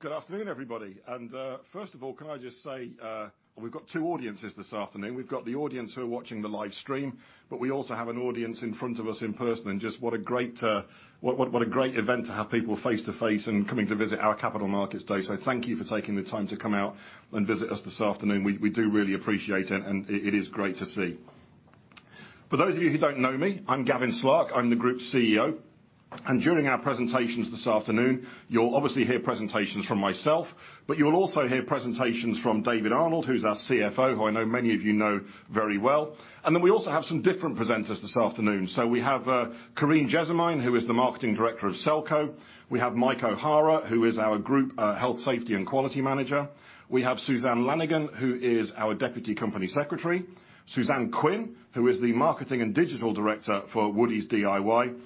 Well, good afternoon, everybody. First of all, can I just say, we've got two audiences this afternoon. We've got the audience who are watching the live stream, but we also have an audience in front of us in person. Just what a great event to have people face-to-face and coming to visit our capital markets day. Thank you for taking the time to come out and visit us this afternoon. We do really appreciate it, and it is great to see. For those of you who don't know me, I'm Gavin Slark, I'm the Group CEO. During our presentations this afternoon, you'll obviously hear presentations from myself, but you'll also hear presentations from David Arnold, who's our CFO, who I know many of you know very well. We also have some different presenters this afternoon. We have Carine Jessamine, who is the Marketing Director of Selco. We have Mike O'Hara, who is our group health, safety, and quality manager. We have Susan Lannigan, who is our Deputy Company Secretary. Suzanne Quinn, who is the Marketing and Digital Director for Woodie's DIY.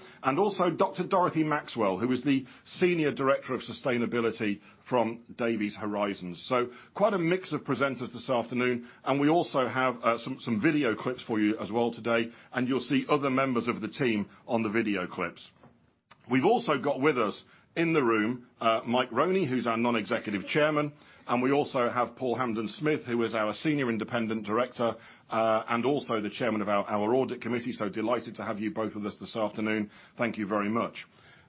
Dr. Dorothy Maxwell, who is the Senior Director of Sustainability from Davy Horizons. Quite a mix of presenters this afternoon, and we also have some video clips for you as well today. You'll see other members of the team on the video clips. We've also got with us in the room, Mike Roney, who's our Non-Executive Chairman, and we also have Paul Hampden Smith, who is our Senior Independent Director, and also the Chairman of our Audit Committee, so delighted to have you both with us this afternoon. Thank you very much.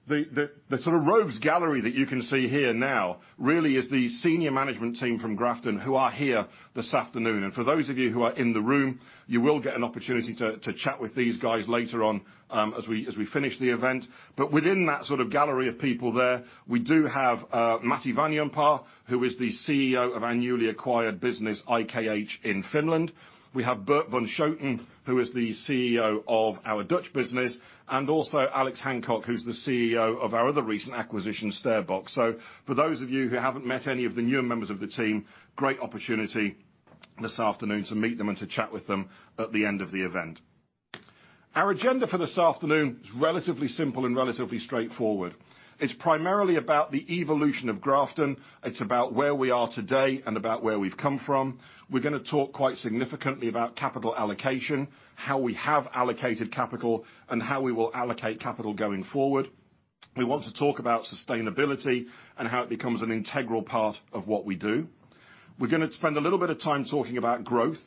The sort of rogues gallery that you can see here now really is the senior management team from Grafton who are here this afternoon. For those of you who are in the room, you will get an opportunity to chat with these guys later on, as we finish the event. Within that sort of gallery of people there, we do have Matti Vainionpää, who is the CEO of our newly acquired business, IKH, in Finland. We have Bert Bunschoten, who is the CEO of our Dutch business, and also Alex Hancock, who's the CEO of our other recent acquisition, StairBox. For those of you who haven't met any of the newer members of the team, great opportunity this afternoon to meet them and to chat with them at the end of the event. Our agenda for this afternoon is relatively simple and relatively straightforward. It's primarily about the evolution of Grafton. It's about where we are today and about where we've come from. We're gonna talk quite significantly about capital allocation, how we have allocated capital, and how we will allocate capital going forward. We want to talk about sustainability and how it becomes an integral part of what we do. We're gonna spend a little bit of time talking about growth,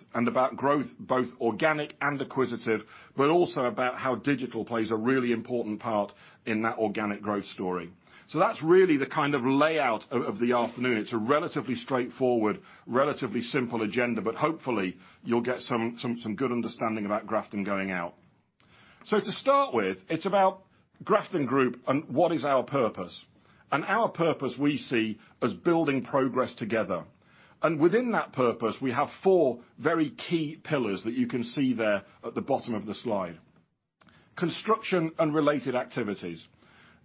both organic and acquisitive, but also about how digital plays a really important part in that organic growth story. That's really the kind of layout of the afternoon. It's a relatively straightforward, relatively simple agenda, but hopefully, you'll get some good understanding about Grafton going forward. To start with, it's about Grafton Group and what is our purpose, and our purpose we see as building progress together. Within that purpose, we have four very key pillars that you can see there at the bottom of the slide. Construction and related activities.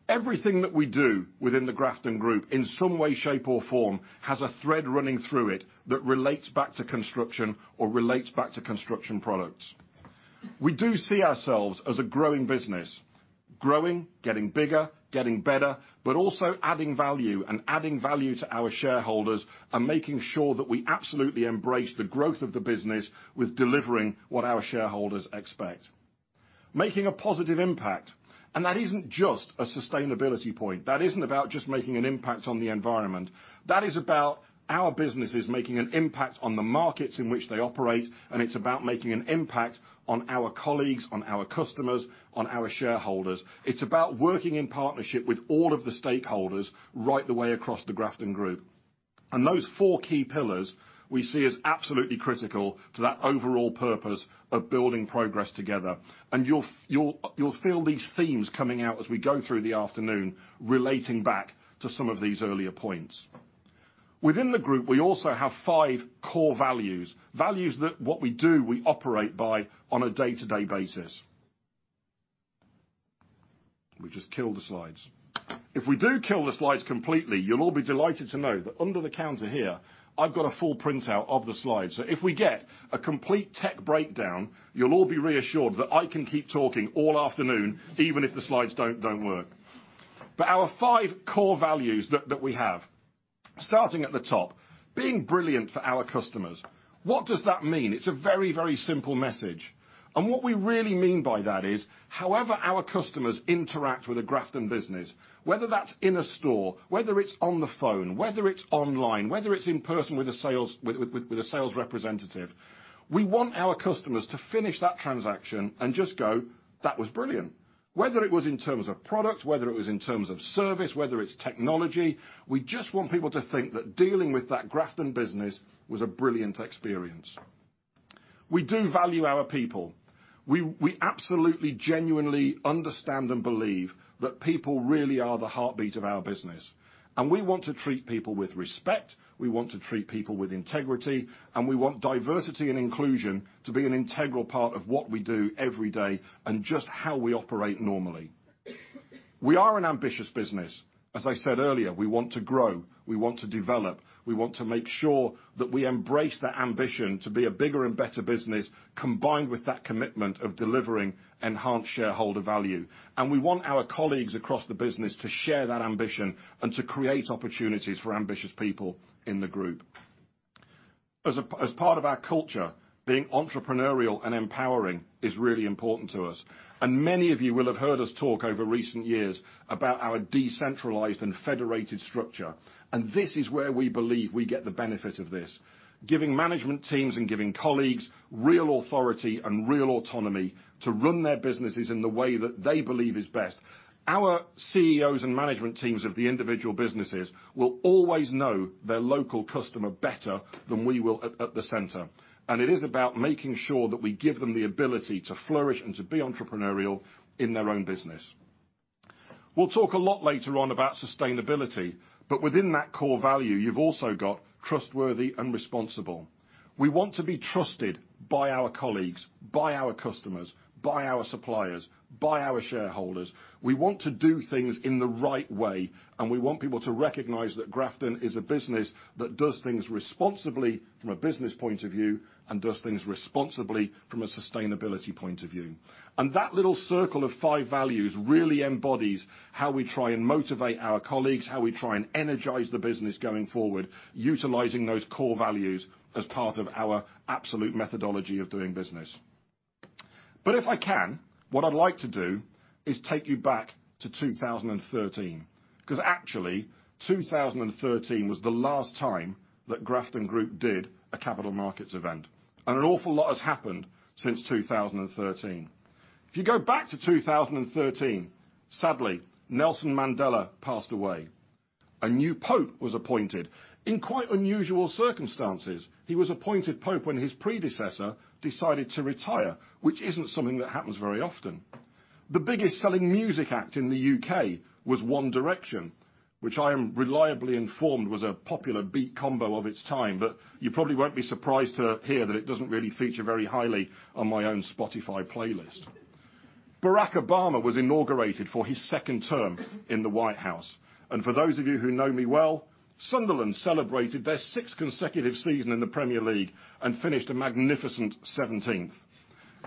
Everything that we do within the Grafton Group in some way, shape, or form, has a thread running through it that relates back to construction or relates back to construction products. We do see ourselves as a growing business. Growing, getting bigger, getting better, but also adding value to our shareholders and making sure that we absolutely embrace the growth of the business with delivering what our shareholders expect. Making a positive impact, and that isn't just a sustainability point. That isn't about just making an impact on the environment. That is about our businesses making an impact on the markets in which they operate, and it's about making an impact on our colleagues, on our customers, on our shareholders. It's about working in partnership with all of the stakeholders right the way across the Grafton Group. Those four key pillars we see as absolutely critical to that overall purpose of building progress together. You'll feel these themes coming out as we go through the afternoon relating back to some of these earlier points. Within the group, we also have five core values that what we do, we operate by on a day-to-day basis. We just kill the slides. If we do kill the slides completely, you'll all be delighted to know that under the counter here, I've got a full printout of the slides. If we get a complete tech breakdown, you'll all be reassured that I can keep talking all afternoon, even if the slides don't work. Our five core values that we have, starting at the top, being brilliant for our customers. What does that mean? It's a very, very simple message. What we really mean by that is, however our customers interact with a Grafton business, whether that's in a store, whether it's on the phone, whether it's online, whether it's in person with a sales representative, we want our customers to finish that transaction and just go, "That was brilliant." Whether it was in terms of product, whether it was in terms of service, whether it's technology, we just want people to think that dealing with that Grafton business was a brilliant experience. We do value our people. We absolutely genuinely understand and believe that people really are the heartbeat of our business, and we want to treat people with respect, we want to treat people with integrity, and we want diversity and inclusion to be an integral part of what we do every day and just how we operate normally. We are an ambitious business. As I said earlier, we want to grow, we want to develop, we want to make sure that we embrace that ambition to be a bigger and better business, combined with that commitment of delivering enhanced shareholder value. We want our colleagues across the business to share that ambition and to create opportunities for ambitious people in the group. As part of our culture, being entrepreneurial and empowering is really important to us. Many of you will have heard us talk over recent years about our decentralized and federated structure. This is where we believe we get the benefit of this, giving management teams and giving colleagues real authority and real autonomy to run their businesses in the way that they believe is best. Our CEOs and management teams of the individual businesses will always know their local customer better than we will at the center. It is about making sure that we give them the ability to flourish and to be entrepreneurial in their own business. We'll talk a lot later on about sustainability, but within that core value, you've also got trustworthy and responsible. We want to be trusted by our colleagues, by our customers, by our suppliers, by our shareholders. We want to do things in the right way, and we want people to recognize that Grafton is a business that does things responsibly from a business point of view, and does things responsibly from a sustainability point of view. That little circle of five values really embodies how we try and motivate our colleagues, how we try and energize the business going forward, utilizing those core values as part of our absolute methodology of doing business. If I can, what I'd like to do is take you back to 2013. 'Cause actually, 2013 was the last time that Grafton Group did a capital markets event. An awful lot has happened since 2013. If you go back to 2013, sadly, Nelson Mandela passed away. A new pope was appointed in quite unusual circumstances. He was appointed pope when his predecessor decided to retire, which isn't something that happens very often. The biggest selling music act in the U.K. was One Direction, which I am reliably informed was a popular beat combo of its time, but you probably won't be surprised to hear that it doesn't really feature very highly on my own Spotify playlist. Barack Obama was inaugurated for his second term in the White House. For those of you who know me well, Sunderland celebrated their sixth consecutive season in the Premier League and finished a magnificent seventeenth.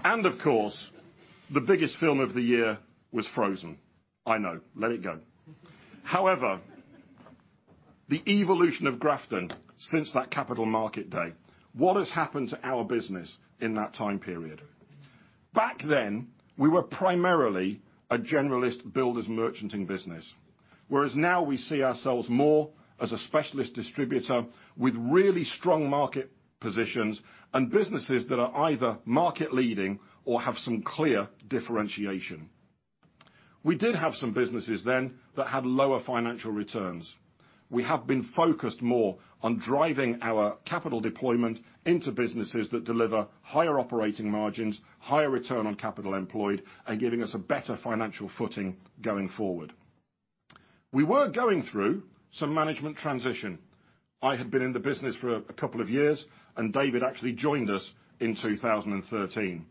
Of course, the biggest film of the year was Frozen. I know. Let it go. However, the evolution of Grafton since that Capital Markets Day, what has happened to our business in that time period? Back then, we were primarily a generalist builders merchanting business, whereas now we see ourselves more as a specialist distributor with really strong market positions and businesses that are either market leading or have some clear differentiation. We did have some businesses then that had lower financial returns. We have been focused more on driving our capital deployment into businesses that deliver higher operating margins, higher return on capital employed, and giving us a better financial footing going forward. We were going through some management transition. I had been in the business for a couple of years, and David actually joined us in 2013.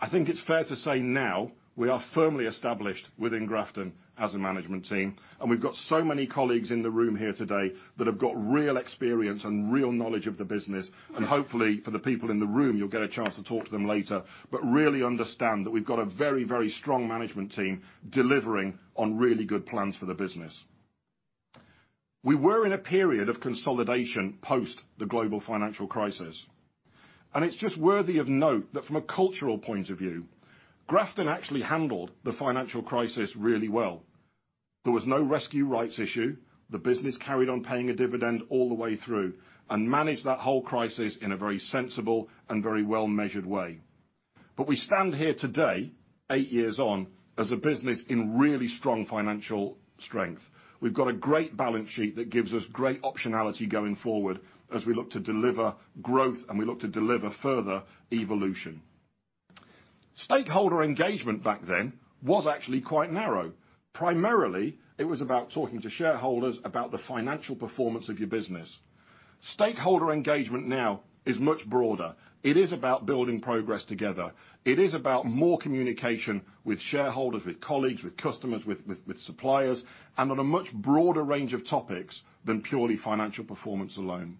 I think it's fair to say now we are firmly established within Grafton as a management team, and we've got so many colleagues in the room here today that have got real experience and real knowledge of the business. Hopefully, for the people in the room, you'll get a chance to talk to them later. Really understand that we've got a very, very strong management team delivering on really good plans for the business. We were in a period of consolidation post the global financial crisis, and it's just worthy of note that from a cultural point of view, Grafton actually handled the financial crisis really well. There was no rescue rights issue. The business carried on paying a dividend all the way through and managed that whole crisis in a very sensible and very well measured way. We stand here today, eight years on, as a business in really strong financial strength. We've got a great balance sheet that gives us great optionality going forward as we look to deliver growth and we look to deliver further evolution. Stakeholder engagement back then was actually quite narrow. Primarily, it was about talking to shareholders about the financial performance of your business. Stakeholder engagement now is much broader. It is about building progress together. It is about more communication with shareholders, with colleagues, with customers, with suppliers, and on a much broader range of topics than purely financial performance alone.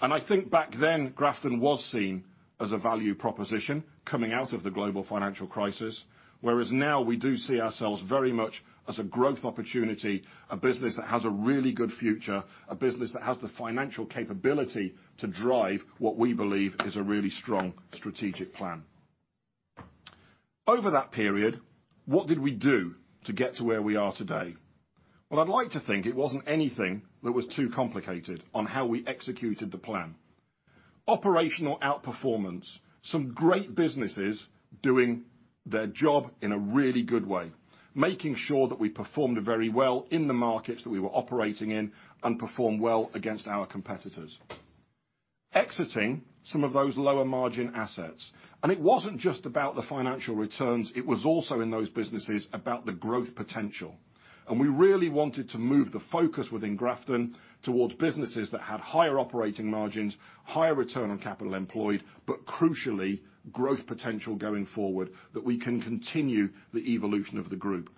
I think back then, Grafton was seen as a value proposition coming out of the global financial crisis, whereas now we do see ourselves very much as a growth opportunity, a business that has a really good future, a business that has the financial capability to drive what we believe is a really strong strategic plan. Over that period, what did we do to get to where we are today? Well, I'd like to think it wasn't anything that was too complicated on how we executed the plan. Operational outperformance, some great businesses doing their job in a really good way, making sure that we performed very well in the markets that we were operating in and performed well against our competitors. Exiting some of those lower margin assets. It wasn't just about the financial returns, it was also in those businesses about the growth potential. We really wanted to move the focus within Grafton towards businesses that had higher operating margins, higher return on capital employed, but crucially, growth potential going forward that we can continue the evolution of the group.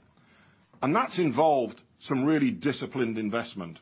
That's involved some really disciplined investment.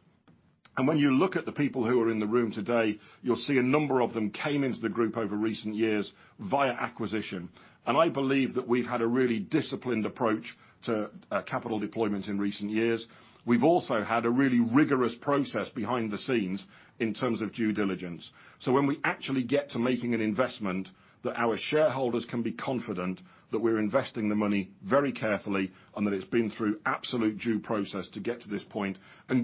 When you look at the people who are in the room today, you'll see a number of them came into the group over recent years via acquisition. I believe that we've had a really disciplined approach to capital deployment in recent years. We've also had a really rigorous process behind the scenes in terms of due diligence. When we actually get to making an investment that our shareholders can be confident that we're investing the money very carefully and that it's been through absolute due process to get to this point.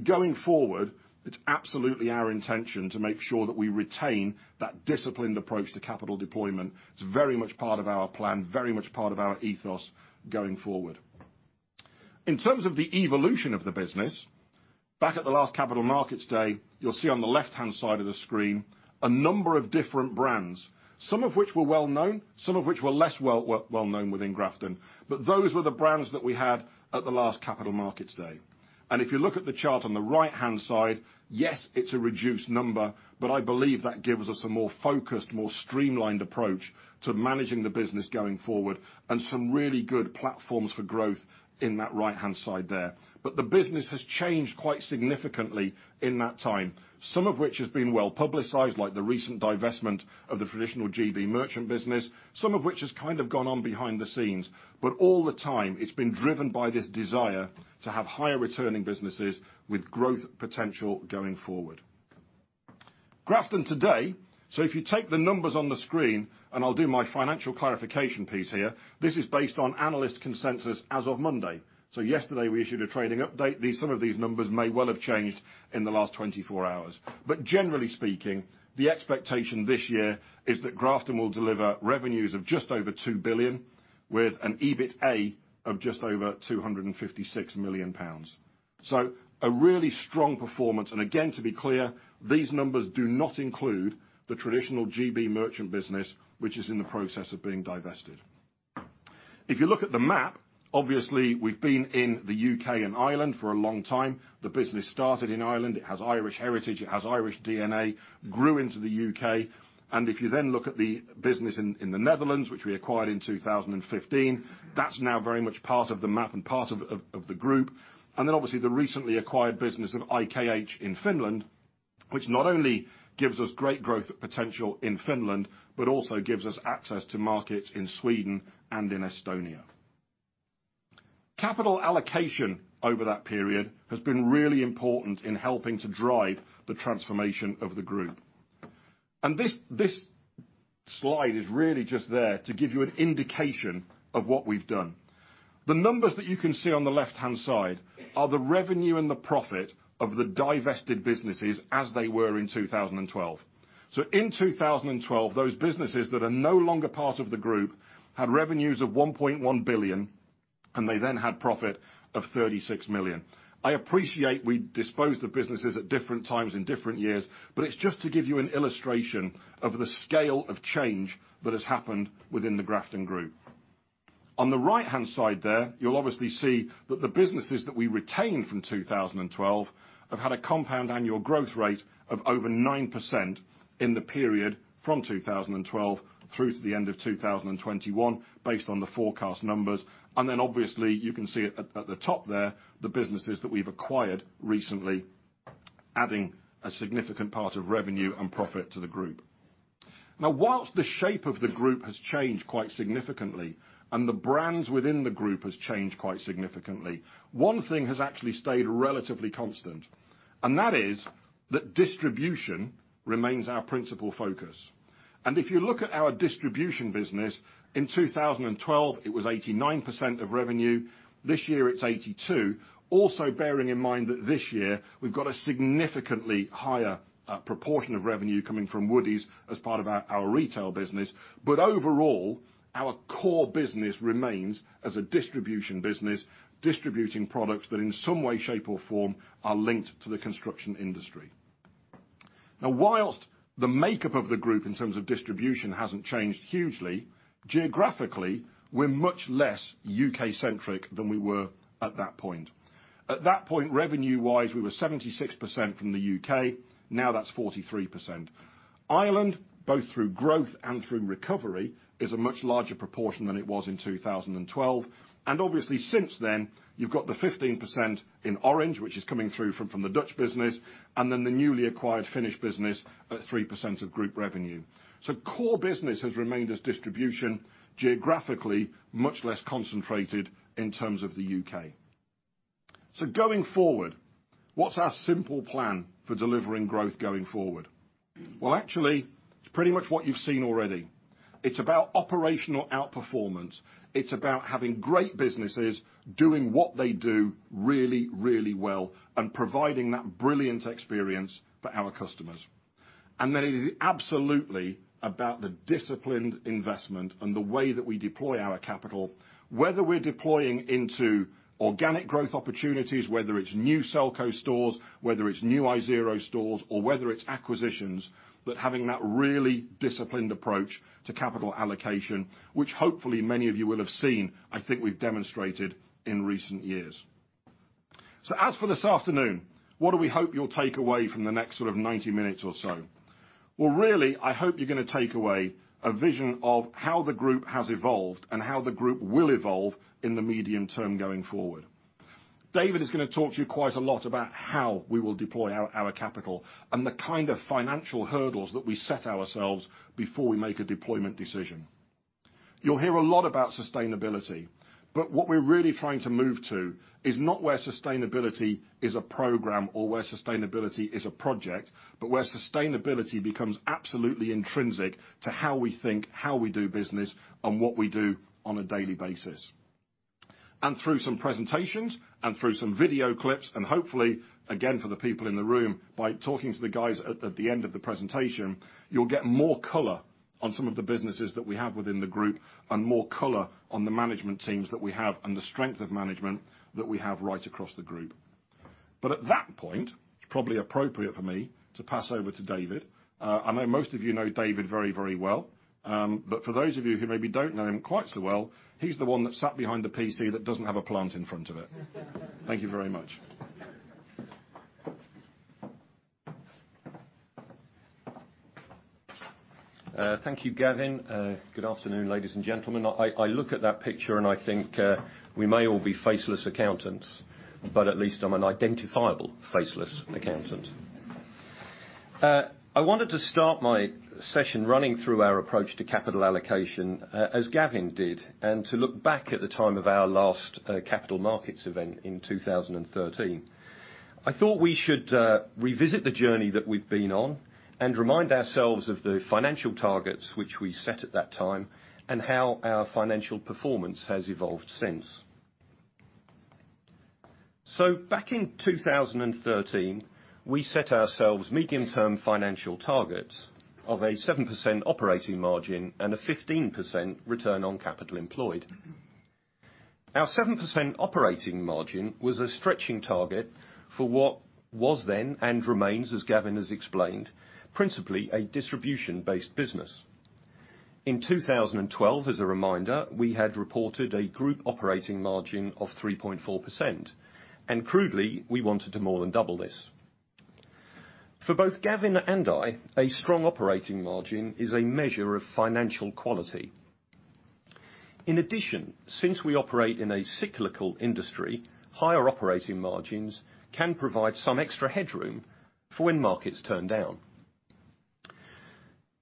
Going forward, it's absolutely our intention to make sure that we retain that disciplined approach to capital deployment. It's very much part of our plan, very much part of our ethos going forward. In terms of the evolution of the business, back at the last Capital Markets Day, you'll see on the left-hand side of the screen a number of different brands, some of which were well known, some of which were less well known within Grafton. Those were the brands that we had at the last Capital Markets Day. If you look at the chart on the right-hand side, yes, it's a reduced number, but I believe that gives us a more focused, more streamlined approach to managing the business going forward, and some really good platforms for growth in that right-hand side there. The business has changed quite significantly in that time, some of which has been well-publicized, like the recent divestment of the traditional GB merchant business, some of which has kind of gone on behind the scenes. All the time, it's been driven by this desire to have higher returning businesses with growth potential going forward. Grafton today. If you take the numbers on the screen, and I'll do my financial clarification piece here, this is based on analyst consensus as of Monday. Yesterday we issued a trading update. These, some of these numbers may well have changed in the last 24 hours. Generally speaking, the expectation this year is that Grafton will deliver revenues of just over 2 billion with an EBITA of just over 256 million pounds. A really strong performance. Again, to be clear, these numbers do not include the traditional GB merchant business, which is in the process of being divested. If you look at the map, obviously we've been in the U.K. and Ireland for a long time. The business started in Ireland. It has Irish heritage, it has Irish DNA, grew into the U.K. If you then look at the business in the Netherlands, which we acquired in 2015, that's now very much part of the map and part of the group. Obviously the recently acquired business of IKH in Finland, which not only gives us great growth potential in Finland, but also gives us access to markets in Sweden and in Estonia. Capital allocation over that period has been really important in helping to drive the transformation of the group. This slide is really just there to give you an indication of what we've done. The numbers that you can see on the left-hand side are the revenue and the profit of the divested businesses as they were in 2012. In 2012, those businesses that are no longer part of the group had revenues of 1.1 billion, and they then had profit of 36 million. I appreciate we disposed of businesses at different times in different years, but it's just to give you an illustration of the scale of change that has happened within the Grafton Group. On the right-hand side there, you'll obviously see that the businesses that we retained from 2012 have had a compound annual growth rate of over 9% in the period from 2012 through to the end of 2021 based on the forecast numbers. Then obviously you can see it at the top there, the businesses that we've acquired recently, adding a significant part of revenue and profit to the group. Now, while the shape of the group has changed quite significantly, and the brands within the group has changed quite significantly, one thing has actually stayed relatively constant, and that is that distribution remains our principal focus. If you look at our distribution business, in 2012, it was 89% of revenue. This year, it's 82%. Also, bearing in mind that this year we've got a significantly higher proportion of revenue coming from Woodie's as part of our retail business. Overall, our core business remains as a distribution business, distributing products that in some way, shape, or form are linked to the construction industry. While the makeup of the group in terms of distribution hasn't changed hugely, geographically, we're much less UK-centric than we were at that point. At that point, revenue-wise, we were 76% from the U.K.. Now that's 43%. Ireland, both through growth and through recovery, is a much larger proportion than it was in 2012. Obviously since then, you've got the 15% in orange, which is coming through from the Dutch business, and then the newly acquired Finnish business at 3% of group revenue. Core business has remained as distribution geographically much less concentrated in terms of the U.K. Going forward, what's our simple plan for delivering growth going forward? Well, actually, it's pretty much what you've seen already. It's about operational outperformance. It's about having great businesses doing what they do really, really well and providing that brilliant experience for our customers. It is absolutely about the disciplined investment and the way that we deploy our capital, whether we're deploying into organic growth opportunities, whether it's new Selco stores, whether it's new Isero stores, or whether it's acquisitions, but having that really disciplined approach to capital allocation, which hopefully many of you will have seen, I think we've demonstrated in recent years. As for this afternoon, what do we hope you'll take away from the next sort of 90 minutes or so? Well, really, I hope you're gonna take away a vision of how the group has evolved and how the group will evolve in the medium term going forward. David is gonna talk to you quite a lot about how we will deploy our capital, and the kind of financial hurdles that we set ourselves before we make a deployment decision. You'll hear a lot about sustainability, but what we're really trying to move to is not where sustainability is a program or where sustainability is a project, but where sustainability becomes absolutely intrinsic to how we think, how we do business, and what we do on a daily basis. Through some presentations and through some video clips, and hopefully, again, for the people in the room, by talking to the guys at the end of the presentation, you'll get more color on some of the businesses that we have within the group and more color on the management teams that we have and the strength of management that we have right across the group. At that point, it's probably appropriate for me to pass over to David. I know most of you know David very, very well. For those of you who maybe don't know him quite so well, he's the one that sat behind the PC that doesn't have a plant in front of it. Thank you very much. Thank you, Gavin. Good afternoon, ladies and gentlemen. I look at that picture and I think, we may all be faceless accountants, but at least I'm an identifiable faceless accountant. I wanted to start my session running through our approach to capital allocation, as Gavin did, and to look back at the time of our last capital markets event in 2013. I thought we should revisit the journey that we've been on and remind ourselves of the financial targets which we set at that time and how our financial performance has evolved since. Back in 2013, we set ourselves medium-term financial targets of a 7% operating margin and a 15% return on capital employed. Our 7% operating margin was a stretching target for what was then and remains, as Gavin has explained, principally a distribution-based business. In 2012, as a reminder, we had reported a group operating margin of 3.4%, and crudely, we wanted to more than double this. For both Gavin and I, a strong operating margin is a measure of financial quality. In addition, since we operate in a cyclical industry, higher operating margins can provide some extra headroom for when markets turn down.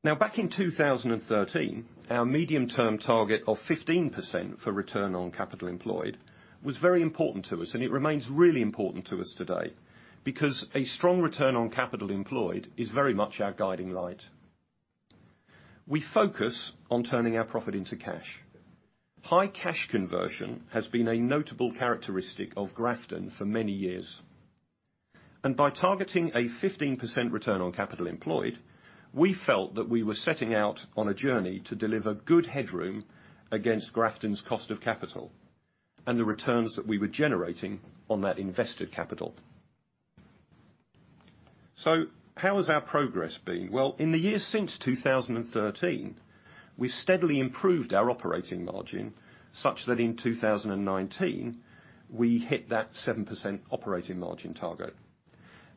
Now, back in 2013, our medium-term target of 15% for return on capital employed was very important to us, and it remains really important to us today because a strong return on capital employed is very much our guiding light. We focus on turning our profit into cash. High cash conversion has been a notable characteristic of Grafton for many years. By targeting a 15% return on capital employed, we felt that we were setting out on a journey to deliver good headroom against Grafton's cost of capital and the returns that we were generating on that invested capital. How has our progress been? Well, in the years since 2013, we steadily improved our operating margin such that in 2019, we hit that 7% operating margin target.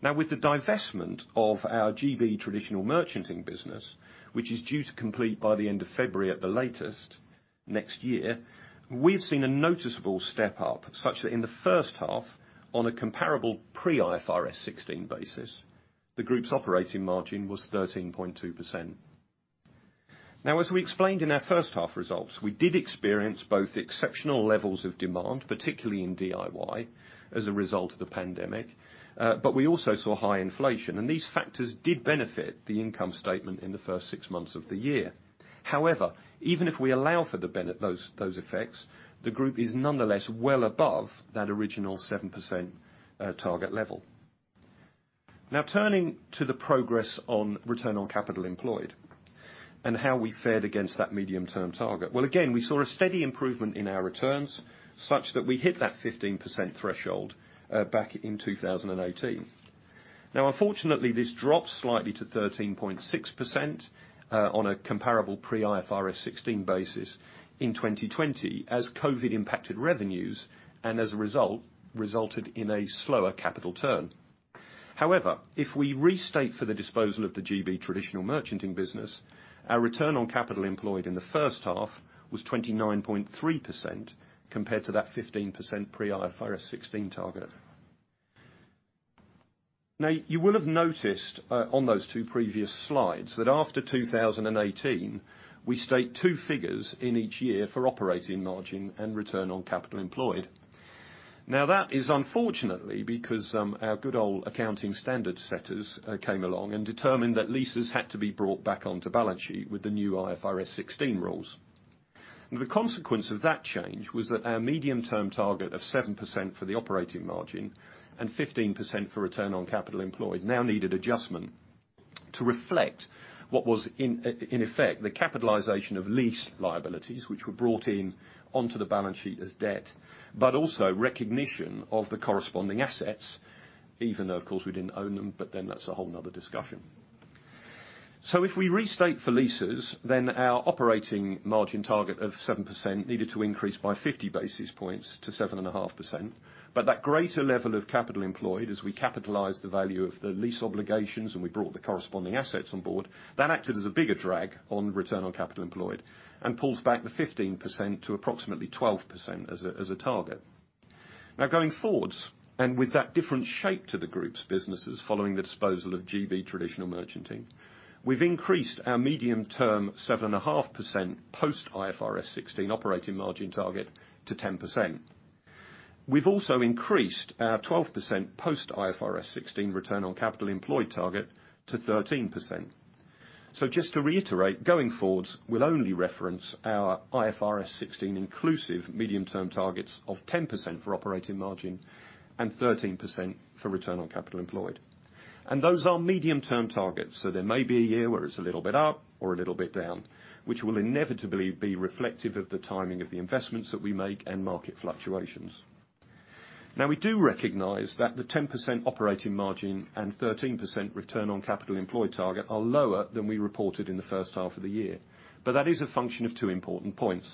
Now, with the divestment of our GB traditional merchanting business, which is due to complete by the end of February at the latest next year, we've seen a noticeable step-up such that in the first half, on a comparable pre IFRS 16 basis, the group's operating margin was 13.2%. Now, as we explained in our first half results, we did experience both exceptional levels of demand, particularly in DIY as a result of the pandemic, but we also saw high inflation, and these factors did benefit the income statement in the first six months of the year. However, even if we allow for those effects, the group is nonetheless well above that original 7% target level. Now turning to the progress on return on capital employed and how we fared against that medium-term target. Well, again, we saw a steady improvement in our returns such that we hit that 15% threshold back in 2018. Now, unfortunately, this dropped slightly to 13.6% on a comparable pre-IFRS 16 basis in 2020 as COVID impacted revenues, and as a result, resulted in a slower capital turn. However, if we restate for the disposal of the GB traditional merchanting business, our return on capital employed in the first half was 29.3% compared to that 15% pre-IFRS 16 target. Now, you will have noticed on those two previous slides that after 2018, we state two figures in each year for operating margin and return on capital employed. Now, that is unfortunately because our good old accounting standard setters came along and determined that leases had to be brought back onto balance sheet with the new IFRS 16 rules. The consequence of that change was that our medium-term target of 7% for the operating margin and 15% for return on capital employed now needed adjustment to reflect what was in effect the capitalization of lease liabilities which were brought in onto the balance sheet as debt. Also recognition of the corresponding assets, even though, of course, we didn't own them, but then that's a whole nother discussion. If we restate for leases, our operating margin target of 7% needed to increase by 50 basis points to 7.5%. That greater level of capital employed as we capitalize the value of the lease obligations and we brought the corresponding assets on board, that acted as a bigger drag on return on capital employed and pulls back the 15% to approximately 12% as a target. Now, going forward, with that different shape to the group's businesses following the disposal of the GB Traditional Merchanting Business, we've increased our medium-term 7.5% post-IFRS 16 operating margin target to 10%. We've also increased our 12% post-IFRS 16 return on capital employed target to 13%. Just to reiterate, going forward, we'll only reference our IFRS 16 inclusive medium-term targets of 10% for operating margin and 13% for return on capital employed. Those are medium-term targets, so there may be a year where it's a little bit up or a little bit down, which will inevitably be reflective of the timing of the investments that we make and market fluctuations. Now, we do recognize that the 10% operating margin and 13% return on capital employed target are lower than we reported in the first half of the year. That is a function of two important points.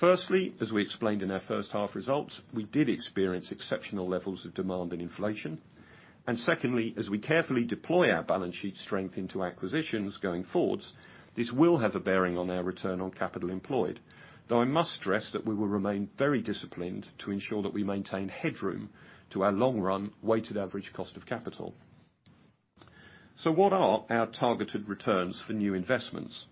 Firstly, as we explained in our first half results, we did experience exceptional levels of demand and inflation. Secondly, as we carefully deploy our balance sheet strength into acquisitions going forwards, this will have a bearing on our return on capital employed. Though I must stress that we will remain very disciplined to ensure that we maintain headroom to our long run weighted average cost of capital. What are our targeted returns for new investments?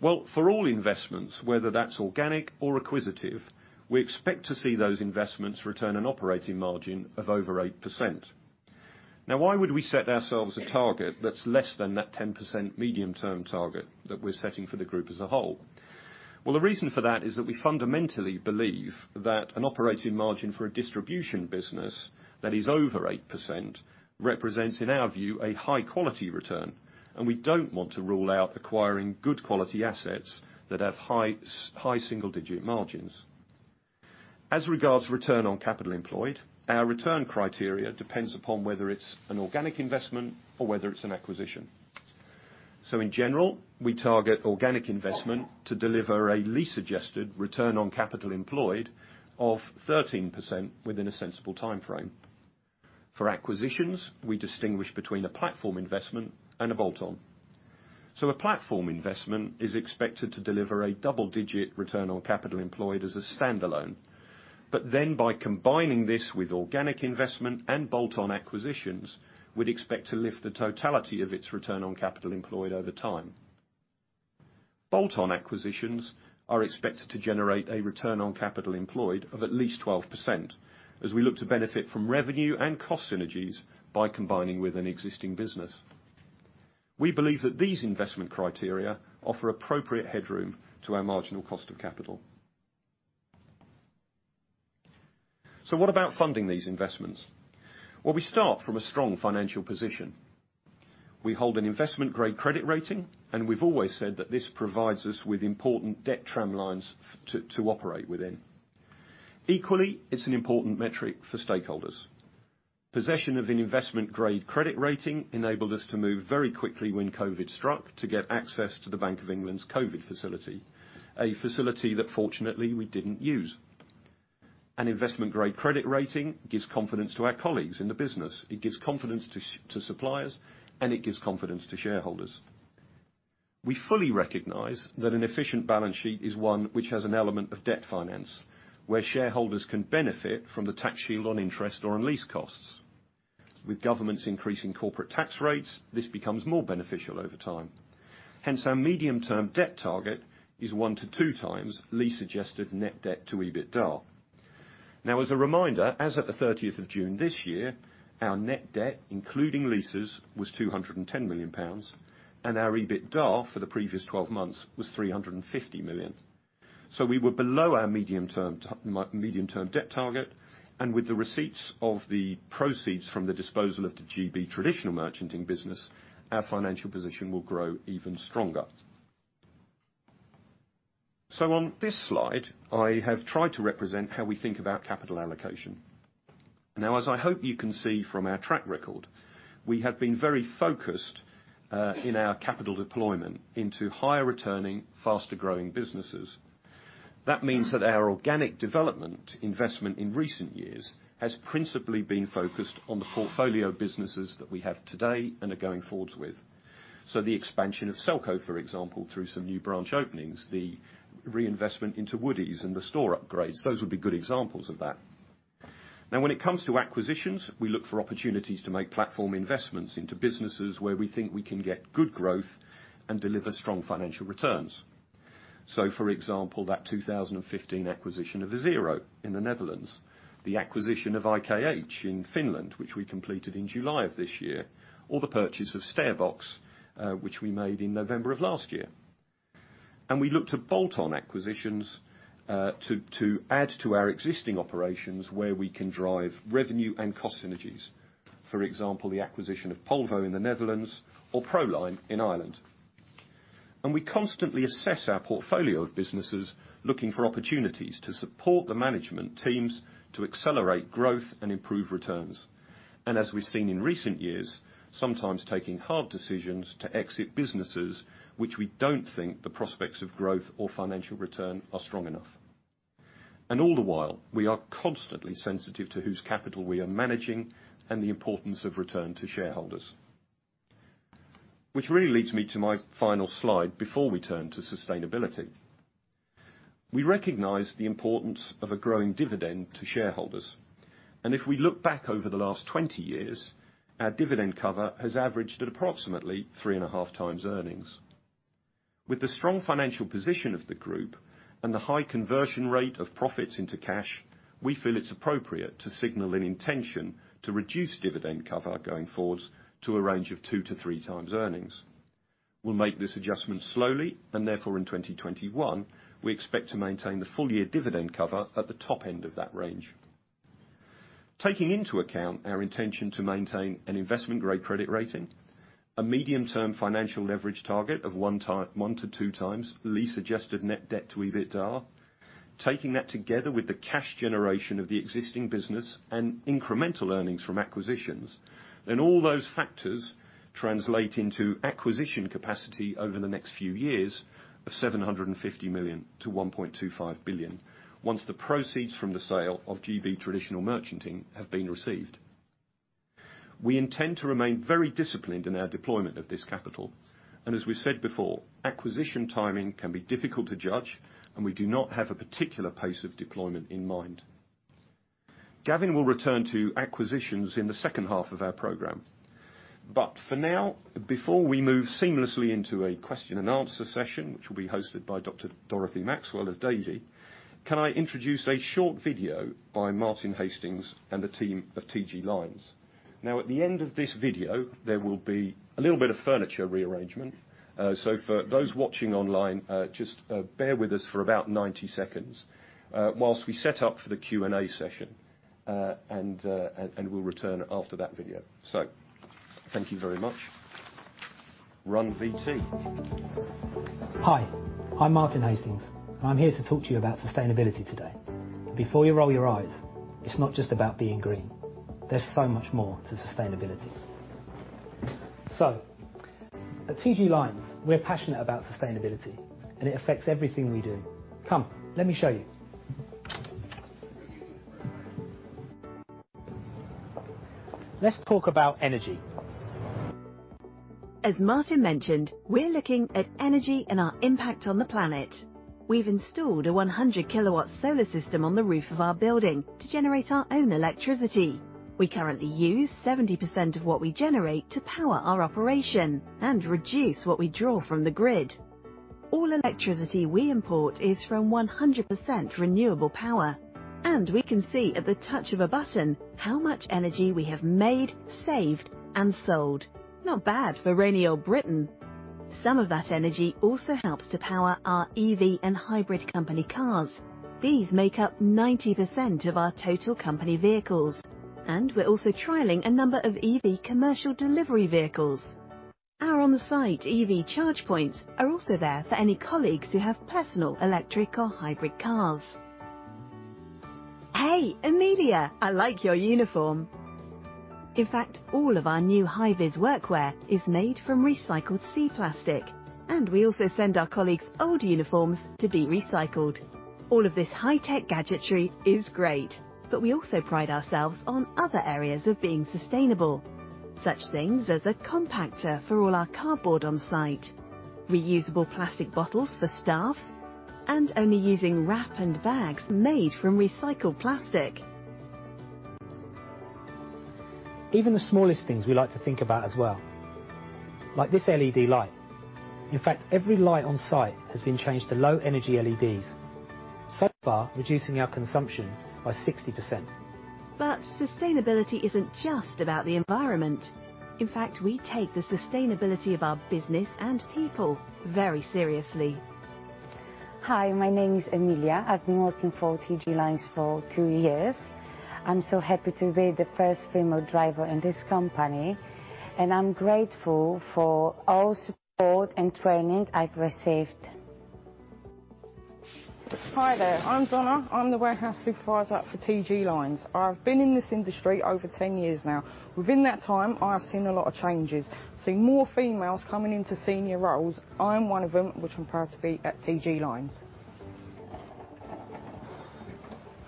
Well, for all investments, whether that's organic or acquisitive, we expect to see those investments return an operating margin of over 8%. Now, why would we set ourselves a target that's less than that 10% medium-term target that we're setting for the group as a whole? Well, the reason for that is that we fundamentally believe that an operating margin for a distribution business that is over 8% represents, in our view, a high quality return, and we don't want to rule out acquiring good quality assets that have high single-digit margins. As regards to return on capital employed, our return criteria depends upon whether it's an organic investment or whether it's an acquisition. In general, we target organic investment to deliver a lease-adjusted return on capital employed of 13% within a sensible timeframe. For acquisitions, we distinguish between a platform investment and a bolt-on. A platform investment is expected to deliver a double-digit return on capital employed as a standalone. By combining this with organic investment and bolt-on acquisitions, we'd expect to lift the totality of its return on capital employed over time. Bolt-on acquisitions are expected to generate a return on capital employed of at least 12% as we look to benefit from revenue and cost synergies by combining with an existing business. We believe that these investment criteria offer appropriate headroom to our marginal cost of capital. What about funding these investments? We start from a strong financial position. We hold an investment-grade credit rating, and we've always said that this provides us with important debt tramlines to operate within. Equally, it's an important metric for stakeholders. Possession of an investment-grade credit rating enabled us to move very quickly when COVID struck to get access to the Bank of England's COVID facility, a facility that fortunately we didn't use. An investment-grade credit rating gives confidence to our colleagues in the business, it gives confidence to suppliers, and it gives confidence to shareholders. We fully recognize that an efficient balance sheet is one which has an element of debt finance, where shareholders can benefit from the tax shield on interest or on lease costs. With governments increasing corporate tax rates, this becomes more beneficial over time. Hence, our medium-term debt target is 1-2x lease adjusted net debt to EBITDA. Now, as a reminder, as of the 30th of June this year, our net debt, including leases, was 210 million pounds, and our EBITDA for the previous twelve months was 350 million. We were below our medium-term debt target, and with the receipts of the proceeds from the disposal of the GB Traditional Merchanting Business, our financial position will grow even stronger. On this slide, I have tried to represent how we think about capital allocation. Now, as I hope you can see from our track record, we have been very focused in our capital deployment into higher returning, faster-growing businesses. That means that our organic development investment in recent years has principally been focused on the portfolio businesses that we have today and are going forwards with. The expansion of Selco, for example, through some new branch openings, the reinvestment into Woodie's and the store upgrades, those would be good examples of that. Now, when it comes to acquisitions, we look for opportunities to make platform investments into businesses where we think we can get good growth and deliver strong financial returns. For example, that 2015 acquisition of Isero in the Netherlands, the acquisition of IKH in Finland, which we completed in July of this year, or the purchase of StairBox, which we made in November of last year. We look to bolt-on acquisitions to add to our existing operations where we can drive revenue and cost synergies. For example, the acquisition of Polvo in the Netherlands or Proline in Ireland. We constantly assess our portfolio of businesses, looking for opportunities to support the management teams to accelerate growth and improve returns. As we've seen in recent years, sometimes taking hard decisions to exit businesses which we don't think the prospects of growth or financial return are strong enough. All the while, we are constantly sensitive to whose capital we are managing and the importance of return to shareholders. Which really leads me to my final slide before we turn to sustainability. We recognize the importance of a growing dividend to shareholders. If we look back over the last 20 years, our dividend cover has averaged at approximately 3.5 times earnings. With the strong financial position of the group and the high conversion rate of profits into cash, we feel it's appropriate to signal an intention to reduce dividend cover going forwards to a range of 2-3 times earnings. We'll make this adjustment slowly, therefore in 2021, we expect to maintain the full year dividend cover at the top end of that range. Taking into account our intention to maintain an investment-grade credit rating, a medium-term financial leverage target of 1x–2x lease-adjusted net debt to EBITDA. Taking that together with the cash generation of the existing business and incremental earnings from acquisitions, then all those factors translate into acquisition capacity over the next few years of 750 million–1.25 billion, once the proceeds from the sale of GB Traditional Merchanting have been received. We intend to remain very disciplined in our deployment of this capital, and as we said before, acquisition timing can be difficult to judge, and we do not have a particular pace of deployment in mind. Gavin will return to acquisitions in the second half of our program. For now, before we move seamlessly into a question and answer session, which will be hosted by Dr. Dorothy Maxwell of Davy, can I introduce a short video by Martin Hastings and the team of TG Lynes? Now, at the end of this video, there will be a little bit of furniture rearrangement. For those watching online, just bear with us for about 90 seconds while we set up for the Q&A session and we'll return after that video. Thank you very much. Run VT. Hi, I'm Martin Hastings. I'm here to talk to you about sustainability today. Before you roll your eyes, it's not just about being green. There's so much more to sustainability. At TG Lynes, we're passionate about sustainability, and it affects everything we do. Come, let me show you. Let's talk about energy. As Martin mentioned, we're looking at energy and our impact on the planet. We've installed a 100-kilowatt solar system on the roof of our building to generate our own electricity. We currently use 70% of what we generate to power our operation and reduce what we draw from the grid. All electricity we import is from 100% renewable power, and we can see at the touch of a button how much energy we have made, saved, and sold. Not bad for rainy old Britain. Some of that energy also helps to power our EV and hybrid company cars. These make up 90% of our total company vehicles, and we're also trialing a number of EV commercial delivery vehicles. Our on-site EV charge points are also there for any colleagues who have personal electric or hybrid cars. Hey, Emilia, I like your uniform. In fact, all of our new high-vis workwear is made from recycled sea plastic, and we also send our colleagues' old uniforms to be recycled. All of this high-tech gadgetry is great, but we also pride ourselves on other areas of being sustainable. Such things as a compactor for all our cardboard on-site, reusable plastic bottles for staff, and only using wrap and bags made from recycled plastic. Even the smallest things we like to think about as well. Like this LED light. In fact, every light on-site has been changed to low-energy LEDs, so far reducing our consumption by 60%. Sustainability isn't just about the environment. In fact, we take the sustainability of our business and people very seriously. Hi, my name is Emilia. I've been working for TG Lynes for two years. I'm so happy to be the first female driver in this company, and I'm grateful for all support and training I've received. Hi there, I'm Donna. I'm the warehouse supervisor for TG Lynes. I've been in this industry over 10 years now. Within that time, I have seen a lot of changes, seeing more females coming into senior roles. I am one of them, which I'm proud to be at TG Lynes.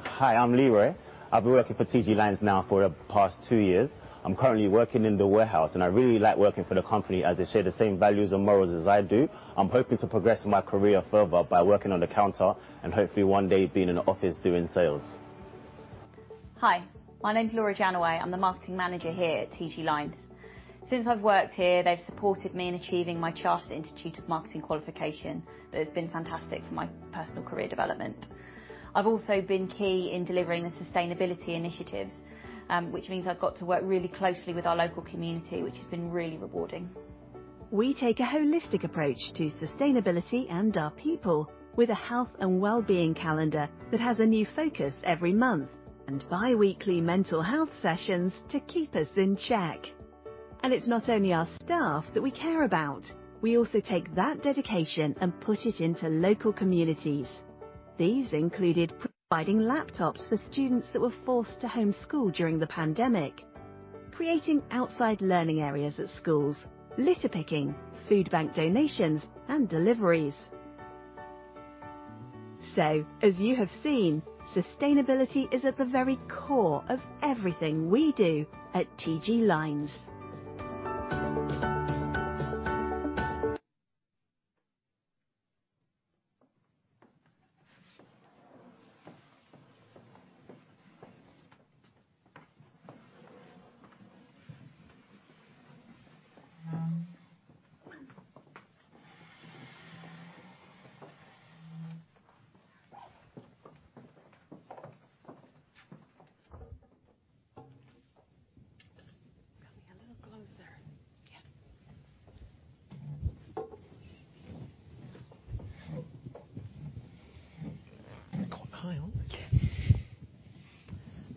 Hi, I'm Leroy. I've been working for TG Lynes now for the past two years. I'm currently working in the warehouse, and I really like working for the company as they share the same values and morals as I do. I'm hoping to progress my career further by working on the counter and hopefully one day being in an office doing sales. Hi, my name is Laura Janaway. I'm the Marketing Manager here at TG Lynes. Since I've worked here, they've supported me in achieving my Chartered Institute of Marketing qualification. That has been fantastic for my personal career development. I've also been key in delivering the sustainability initiatives, which means I've got to work really closely with our local community, which has been really rewarding. We take a holistic approach to sustainability and our people with a health and wellbeing calendar that has a new focus every month and biweekly mental health sessions to keep us in check. It's not only our staff that we care about. We also take that dedication and put it into local communities. These included providing laptops for students that were forced to home school during the pandemic, creating outside learning areas at schools, litter picking, food bank donations and deliveries. As you have seen, sustainability is at the very core of everything we do at TG Lynes. Coming a little closer. Yeah. Got Dorothy Maxwell? Yeah. Well,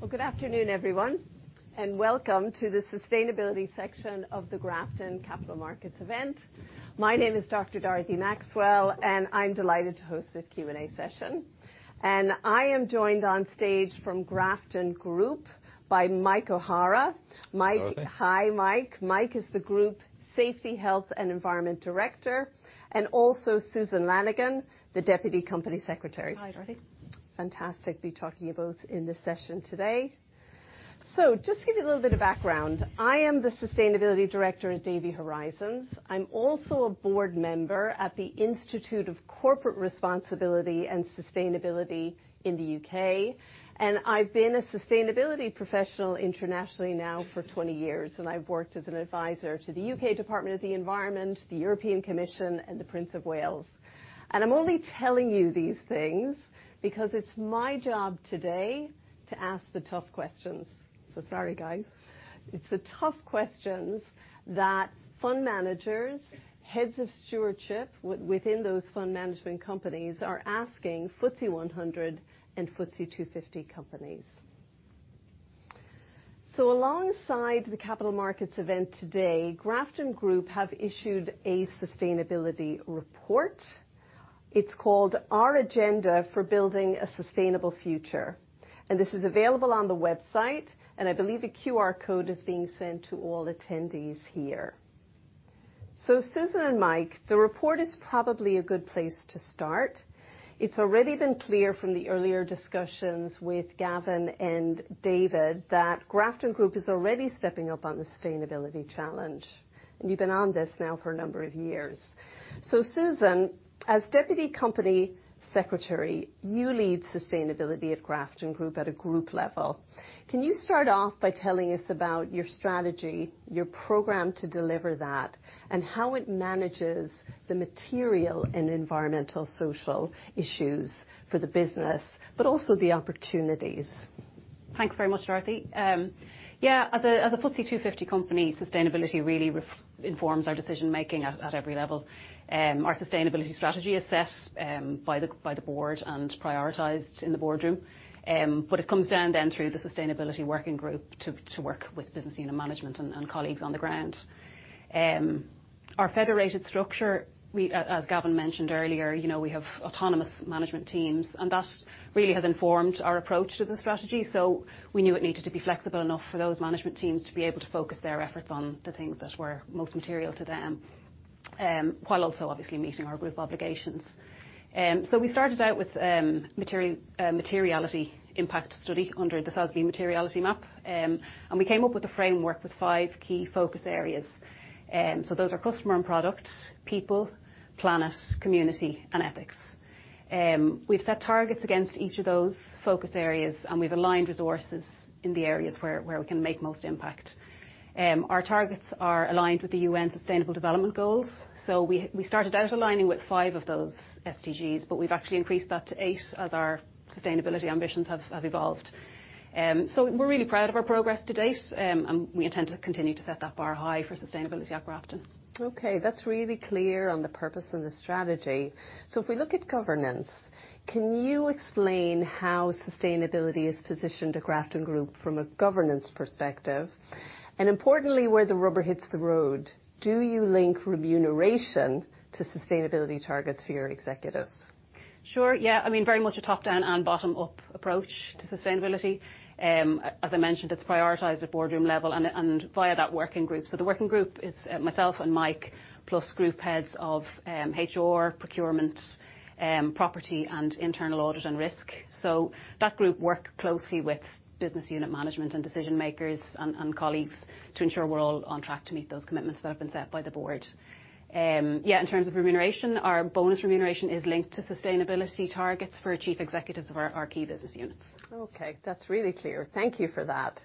good afternoon, everyone, and welcome to the sustainability section of the Grafton Capital Markets event. My name is Dr. Dorothy Maxwell, and I'm delighted to host this Q&A session. I am joined on stage from Grafton Group by Mike O'Hara. Hi, Dorothy. Mike. Hi, Mike. Mike is the Group Safety, Health and Environment Director, and also Susan Lannigan, the Deputy Company Secretary. Hi, Dorothy. Fantastic to be talking to you both in this session today. Just to give you a little bit of background. I am the sustainability director at Davy Horizons. I'm also a board member at the Institute of Corporate Responsibility and Sustainability in the UK. I've been a sustainability professional internationally now for 20 years, and I've worked as an advisor to the UK Department of the Environment, the European Commission and the Prince of Wales. I'm only telling you these things because it's my job today to ask the tough questions. Sorry, guys. It's the tough questions that fund managers, heads of stewardship within those fund management companies are asking FTSE 100 and FTSE 250 companies. Alongside the capital markets event today, Grafton Group have issued a sustainability report. It's called Our Agenda for Building a Sustainable Future, and this is available on the website, and I believe a QR code is being sent to all attendees here. Susan and Mike, the report is probably a good place to start. It's already been clear from the earlier discussions with Gavin and David that Grafton Group is already stepping up on the sustainability challenge. You've been on this now for a number of years. Susan, as Deputy Company Secretary, you lead sustainability at Grafton Group at a group level. Can you start off by telling us about your strategy, your program to deliver that, and how it manages the material and environmental, social issues for the business, but also the opportunities? Thanks very much, Dorothy. Yeah. As a FTSE 250 company, sustainability really informs our decision-making at every level. Our sustainability strategy is set by the board and prioritized in the boardroom. It comes down then through the sustainability working group to work with business unit management and colleagues on the ground. Our federated structure, as Gavin mentioned earlier, you know, we have autonomous management teams, and that really has informed our approach to the strategy. We knew it needed to be flexible enough for those management teams to be able to focus their efforts on the things that were most material to them, while also obviously meeting our group obligations. We started out with materiality impact study under the SASB materiality map. We came up with a framework with five key focus areas. Those are customer and product, people, planet, community and ethics. We've set targets against each of those focus areas, and we've aligned resources in the areas where we can make most impact. Our targets are aligned with the UN Sustainable Development Goals. We started out aligning with five of those SDGs, but we've actually increased that to eight as our sustainability ambitions have evolved. We're really proud of our progress to date. We intend to continue to set that bar high for sustainability at Grafton. Okay, that's really clear on the purpose and the strategy. If we look at governance, can you explain how sustainability is positioned at Grafton Group from a governance perspective? And importantly, where the rubber hits the road, do you link remuneration to sustainability targets for your executives? Sure, yeah. I mean, very much a top down and bottom up approach to sustainability. As I mentioned, it's prioritized at boardroom level and via that working group. The working group is myself and Mike, plus group heads of HR, procurement, property and internal audit and risk. That group work closely with business unit management and decision makers and colleagues to ensure we're all on track to meet those commitments that have been set by the board. Yeah, in terms of remuneration, our bonus remuneration is linked to sustainability targets for chief executives of our key business units. Okay. That's really clear. Thank you for that.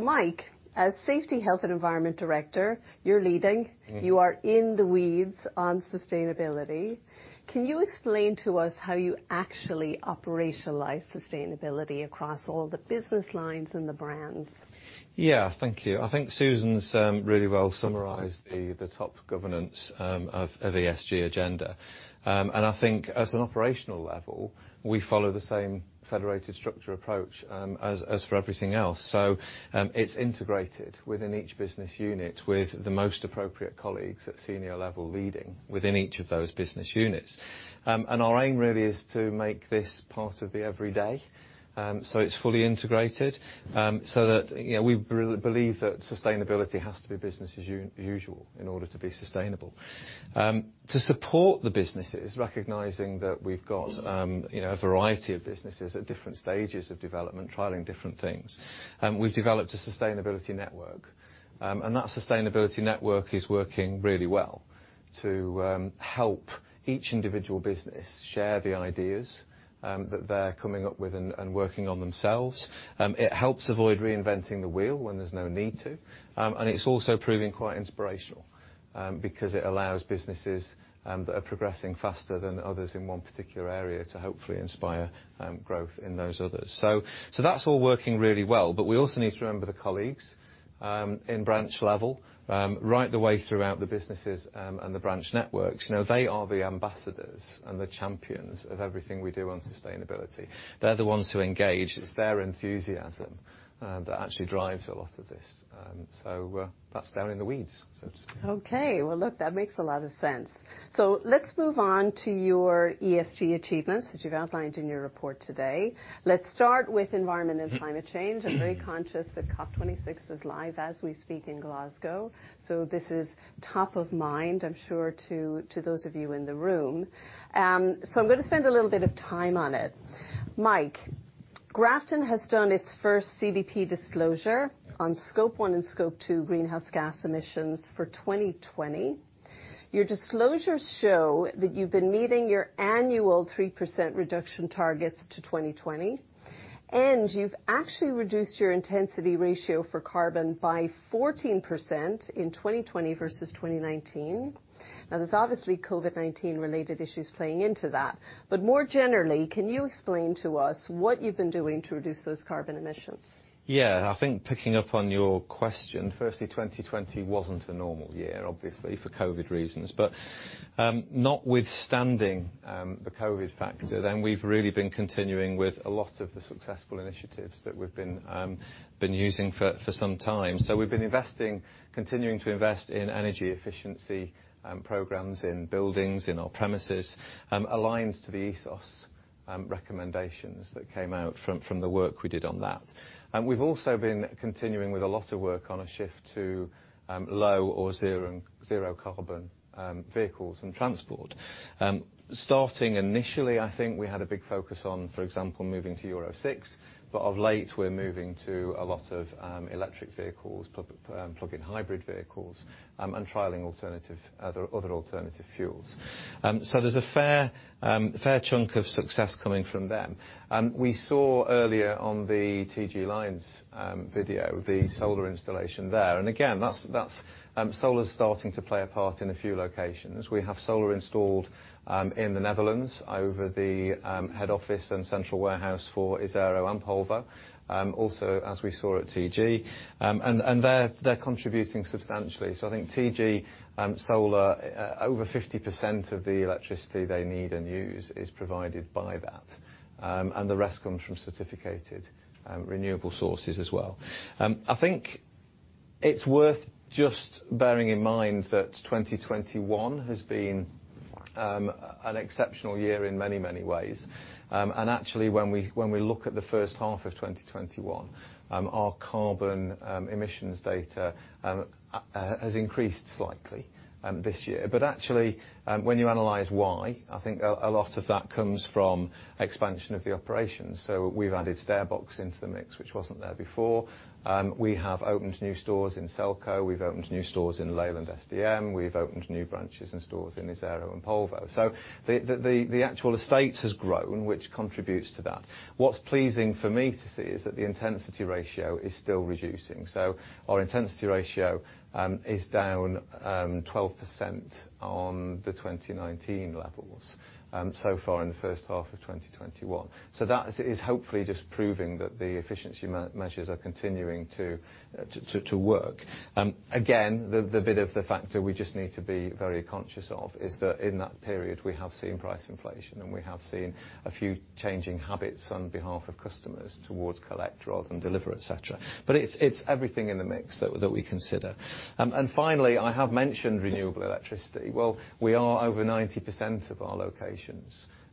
Mike, as Safety, Health and Environment Director, you're leading. Mm-hmm. You are in the weeds on sustainability. Can you explain to us how you actually operationalize sustainability across all the business lines and the brands? Yeah. Thank you. I think Susan's really well summarized the top governance of ESG agenda. I think at an operational level we follow the same federated structure approach as for everything else. It's integrated within each business unit with the most appropriate colleagues at senior level leading within each of those business units. Our aim really is to make this part of the every day, so it's fully integrated. You know, we believe that sustainability has to be business as usual in order to be sustainable. To support the businesses, recognizing that we've got you know, a variety of businesses at different stages of development, trialing different things, we've developed a sustainability network. That sustainability network is working really well to help each individual business share the ideas that they're coming up with and working on themselves. It helps avoid reinventing the wheel when there's no need to. It's also proving quite inspirational because it allows businesses that are progressing faster than others in one particular area to hopefully inspire growth in those others. That's all working really well. We also need to remember the colleagues in branch level right the way throughout the businesses and the branch networks. You know, they are the ambassadors and the champions of everything we do on sustainability. They're the ones who engage. It's their enthusiasm that actually drives a lot of this. That's down in the weeds, Susan. Okay. Well, look, that makes a lot of sense. Let's move on to your ESG achievements as you've outlined in your report today. Let's start with environment and climate change. Mm-hmm. I'm very conscious that COP26 is live as we speak in Glasgow, so this is top of mind, I'm sure, to those of you in the room. I'm gonna spend a little bit of time on it. Mike, Grafton has done its first CDP disclosure on Scope 1 and Scope 2 greenhouse gas emissions for 2020. Your disclosures show that you've been meeting your annual 3% reduction targets to 2020, and you've actually reduced your intensity ratio for carbon by 14% in 2020 versus 2019. Now there's obviously COVID-19 related issues playing into that, but more generally, can you explain to us what you've been doing to reduce those carbon emissions? Yeah. I think picking up on your question, firstly, 2020 wasn't a normal year, obviously, for COVID reasons. Notwithstanding the COVID factor, then we've really been continuing with a lot of the successful initiatives that we've been using for some time. We've been investing, continuing to invest in energy efficiency programs in buildings, in our premises, aligned to the ESOS recommendations that came out from the work we did on that. We've also been continuing with a lot of work on a shift to low or zero carbon vehicles and transport. Starting initially, I think we had a big focus on, for example, moving to Euro 6, but of late we're moving to a lot of electric vehicles, plug-in hybrid vehicles, and trialing alternative fuels. There's a fair chunk of success coming from them. We saw earlier on the TG Lynes video, the solar installation there. Again, that's solar's starting to play a part in a few locations. We have solar installed in the Netherlands over the head office and central warehouse for Isero and Polvo. Also as we saw at TG Lynes. They're contributing substantially. I think TG Lynes solar, over 50% of the electricity they need and use is provided by that. The rest comes from certified renewable sources as well. I think it's worth just bearing in mind that 2021 has been an exceptional year in many ways. Actually when we look at the first half of 2021, our carbon emissions data has increased slightly this year. Actually when you analyze why, I think a lot of that comes from expansion of the operations. We've added StairBox into the mix, which wasn't there before. We have opened new stores in Selco. We've opened new stores in Leyland SDM. We've opened new branches and stores in Isero and Polvo. The actual estate has grown, which contributes to that. What's pleasing for me to see is that the intensity ratio is still reducing. Our intensity ratio is down 12% on the 2019 levels so far in the first half of 2021. That is hopefully just proving that the efficiency measures are continuing to work. Again, the benefit of the factor we just need to be very conscious of is that in that period we have seen price inflation and we have seen a few changing habits on behalf of customers towards collect rather than deliver, et cetera. It's everything in the mix that we consider. Finally, I have mentioned renewable electricity. We are over 90% of our locations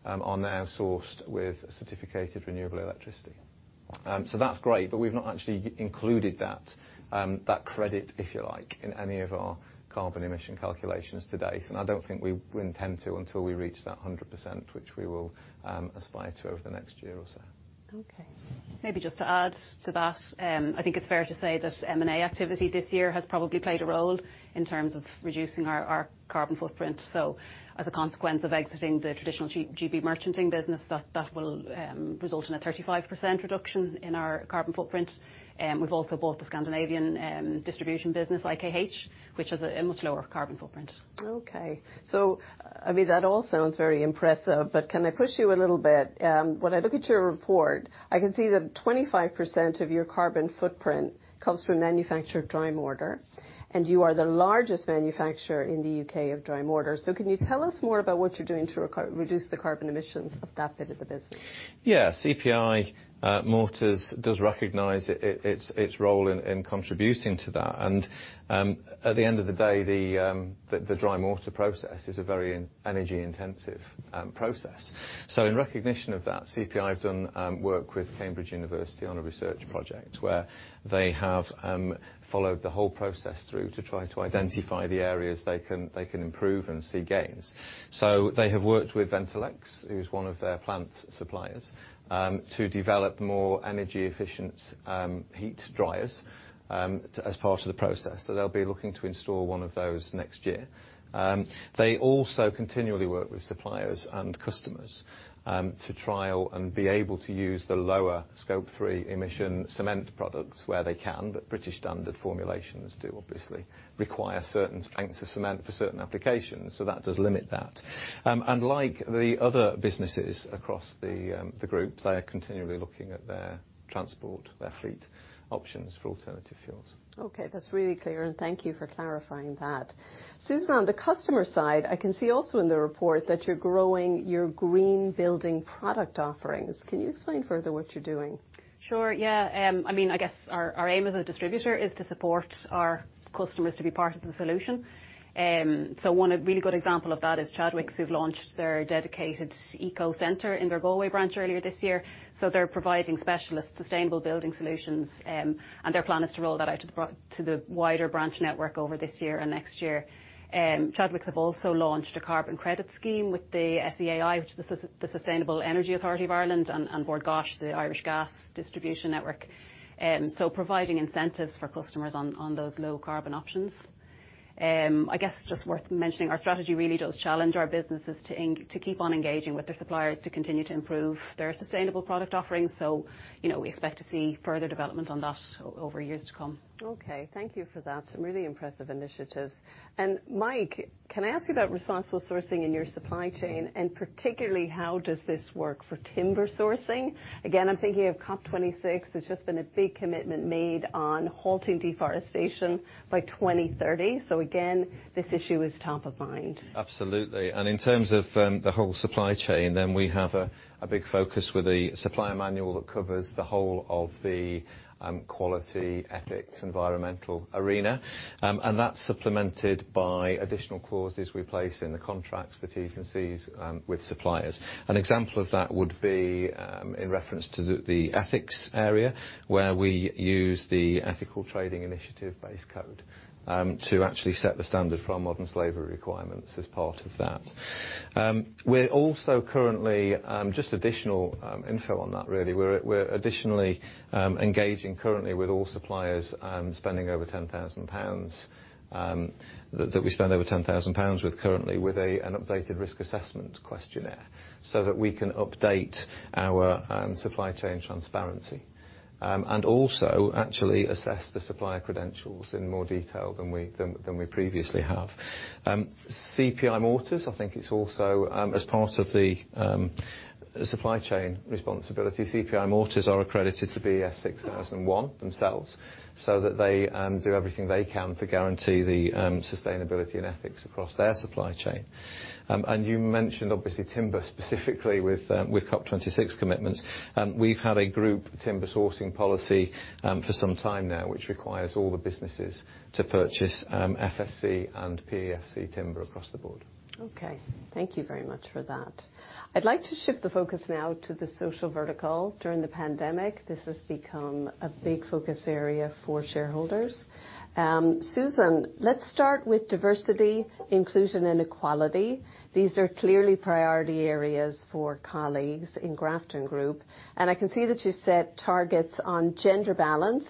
are now sourced with certificated renewable electricity. That's great, but we've not actually included that credit, if you like, in any of our carbon emission calculations to date. I don't think we intend to until we reach that 100%, which we will aspire to over the next year or so. Okay. Maybe just to add to that, I think it's fair to say that M&A activity this year has probably played a role in terms of reducing our carbon footprint. As a consequence of exiting the traditional GB merchanting business, that will result in a 35% reduction in our carbon footprint. We've also bought the Scandinavian distribution business, IKH, which has a much lower carbon footprint. Okay. I mean, that all sounds very impressive, but can I push you a little bit? When I look at your report, I can see that 25% of your carbon footprint comes from manufactured dry mortar, and you are the largest manufacturer in the U.K. of dry mortar. Can you tell us more about what you're doing to reduce the carbon emissions of that bit of the business? Yes. CPI Mortars does recognize its role in contributing to that. At the end of the day, the dry mortar process is a very energy intensive process. In recognition of that, CPI have done work with University of Cambridge on a research project where they have followed the whole process through to try to identify the areas they can improve and see gains. They have worked with Ventilex, who's one of their plant suppliers, to develop more energy efficient heat dryers as part of the process. They'll be looking to install one of those next year. They also continually work with suppliers and customers to trial and be able to use the lower Scope 3 emission cement products where they can. British standard formulations do obviously require certain strengths of cement for certain applications, so that does limit that. Like the other businesses across the group, they are continually looking at their transport, their fleet options for alternative fuels. Okay, that's really clear, and thank you for clarifying that. Susan, on the customer side, I can see also in the report that you're growing your green building product offerings. Can you explain further what you're doing? Sure, yeah. I mean, I guess our aim as a distributor is to support our customers to be part of the solution. One really good example of that is Chadwicks, who've launched their dedicated eco center in their Galway branch earlier this year. They're providing specialist sustainable building solutions. Their plan is to roll that out to the wider branch network over this year and next year. Chadwicks have also launched a carbon credit scheme with the SEAI, which is the Sustainable Energy Authority of Ireland, and Bord Gáis, the Irish gas distribution network, providing incentives for customers on those low carbon options. I guess just worth mentioning, our strategy really does challenge our businesses to keep on engaging with their suppliers to continue to improve their sustainable product offerings. You know, we expect to see further development on that over years to come. Okay, thank you for that. Some really impressive initiatives. Mike, can I ask you about responsible sourcing in your supply chain, and particularly how does this work for timber sourcing? Again, I'm thinking of COP 26. There's just been a big commitment made on halting deforestation by 2030. Again, this issue is top of mind. Absolutely. In terms of the whole supply chain, we have a big focus with the supplier manual that covers the whole of the quality ethics environmental arena. That's supplemented by additional clauses we place in the contracts, the Ts and Cs, with suppliers. An example of that would be in reference to the ethics area, where we use the Ethical Trading Initiative Base Code to actually set the standard for our modern slavery requirements as part of that. We're also currently engaging with all suppliers that we spend over 10,000 pounds with currently with an updated risk assessment questionnaire, so that we can update our supply chain transparency. Also actually assess the supplier credentials in more detail than we previously have. CPI Mortars, I think it's also as part of the supply chain responsibility, CPI Mortars are accredited to BES 6001 themselves, so that they do everything they can to guarantee the sustainability and ethics across their supply chain. You mentioned obviously timber specifically with COP26 commitments. We've had a group timber sourcing policy for some time now, which requires all the businesses to purchase FSC and PEFC timber across the board. Okay. Thank you very much for that. I'd like to shift the focus now to the social vertical. During the pandemic, this has become a big focus area for shareholders. Susan, let's start with diversity, inclusion, and equality. These are clearly priority areas for colleagues in Grafton Group, and I can see that you set targets on gender balance.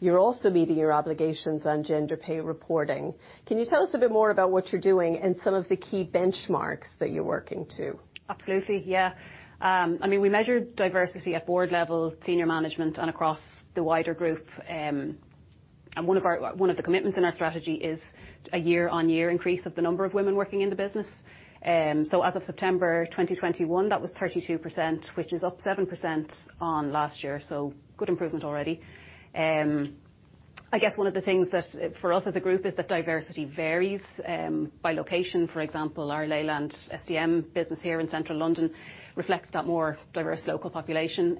You're also meeting your obligations on gender pay reporting. Can you tell us a bit more about what you're doing and some of the key benchmarks that you're working to? Absolutely, yeah. I mean, we measure diversity at board level, senior management, and across the wider group. One of the commitments in our strategy is a year on year increase of the number of women working in the business. So as of September 2021, that was 32%, which is up 7% on last year. Good improvement already. I guess one of the things that for us as a group is that diversity varies by location. For example, our Leyland SDM business here in Central London reflects that more diverse local population.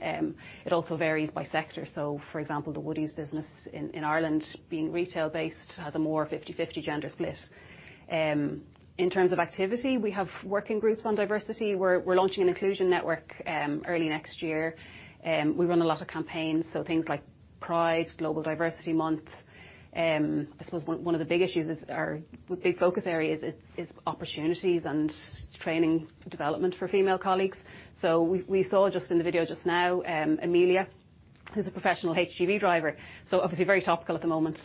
It also varies by sector. For example, the Woodie's business in Ireland being retail-based has a more 50/50 gender split. In terms of activity, we have working groups on diversity. We're launching an inclusion network early next year. We run a lot of campaigns, so things like Pride, Global Diversity Month. I suppose one of the big issues is our, or big focus area is opportunities and training development for female colleagues. We saw just in the video just now, Emilia, who's a professional HGV driver, so obviously very topical at the moment,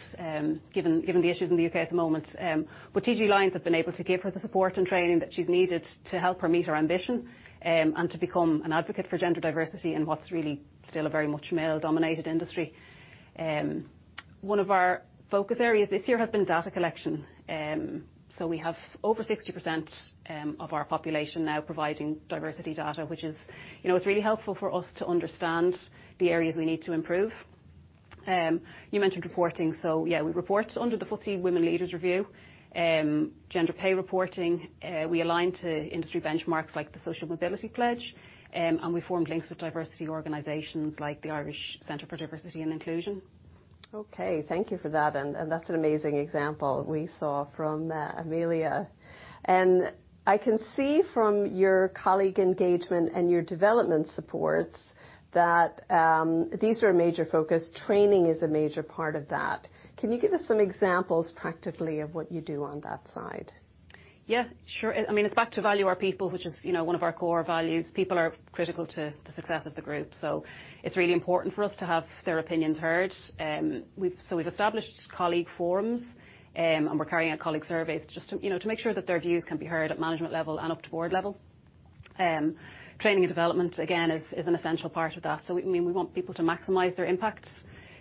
given the issues in the U.K. at the moment. TG Lynes have been able to give her the support and training that she's needed to help her meet her ambition, and to become an advocate for gender diversity in what's really still a very much male-dominated industry. One of our focus areas this year has been data collection. We have over 60% of our population now providing diversity data, which is, you know, is really helpful for us to understand the areas we need to improve. You mentioned reporting, yeah, we report under the FTSE Women Leaders Review, gender pay reporting. We align to industry benchmarks like the Social Mobility Pledge, and we formed links with diversity organizations like the Irish Centre for Diversity and Inclusion. Okay. Thank you for that, and that's an amazing example we saw from Emilia. I can see from your colleague engagement and your development supports that these are a major focus. Training is a major part of that. Can you give us some examples practically of what you do on that side? Yeah, sure. I mean, it's back to valuing our people, which is, you know, one of our core values. People are critical to the success of the group, so it's really important for us to have their opinions heard. We've established colleague forums, and we're carrying out colleague surveys just to, you know, to make sure that their views can be heard at management level and up to board level. Training and development, again, is an essential part of that. I mean, we want people to maximize their impact,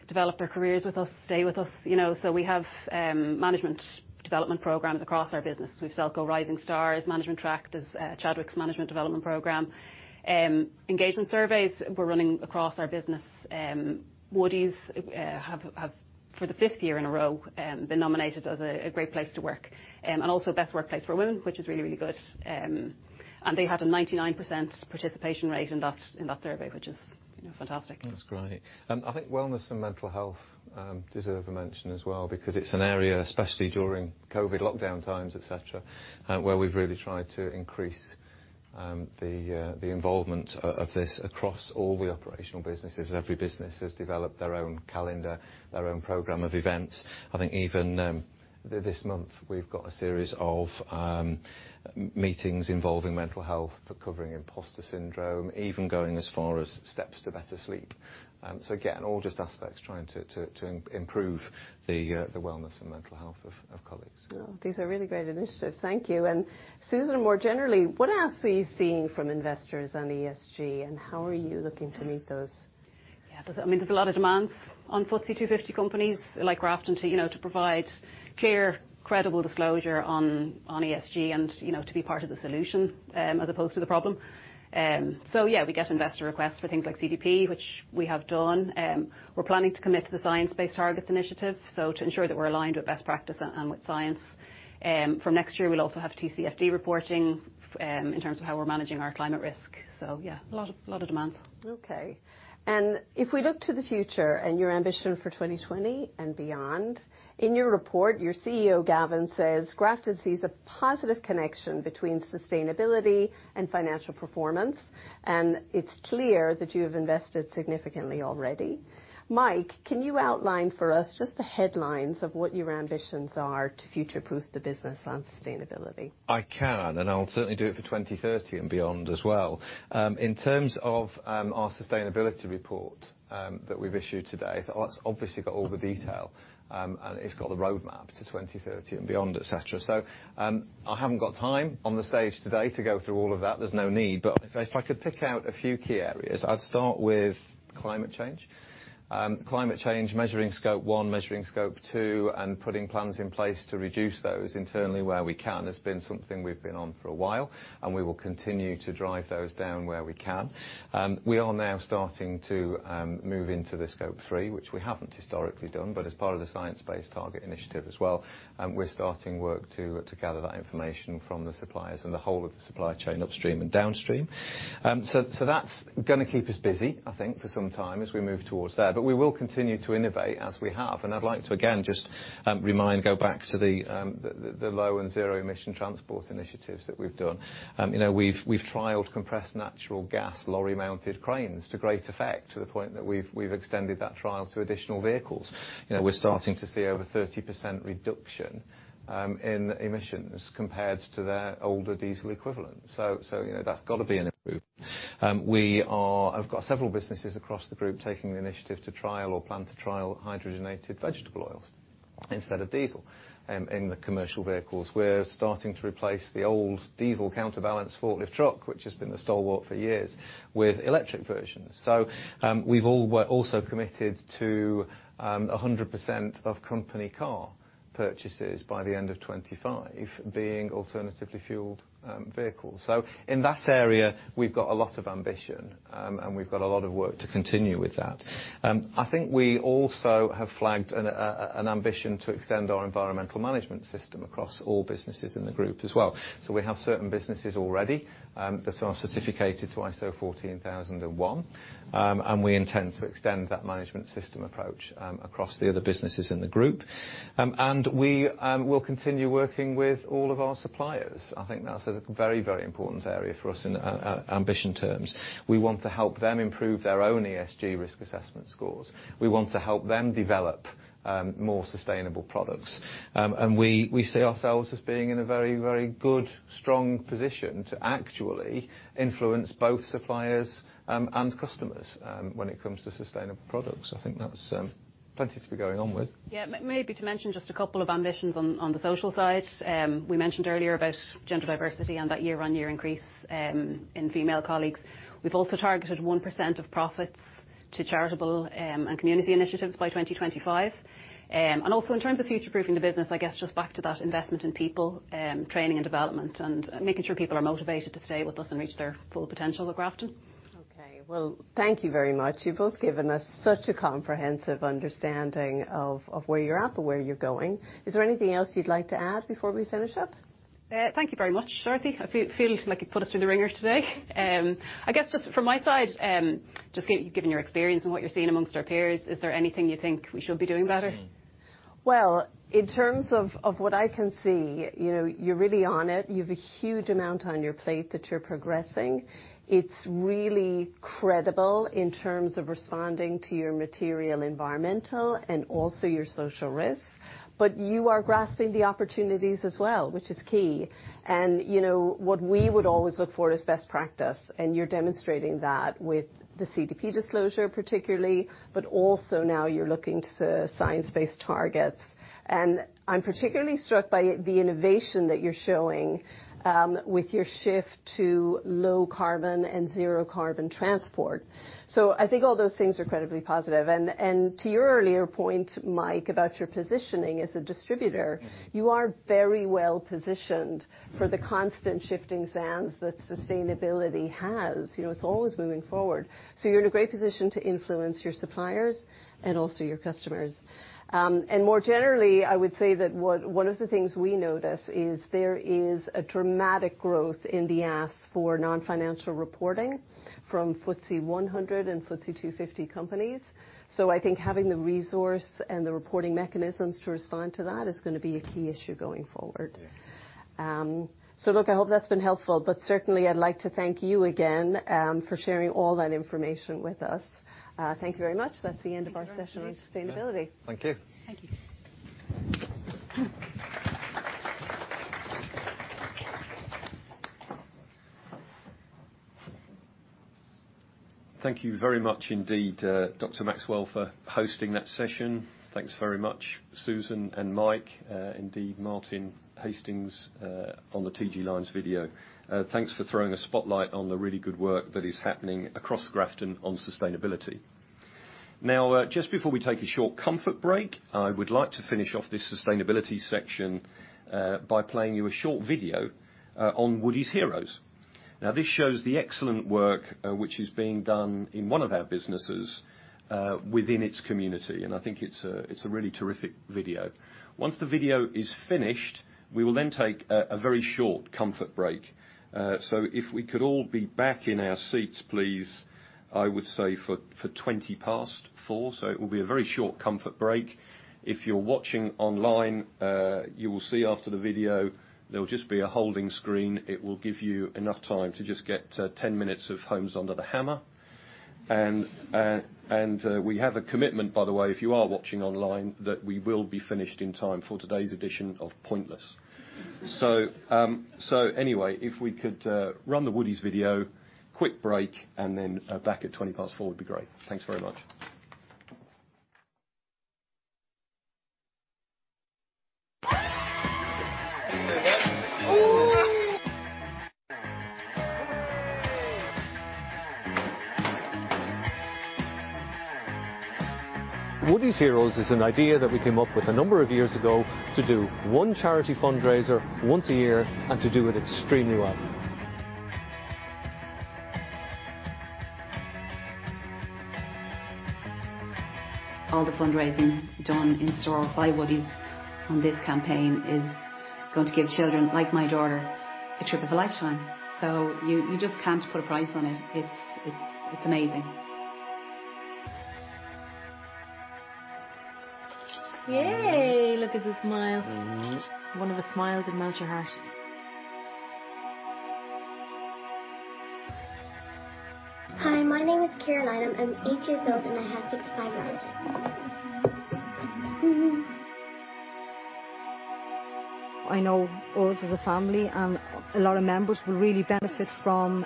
develop their careers with us, stay with us, you know. We have management development programs across our business. We've Selco Rising Stars management track. There's Chadwicks Leadership Development Programme. Engagement surveys we're running across our business. Woodie's have for the fifth year in a row been nominated as a Great Place to Work and also Best Workplace for Women, which is really good. They had a 99% participation rate in that survey, which is, you know, fantastic. That's great. I think wellness and mental health deserve a mention as well because it's an area, especially during COVID lockdown times, et cetera, where we've really tried to increase the involvement of this across all the operational businesses. Every business has developed their own calendar, their own program of events. I think even this month we've got a series of meetings involving mental health. We're covering imposter syndrome, even going as far as steps to better sleep. Again, all just aspects trying to improve the wellness and mental health of colleagues. Well, these are really great initiatives. Thank you. Susan, more generally, what else are you seeing from investors on ESG, and how are you looking to meet those? Yeah. There's, I mean, there's a lot of demands on FTSE 250 companies like Grafton to, you know, to provide clear, credible disclosure on ESG and, you know, to be part of the solution as opposed to the problem. Yeah, we get investor requests for things like CDP, which we have done. We're planning to commit to the Science Based Targets initiative to ensure that we're aligned with best practice and with science. From next year we'll also have TCFD reporting in terms of how we're managing our climate risk, so yeah, a lot of demands. Okay. If we look to the future and your ambition for 2020 and beyond, in your report, your CEO, Gavin, says Grafton sees a positive connection between sustainability and financial performance, and it's clear that you have invested significantly already. Mike, can you outline for us just the headlines of what your ambitions are to future-proof the business on sustainability? I can, and I'll certainly do it for 2030 and beyond as well. In terms of our sustainability report that we've issued today, that's obviously got all the detail, and it's got the roadmap to 2030 and beyond, et cetera. I haven't got time on the stage today to go through all of that. There's no need. But if I could pick out a few key areas, I'd start with climate change. Climate change, measuring Scope 1, measuring Scope 2, and putting plans in place to reduce those internally where we can has been something we've been on for a while, and we will continue to drive those down where we can. We are now starting to move into the Scope 3, which we haven't historically done. As part of the Science Based Targets initiative as well, we're starting work to gather that information from the suppliers and the whole of the supply chain upstream and downstream. So that's gonna keep us busy, I think, for some time as we move towards there. We will continue to innovate as we have. I'd like to again just remind, go back to the low and zero emission transport initiatives that we've done. You know, we've trialed compressed natural gas lorry-mounted cranes to great effect to the point that we've extended that trial to additional vehicles. You know, we're starting to see over 30% reduction in emissions compared to their older diesel equivalent, so you know, that's gotta be an improvement. I've got several businesses across the group taking the initiative to trial or plan to trial hydrogenated vegetable oils instead of diesel in the commercial vehicles. We're starting to replace the old diesel counterbalance forklift truck, which has been the stalwart for years, with electric versions. We're also committed to 100% of company car purchases by the end of 2025 being alternatively fueled vehicles. In that area we've got a lot of ambition and we've got a lot of work to continue with that. I think we also have flagged an ambition to extend our environmental management system across all businesses in the group as well. We have certain businesses already that are certificated to ISO 14001, and we intend to extend that management system approach across the other businesses in the group. We will continue working with all of our suppliers. I think that's a very, very important area for us in ambition terms. We want to help them improve their own ESG risk assessment scores. We want to help them develop more sustainable products. We see ourselves as being in a very, very good, strong position to actually influence both suppliers and customers when it comes to sustainable products. I think that's plenty to be going on with. Maybe to mention just a couple of ambitions on the social side. We mentioned earlier about gender diversity and that year-on-year increase in female colleagues. We've also targeted 1% of profits to charitable and community initiatives by 2025. In terms of future-proofing the business, I guess just back to that investment in people, training, and development, and making sure people are motivated to stay with us and reach their full potential with Grafton. Okay. Well, thank you very much. You've both given us such a comprehensive understanding of where you're at but where you're going. Is there anything else you'd like to add before we finish up? Thank you very much, Dorothy. I feel like you put us through the wringer today. I guess just from my side, just given your experience and what you're seeing amongst our peers, is there anything you think we should be doing better? Mm. Well, in terms of what I can see, you know, you're really on it. You've a huge amount on your plate that you're progressing. It's really credible in terms of responding to your material, environmental, and also your social risks. But you are grasping the opportunities as well, which is key. You know, what we would always look for is best practice, and you're demonstrating that with the CDP disclosure particularly, but also now you're looking to science-based targets. I'm particularly struck by the innovation that you're showing with your shift to low carbon and zero carbon transport. So I think all those things are credibly positive. To your earlier point, Mike, about your positioning as a distributor- Mm You are very well positioned for the constant shifting sands that sustainability has. You know, it's always moving forward. You're in a great position to influence your suppliers and also your customers. More generally, I would say that one of the things we notice is there is a dramatic growth in the ask for non-financial reporting from FTSE 100 and FTSE 250 companies. I think having the resource and the reporting mechanisms to respond to that is gonna be a key issue going forward. Yeah. Look, I hope that's been helpful. Certainly I'd like to thank you again for sharing all that information with us. Thank you very much. That's the end of our session. Thank you. on sustainability. Thank you. Thank you. Thank you very much indeed, Dr. Maxwell for hosting that session. Thanks very much, Susan and Mike, indeed Martin Hastings, on the TG Lynes video. Thanks for throwing a spotlight on the really good work that is happening across Grafton on sustainability. Now, just before we take a short comfort break, I would like to finish off this sustainability section, by playing you a short video, on Woodie's Heroes. Now, this shows the excellent work, which is being done in one of our businesses, within its community, and I think it's a really terrific video. Once the video is finished, we will then take a very short comfort break. If we could all be back in our seats, please, I would say for 4:20 P.M. It will be a very short comfort break. If you're watching online, you will see after the video there will just be a holding screen. It will give you enough time to just get 10 minutes of Homes Under the Hammer. We have a commitment, by the way, if you are watching online, that we will be finished in time for today's edition of Pointless. If we could run the Woodie's video, quick break, and then back at 4:20, it'd be great. Thanks very much. Woodie's Heroes is an idea that we came up with a number of years ago to do one charity fundraiser once a year and to do it extremely well. All the fundraising done in store by Woodie's on this campaign is going to give children like my daughter a trip of a lifetime. You just can't put a price on it. It's amazing. Yay. Look at the smile. Mm. One of the smiles that melts your heart. Hi, my name is Caroline. I'm eight years old, and I have cystic fibrosis. I know us as a family and a lot of members will really benefit from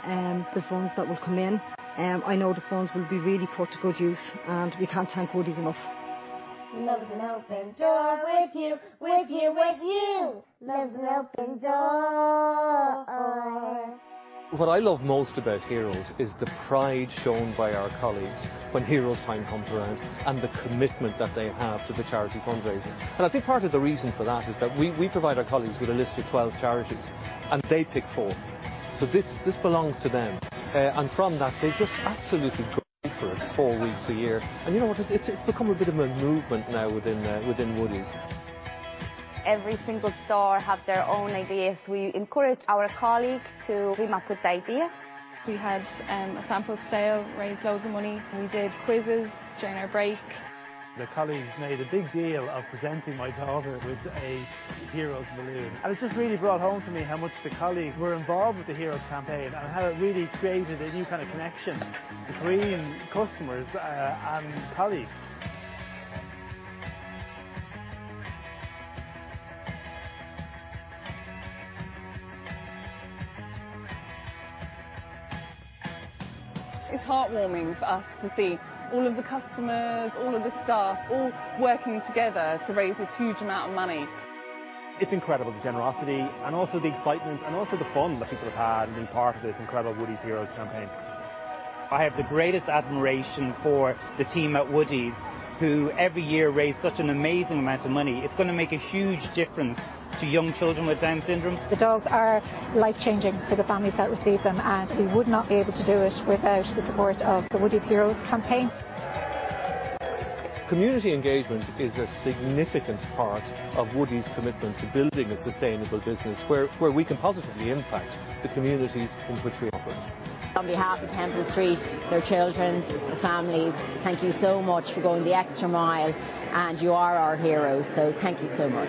the funds that will come in. I know the funds will be really put to good use, and we can't thank Woodie's enough. Love is an open door with you, with you, with you. Love is an open door. What I love most about Heroes is the pride shown by our colleagues when Heroes time comes around, and the commitment that they have to the charity fundraising. I think part of the reason for that is that we provide our colleagues with a list of 12 charities, and they pick four. This belongs to them. From that, they just absolutely go for it four weeks a year. You know what? It's become a bit of a movement now within Woodie's. Every single store have their own ideas. We encourage our colleagues to come up with ideas. We had a sample sale, raised loads of money. We did quizzes during our break. The colleagues made a big deal of presenting my daughter with a Heroes balloon. It just really brought home to me how much the colleagues were involved with the Heroes campaign and how it really created a new kind of connection between customers, and colleagues. It's heartwarming for us to see all of the customers, all of the staff, all working together to raise this huge amount of money. It's incredible, the generosity and also the excitement and also the fun that people have had being part of this incredible Woodie's Heroes campaign. I have the greatest admiration for the team at Woodie's, who every year raise such an amazing amount of money. It's gonna make a huge difference to young children with Down syndrome. The dogs are life-changing for the families that receive them, and we would not be able to do it without the support of the Woodie's Heroes campaign. Community engagement is a significant part of Woodie's commitment to building a sustainable business where we can positively impact the communities in which we operate. On behalf of Temple Street, their children, the families, thank you so much for going the extra mile, and you are our heroes, so thank you so much.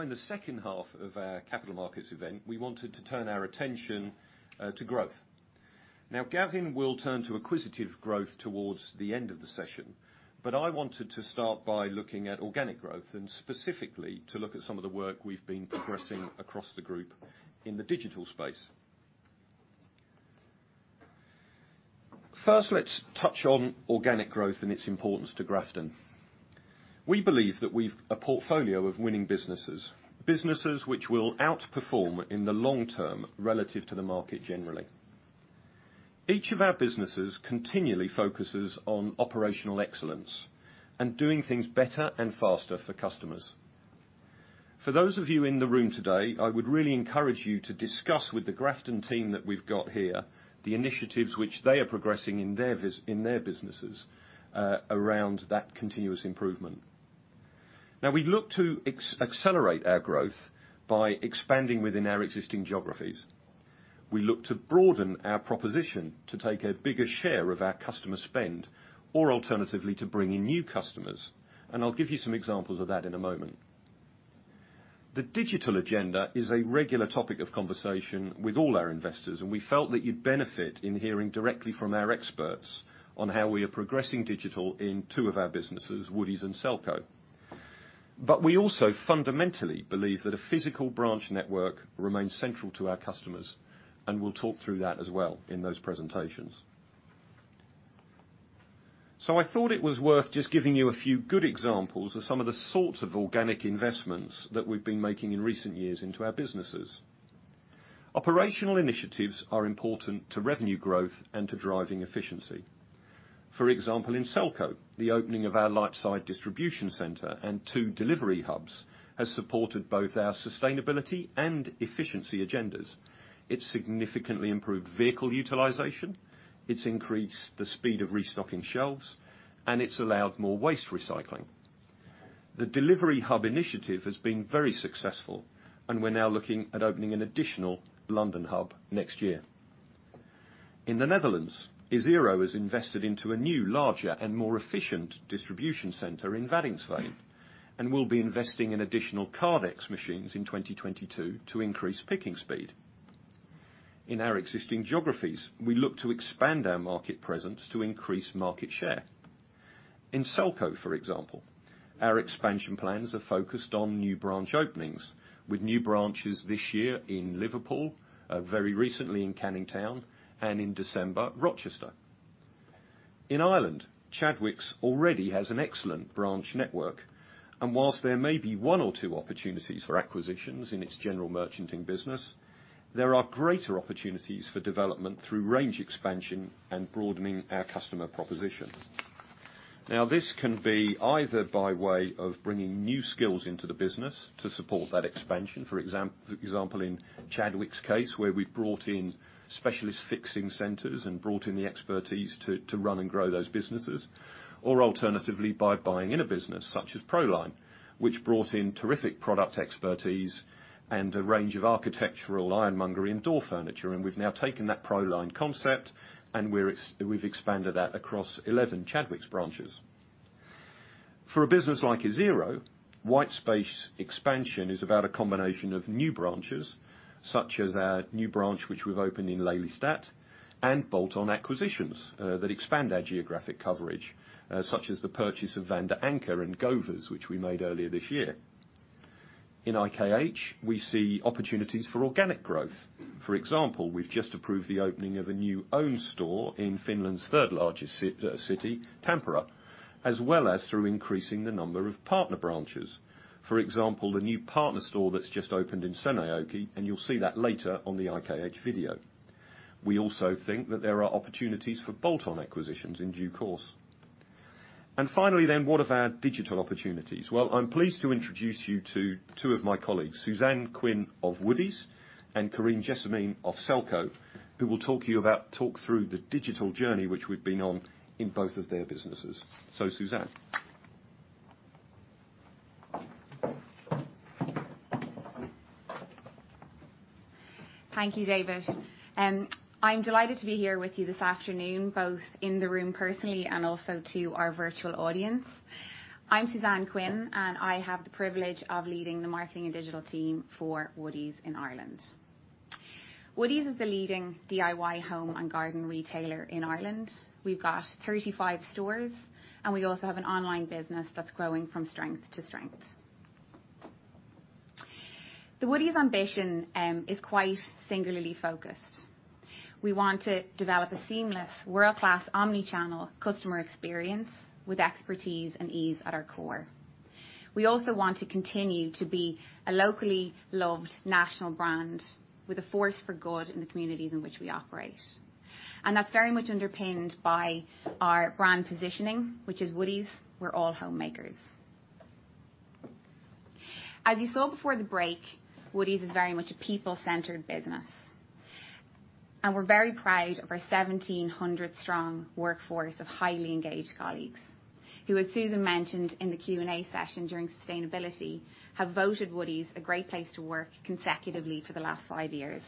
Everyone, now in the second half of our capital markets event, we wanted to turn our attention to growth. Gavin will turn to acquisitive growth towards the end of the session, but I wanted to start by looking at organic growth, and specifically to look at some of the work we've been progressing across the group in the digital space. First, let's touch on organic growth and its importance to Grafton. We believe that we've a portfolio of winning businesses which will outperform in the long term relative to the market generally. Each of our businesses continually focuses on operational excellence and doing things better and faster for customers. For those of you in the room today, I would really encourage you to discuss with the Grafton team that we've got here, the initiatives which they are progressing in their businesses, around that continuous improvement. Now, we look to accelerate our growth by expanding within our existing geographies. We look to broaden our proposition to take a bigger share of our customer spend or alternatively to bring in new customers, and I'll give you some examples of that in a moment. The digital agenda is a regular topic of conversation with all our investors, and we felt that you'd benefit in hearing directly from our experts on how we are progressing digital in two of our businesses, Woodie's and Selco. We also fundamentally believe that a physical branch network remains central to our customers, and we'll talk through that as well in those presentations. I thought it was worth just giving you a few good examples of some of the sorts of organic investments that we've been making in recent years into our businesses. Operational initiatives are important to revenue growth and to driving efficiency. For example, in Selco, the opening of our Lightside Distribution Centre and two delivery hubs has supported both our sustainability and efficiency agendas. It's significantly improved vehicle utilization, it's increased the speed of restocking shelves, and it's allowed more waste recycling. The delivery hub initiative has been very successful, and we're now looking at opening an additional London hub next year. In the Netherlands, Isero has invested into a new, larger and more efficient distribution center in Waddinxveen, and we'll be investing in additional Kardex machines in 2022 to increase picking speed. In our existing geographies, we look to expand our market presence to increase market share. In Selco, for example, our expansion plans are focused on new branch openings, with new branches this year in Liverpool, very recently in Canning Town, and in December, Rochester. In Ireland, Chadwicks already has an excellent branch network, and while there may be one or two opportunities for acquisitions in its general merchanting business, there are greater opportunities for development through range expansion and broadening our customer proposition. Now, this can be either by way of bringing new skills into the business to support that expansion. For example, in Chadwicks case, where we've brought in specialist fixing centers and brought in the expertise to run and grow those businesses. Alternatively, by buying in a business such as Proline, which brought in terrific product expertise and a range of architectural ironmonger and door furniture. We've now taken that Proline concept, and we've expanded that across 11 Chadwicks branches. For a business like Isero, white space expansion is about a combination of new branches, such as our new branch, which we've opened in Lelystad and bolt-on acquisitions that expand our geographic coverage, such as the purchase of Van den Anker and Govers, which we made earlier this year. In IKH, we see opportunities for organic growth. For example, we've just approved the opening of a new owned store in Finland's third largest city, Tampere, as well as through increasing the number of partner branches. For example, the new partner store that's just opened in Seinäjoki, and you'll see that later on the IKH video. We also think that there are opportunities for bolt-on acquisitions in due course. Finally, then, what of our digital opportunities? Well, I'm pleased to introduce you to two of my colleagues, Suzanne Quinn of Woodie's and Carine Jessamine of Selco, who will talk through the digital journey, which we've been on in both of their businesses. Suzanne. Thank you, David. I'm delighted to be here with you this afternoon, both in the room personally and also to our virtual audience. I'm Suzanne Quinn, and I have the privilege of leading the Marketing and Digital team for Woodie's in Ireland. Woodie's is the leading DIY home and garden retailer in Ireland. We've got 35 stores, and we also have an online business that's growing from strength to strength. The Woodie's ambition is quite singularly focused. We want to develop a seamless world-class omni-channel customer experience with expertise and ease at our core. We also want to continue to be a locally loved national brand with a force for good in the communities in which we operate. That's very much underpinned by our brand positioning, which is Woodie's, "We're all homemakers." As you saw before the break, Woodie's is very much a people-centered business, and we're very proud of our 1,700 strong workforce of highly engaged colleagues, who, as Susan mentioned in the Q&A session during sustainability, have voted Woodie's a great place to work consecutively for the last 5 years.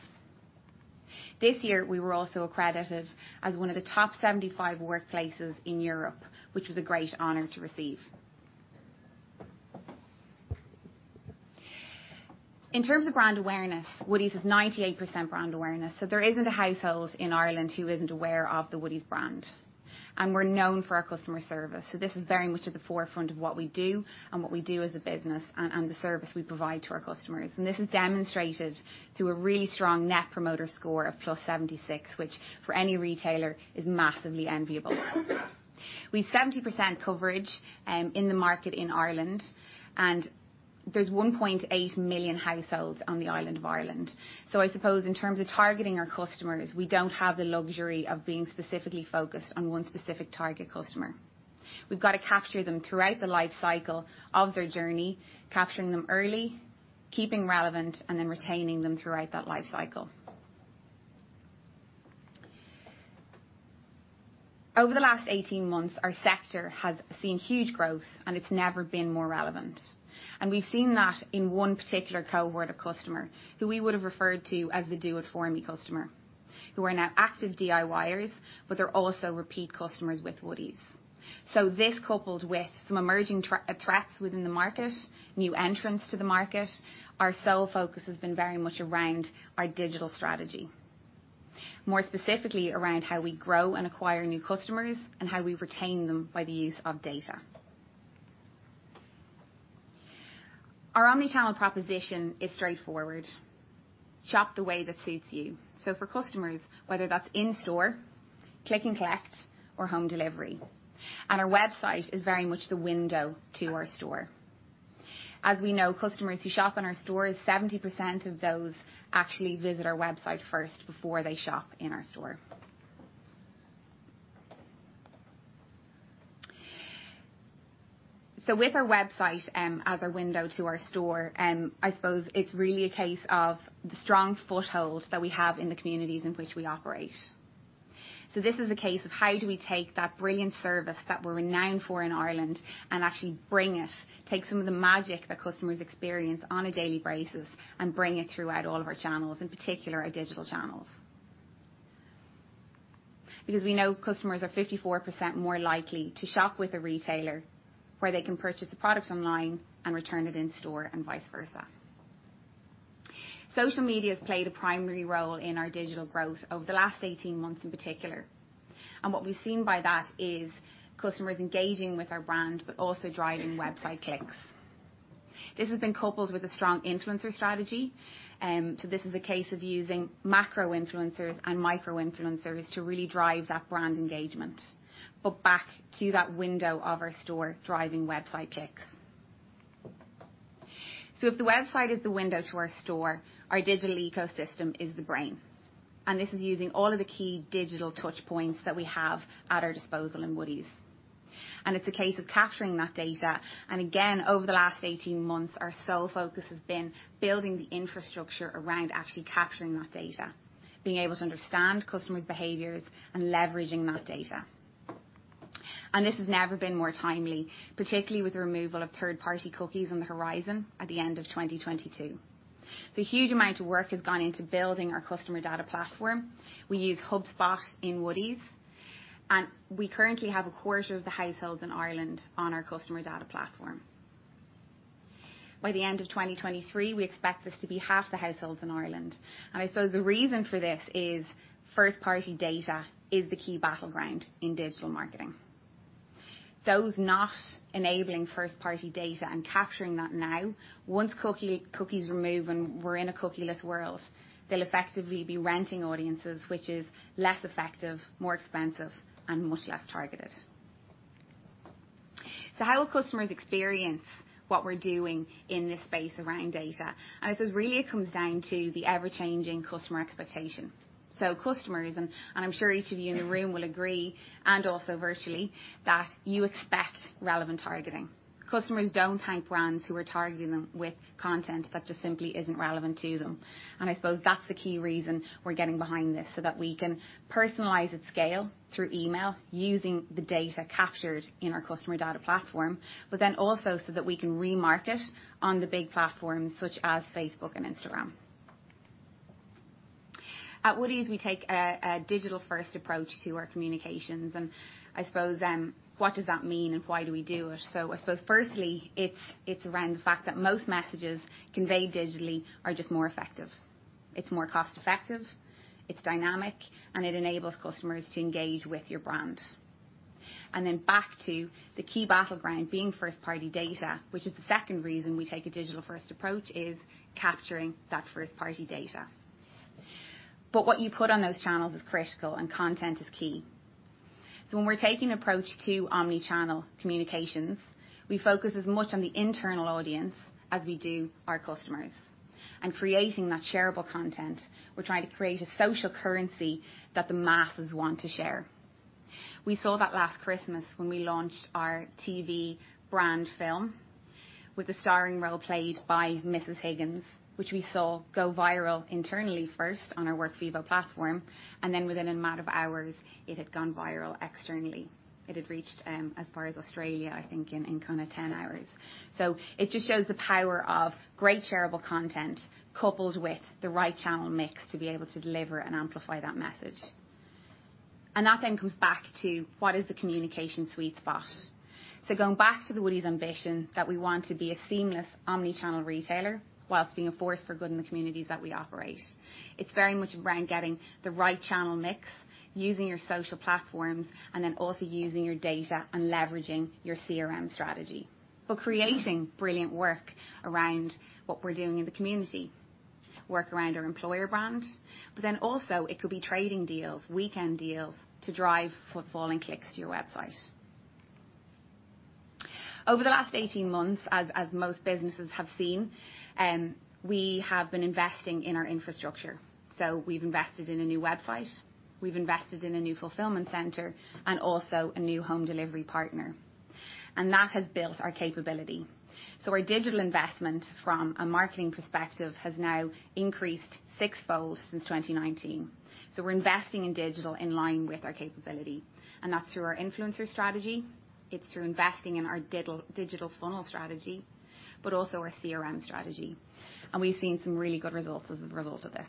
This year, we were also accredited as one of the top 75 workplaces in Europe, which was a great honor to receive. In terms of brand awareness, Woodie's has 98% brand awareness, so there isn't a household in Ireland who isn't aware of the Woodie's brand. We're known for our customer service, so this is very much at the forefront of what we do and what we do as a business and the service we provide to our customers. This is demonstrated through a really strong net promoter score of +76, which for any retailer is massively enviable. We've 70% coverage in the market in Ireland, and there's 1.8 million households on the island of Ireland. So I suppose in terms of targeting our customers, we don't have the luxury of being specifically focused on one specific target customer. We've got to capture them throughout the life cycle of their journey, capturing them early, keeping relevant, and then retaining them throughout that life cycle. Over the last 18 months, our sector has seen huge growth, and it's never been more relevant. We've seen that in one particular cohort of customer who we would have referred to as the do-it-for-me customer, who are now active DIYers, but they're also repeat customers with Woodie's. This coupled with some emerging threats within the market, new entrants to the market, our sole focus has been very much around our digital strategy. More specifically, around how we grow and acquire new customers and how we retain them by the use of data. Our omni-channel proposition is straightforward. Shop the way that suits you. For customers, whether that's in-store, click and collect, or home delivery. Our website is very much the window to our store. As we know, customers who shop in our stores, 70% of those actually visit our website first before they shop in our store. With our website, as a window to our store, I suppose it's really a case of the strong foothold that we have in the communities in which we operate. This is a case of how do we take that brilliant service that we're renowned for in Ireland and actually bring it, take some of the magic that customers experience on a daily basis and bring it throughout all of our channels, in particular, our digital channels. Because we know customers are 54% more likely to shop with a retailer where they can purchase the products online and return it in store and vice versa. Social media has played a primary role in our digital growth over the last 18 months in particular. What we've seen by that is customers engaging with our brand but also driving website clicks. This has been coupled with a strong influencer strategy. This is a case of using macro influencers and micro influencers to really drive that brand engagement. Back to that window of our store driving website clicks. If the website is the window to our store, our digital ecosystem is the brain. This is using all of the key digital touch points that we have at our disposal in Woodie's. It's a case of capturing that data. Again, over the last 18 months, our sole focus has been building the infrastructure around actually capturing that data, being able to understand customers' behaviors and leveraging that data. This has never been more timely, particularly with the removal of third-party cookies on the horizon at the end of 2022. A huge amount of work has gone into building our customer data platform. We use HubSpot in Woodie's, and we currently have a quarter of the households in Ireland on our customer data platform. By the end of 2023, we expect this to be half the households in Ireland. I suppose the reason for this is first-party data is the key battleground in digital marketing. Those not enabling first-party data and capturing that now, once cookie, cookies remove and we're in a cookieless world, they'll effectively be renting audiences, which is less effective, more expensive, and much less targeted. How will customers experience what we're doing in this space around data? Really it comes down to the ever-changing customer expectations. Customers, and I'm sure each of you in the room will agree, and also virtually, that you expect relevant targeting. Customers don't thank brands who are targeting them with content that just simply isn't relevant to them. I suppose that's the key reason we're getting behind this, so that we can personalize at scale through email using the data captured in our customer data platform, but then also so that we can remarket on the big platforms such as Facebook and Instagram. At Woodie's, we take a digital first approach to our communications. I suppose, what does that mean and why do we do it? I suppose firstly, it's around the fact that most messages conveyed digitally are just more effective. It's more cost effective, it's dynamic, and it enables customers to engage with your brand. Then back to the key battleground being first party data, which is the second reason we take a digital first approach, is capturing that first party data. What you put on those channels is critical and content is key. When we're taking approach to omni-channel communications, we focus as much on the internal audience as we do our customers. Creating that shareable content, we're trying to create a social currency that the masses want to share. We saw that last Christmas when we launched our TV brand film with the starring role played by Mrs Higgins, which we saw go viral internally first on our Workvivo platform, and then within a matter of hours, it had gone viral externally. It had reached, as far as Australia, I think in kinda 10 hours. It just shows the power of great shareable content coupled with the right channel mix to be able to deliver and amplify that message. That then comes back to what is the communication sweet spot. Going back to the Woodie's ambition that we want to be a seamless omni-channel retailer while being a force for good in the communities that we operate. It's very much around getting the right channel mix, using your social platforms, and then also using your data and leveraging your CRM strategy. Creating brilliant work around what we're doing in the community, work around our employer brand, but then also it could be trading deals, weekend deals to drive footfall and clicks to your website. Over the last 18 months, as most businesses have seen, we have been investing in our infrastructure. We've invested in a new website, we've invested in a new fulfillment center, and also a new home delivery partner. That has built our capability. Our digital investment from a marketing perspective has now increased sixfold since 2019. We're investing in digital in line with our capability, and that's through our influencer strategy, it's through investing in our digital funnel strategy, but also our CRM strategy. We've seen some really good results as a result of this.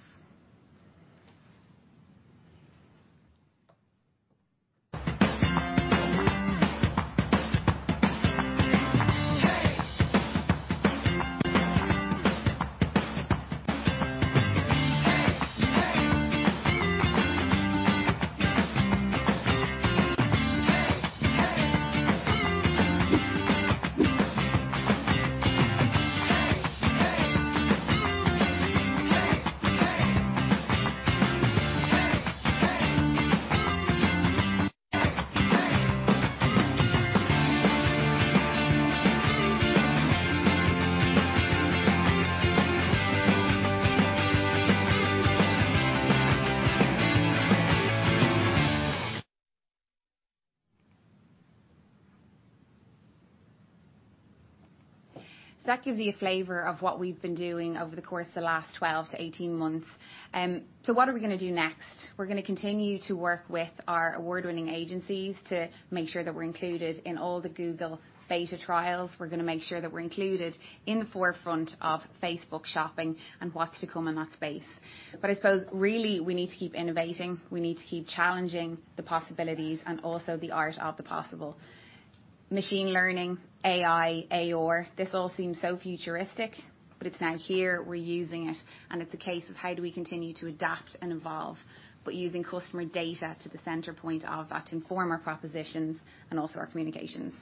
That gives you a flavor of what we've been doing over the course of the last 12-18 months. What are we gonna do next? We're gonna continue to work with our award-winning agencies to make sure that we're included in all the Google beta trials. We're gonna make sure that we're included in the forefront of Facebook shopping and what's to come in that space. I suppose really, we need to keep innovating. We need to keep challenging the possibilities and also the art of the possible. Machine learning, AI, AR, this all seems so futuristic, but it's now here, we're using it, and it's a case of how do we continue to adapt and evolve, but using customer data to the center point of that to inform our propositions and also our communications.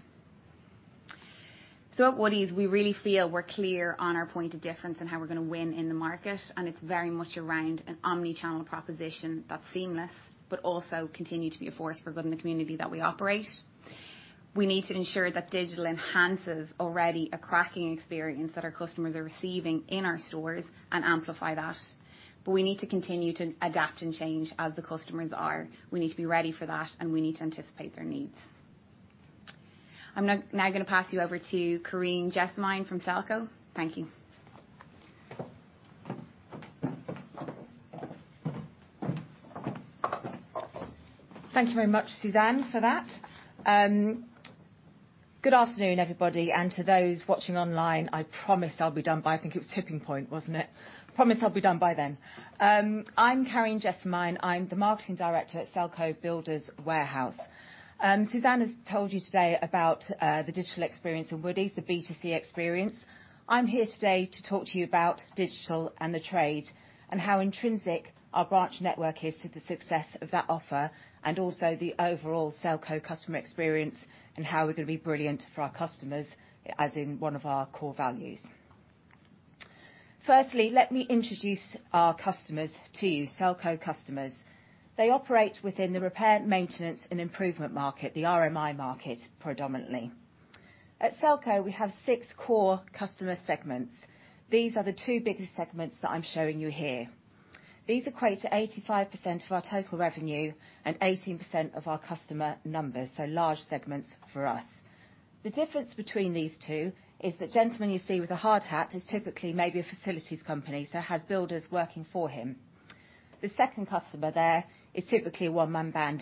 At Woodie's, we really feel we're clear on our point of difference in how we're gonna win in the market, and it's very much around an omni-channel proposition that's seamless, but also continue to be a force for good in the community that we operate. We need to ensure that digital enhances an already cracking experience that our customers are receiving in our stores and amplify that. We need to continue to adapt and change as the customers are. We need to be ready for that, and we need to anticipate their needs. I'm now gonna pass you over to Carine Jessamine from Selco. Thank you. Thank you very much, Suzanne, for that. Good afternoon, everybody, and to those watching online, I promise I'll be done by, I think it was, tipping point, wasn't it? I promise I'll be done by then. I'm Carine Jessamine. I'm the Marketing Director at Selco Builders Warehouse. Suzanne has told you today about the digital experience in Woodie's, the B2C experience. I'm here today to talk to you about digital and the trade and how intrinsic our branch network is to the success of that offer, and also the overall Selco customer experience and how we're gonna be brilliant for our customers, as in one of our core values. Firstly, let me introduce our customers to you, Selco customers. They operate within the repair, maintenance, and improvement market, the RMI market, predominantly. At Selco, we have six core customer segments. These are the two biggest segments that I'm showing you here. These equate to 85% of our total revenue and 18% of our customer numbers, so large segments for us. The difference between these two is the gentleman you see with a hard hat is typically maybe a facilities company, so has builders working for him. The second customer there is typically a one-man band,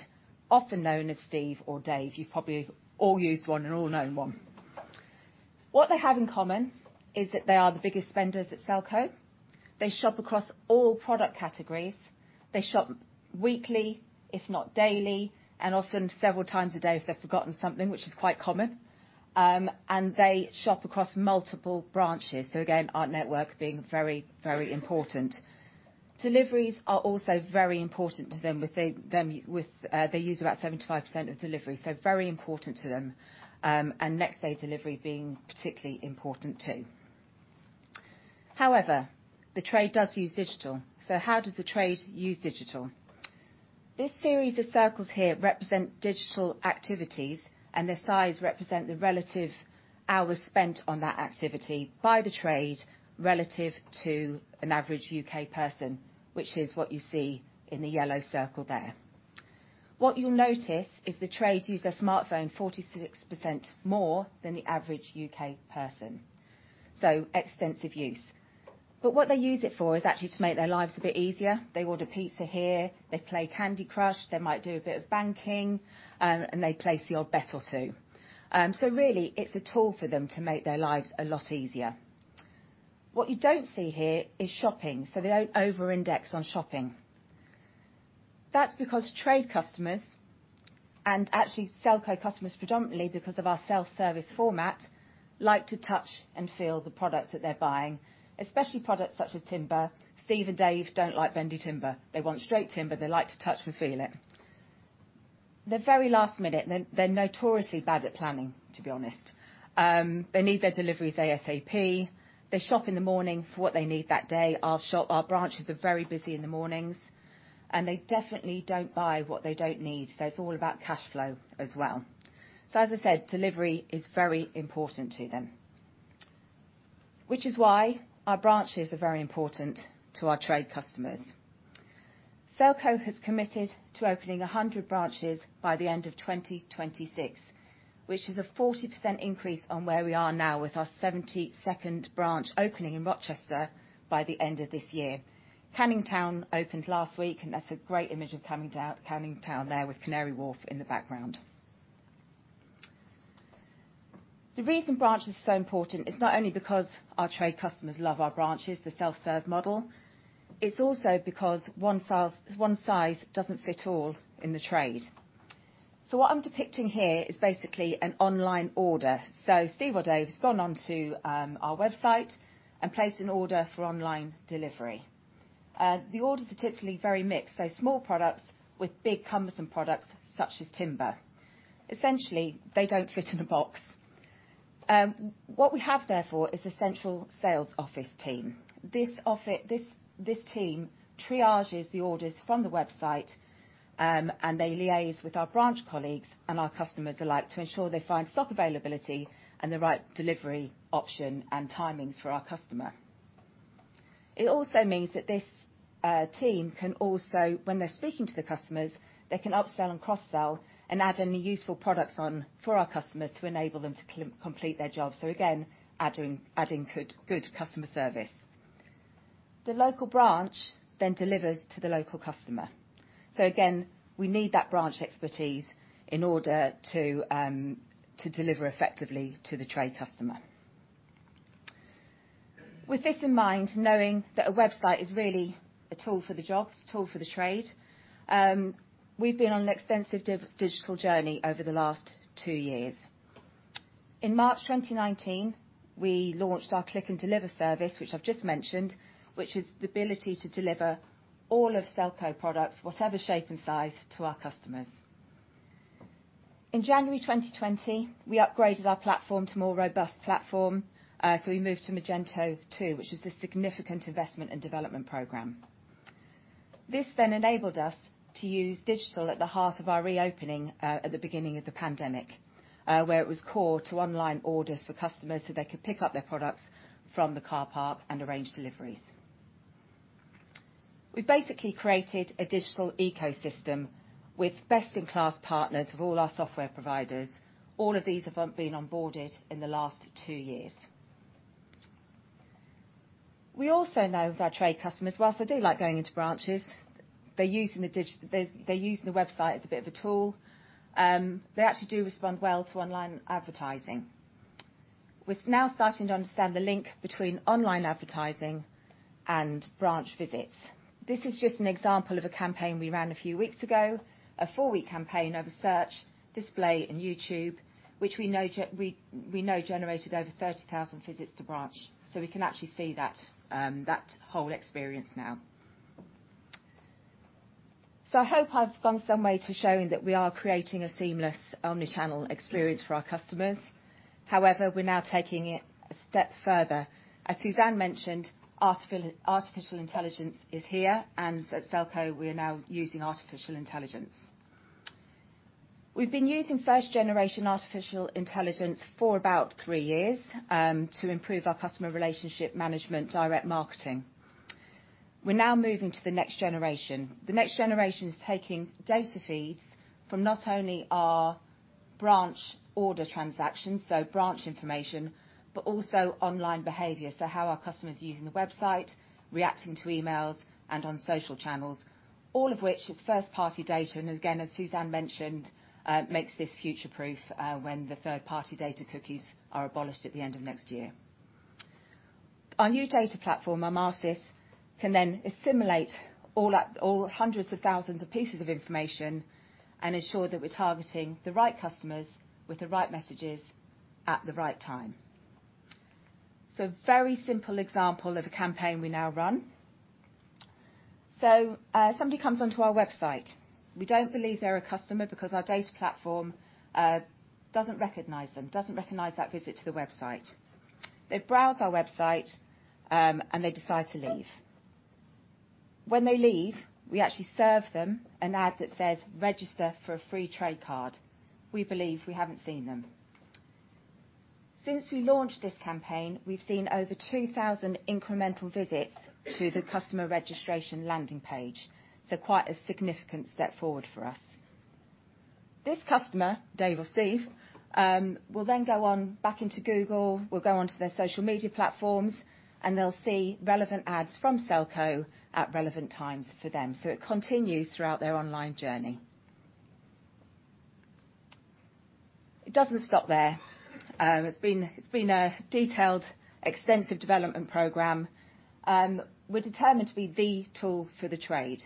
often known as Steve or Dave. You've probably all used one and all known one. What they have in common is that they are the biggest spenders at Selco. They shop across all product categories. They shop weekly, if not daily, and often several times a day if they've forgotten something, which is quite common. They shop across multiple branches, so again, our network being very, very important. Deliveries are also very important to them. They use about 75% of delivery, so very important to them. Next day delivery being particularly important too. However, the trade does use digital. How does the trade use digital? This series of circles here represent digital activities, and the size represent the relative hours spent on that activity by the trade relative to an average U.K. person, which is what you see in the yellow circle there. What you'll notice is the trade use their smartphone 46% more than the average U.K. person, so extensive use. What they use it for is actually to make their lives a bit easier. They order pizza here, they play Candy Crush, they might do a bit of banking, and they place the odd bet or two. Really it's a tool for them to make their lives a lot easier. What you don't see here is shopping, so they don't over-index on shopping. That's because trade customers, and actually Selco customers predominantly because of our self-service format, like to touch and feel the products that they're buying, especially products such as timber. Steve and Dave don't like bendy timber. They want straight timber. They like to touch and feel it. They're very last minute and they're notoriously bad at planning, to be honest. They need their deliveries ASAP. They shop in the morning for what they need that day. Our shop, our branches are very busy in the mornings. They definitely don't buy what they don't need, so it's all about cash flow as well. As I said, delivery is very important to them. Which is why our branches are very important to our trade customers. Selco has committed to opening 100 branches by the end of 2026, which is a 40% increase on where we are now with our 72nd branch opening in Rochester by the end of this year. Canning Town opened last week and that's a great image of Canning Town there with Canary Wharf in the background. The reason branches are so important is not only because our trade customers love our branches, the self-serve model, it's also because one size doesn't fit all in the trade. What I'm depicting here is basically an online order. Steve or Dave has gone onto our website and placed an order for online delivery. The orders are typically very mixed, so small products with big cumbersome products such as timber. Essentially, they don't fit in a box. What we have therefore is a central sales office team. This team triages the orders from the website, and they liaise with our branch colleagues and our customers alike to ensure they find stock availability and the right delivery option and timings for our customer. It also means that this team can also, when they're speaking to the customers, they can upsell and cross-sell and add any useful products on for our customers to enable them to complete their jobs. Again, adding good customer service. The local branch then delivers to the local customer. Again, we need that branch expertise in order to deliver effectively to the trade customer. With this in mind, knowing that a website is really a tool for the job, a tool for the trade, we've been on an extensive digital journey over the last two years. In March 2019, we launched our Click and Deliver service, which I've just mentioned, which is the ability to deliver all of Selco products, whatever shape and size, to our customers. In January 2020, we upgraded our platform to a more robust platform. We moved to Magento 2, which is a significant investment and development program. This then enabled us to use digital at the heart of our reopening at the beginning of the pandemic, where it was core to online orders for customers, so they could pick up their products from the car park and arrange deliveries. We basically created a digital ecosystem with best-in-class partners of all our software providers. All of these have been onboarded in the last 2 years. We also know with our trade customers, while they do like going into branches, they're using the website as a bit of a tool. They actually do respond well to online advertising. We're now starting to understand the link between online advertising and branch visits. This is just an example of a campaign we ran a few weeks ago, a four-week campaign over search, display, and YouTube, which we know generated over 30,000 visits to branch. We can actually see that whole experience now. I hope I've gone some way to showing that we are creating a seamless omni-channel experience for our customers. However, we're now taking it a step further. As Suzanne mentioned, artificial intelligence is here, and at Selco, we are now using artificial intelligence. We've been using first generation artificial intelligence for about three years to improve our customer relationship management direct marketing. We're now moving to the next generation. The next generation is taking data feeds from not only our branch order transactions, so branch information, but also online behavior, so how our customers are using the website, reacting to emails, and on social channels, all of which is first party data, and again, as Suzanne mentioned, makes this future-proof when the third party data cookies are abolished at the end of next year. Our new data platform, Armaris, can then assimilate all hundreds of thousands of pieces of information and ensure that we're targeting the right customers with the right messages at the right time. Very simple example of a campaign we now run. Somebody comes onto our website. We don't believe they're a customer because our data platform doesn't recognize them, doesn't recognize that visit to the website. They browse our website, and they decide to leave. When they leave, we actually serve them an ad that says, "Register for a free trade card." We believe we haven't seen them. Since we launched this campaign, we've seen over 2,000 incremental visits to the customer registration landing page, so quite a significant step forward for us. This customer, Dave or Steve, will then go on back into Google, will go onto their social media platforms, and they'll see relevant ads from Selco at relevant times for them. It continues throughout their online journey. It doesn't stop there. It's been a detailed, extensive development program. We're determined to be the tool for the trade.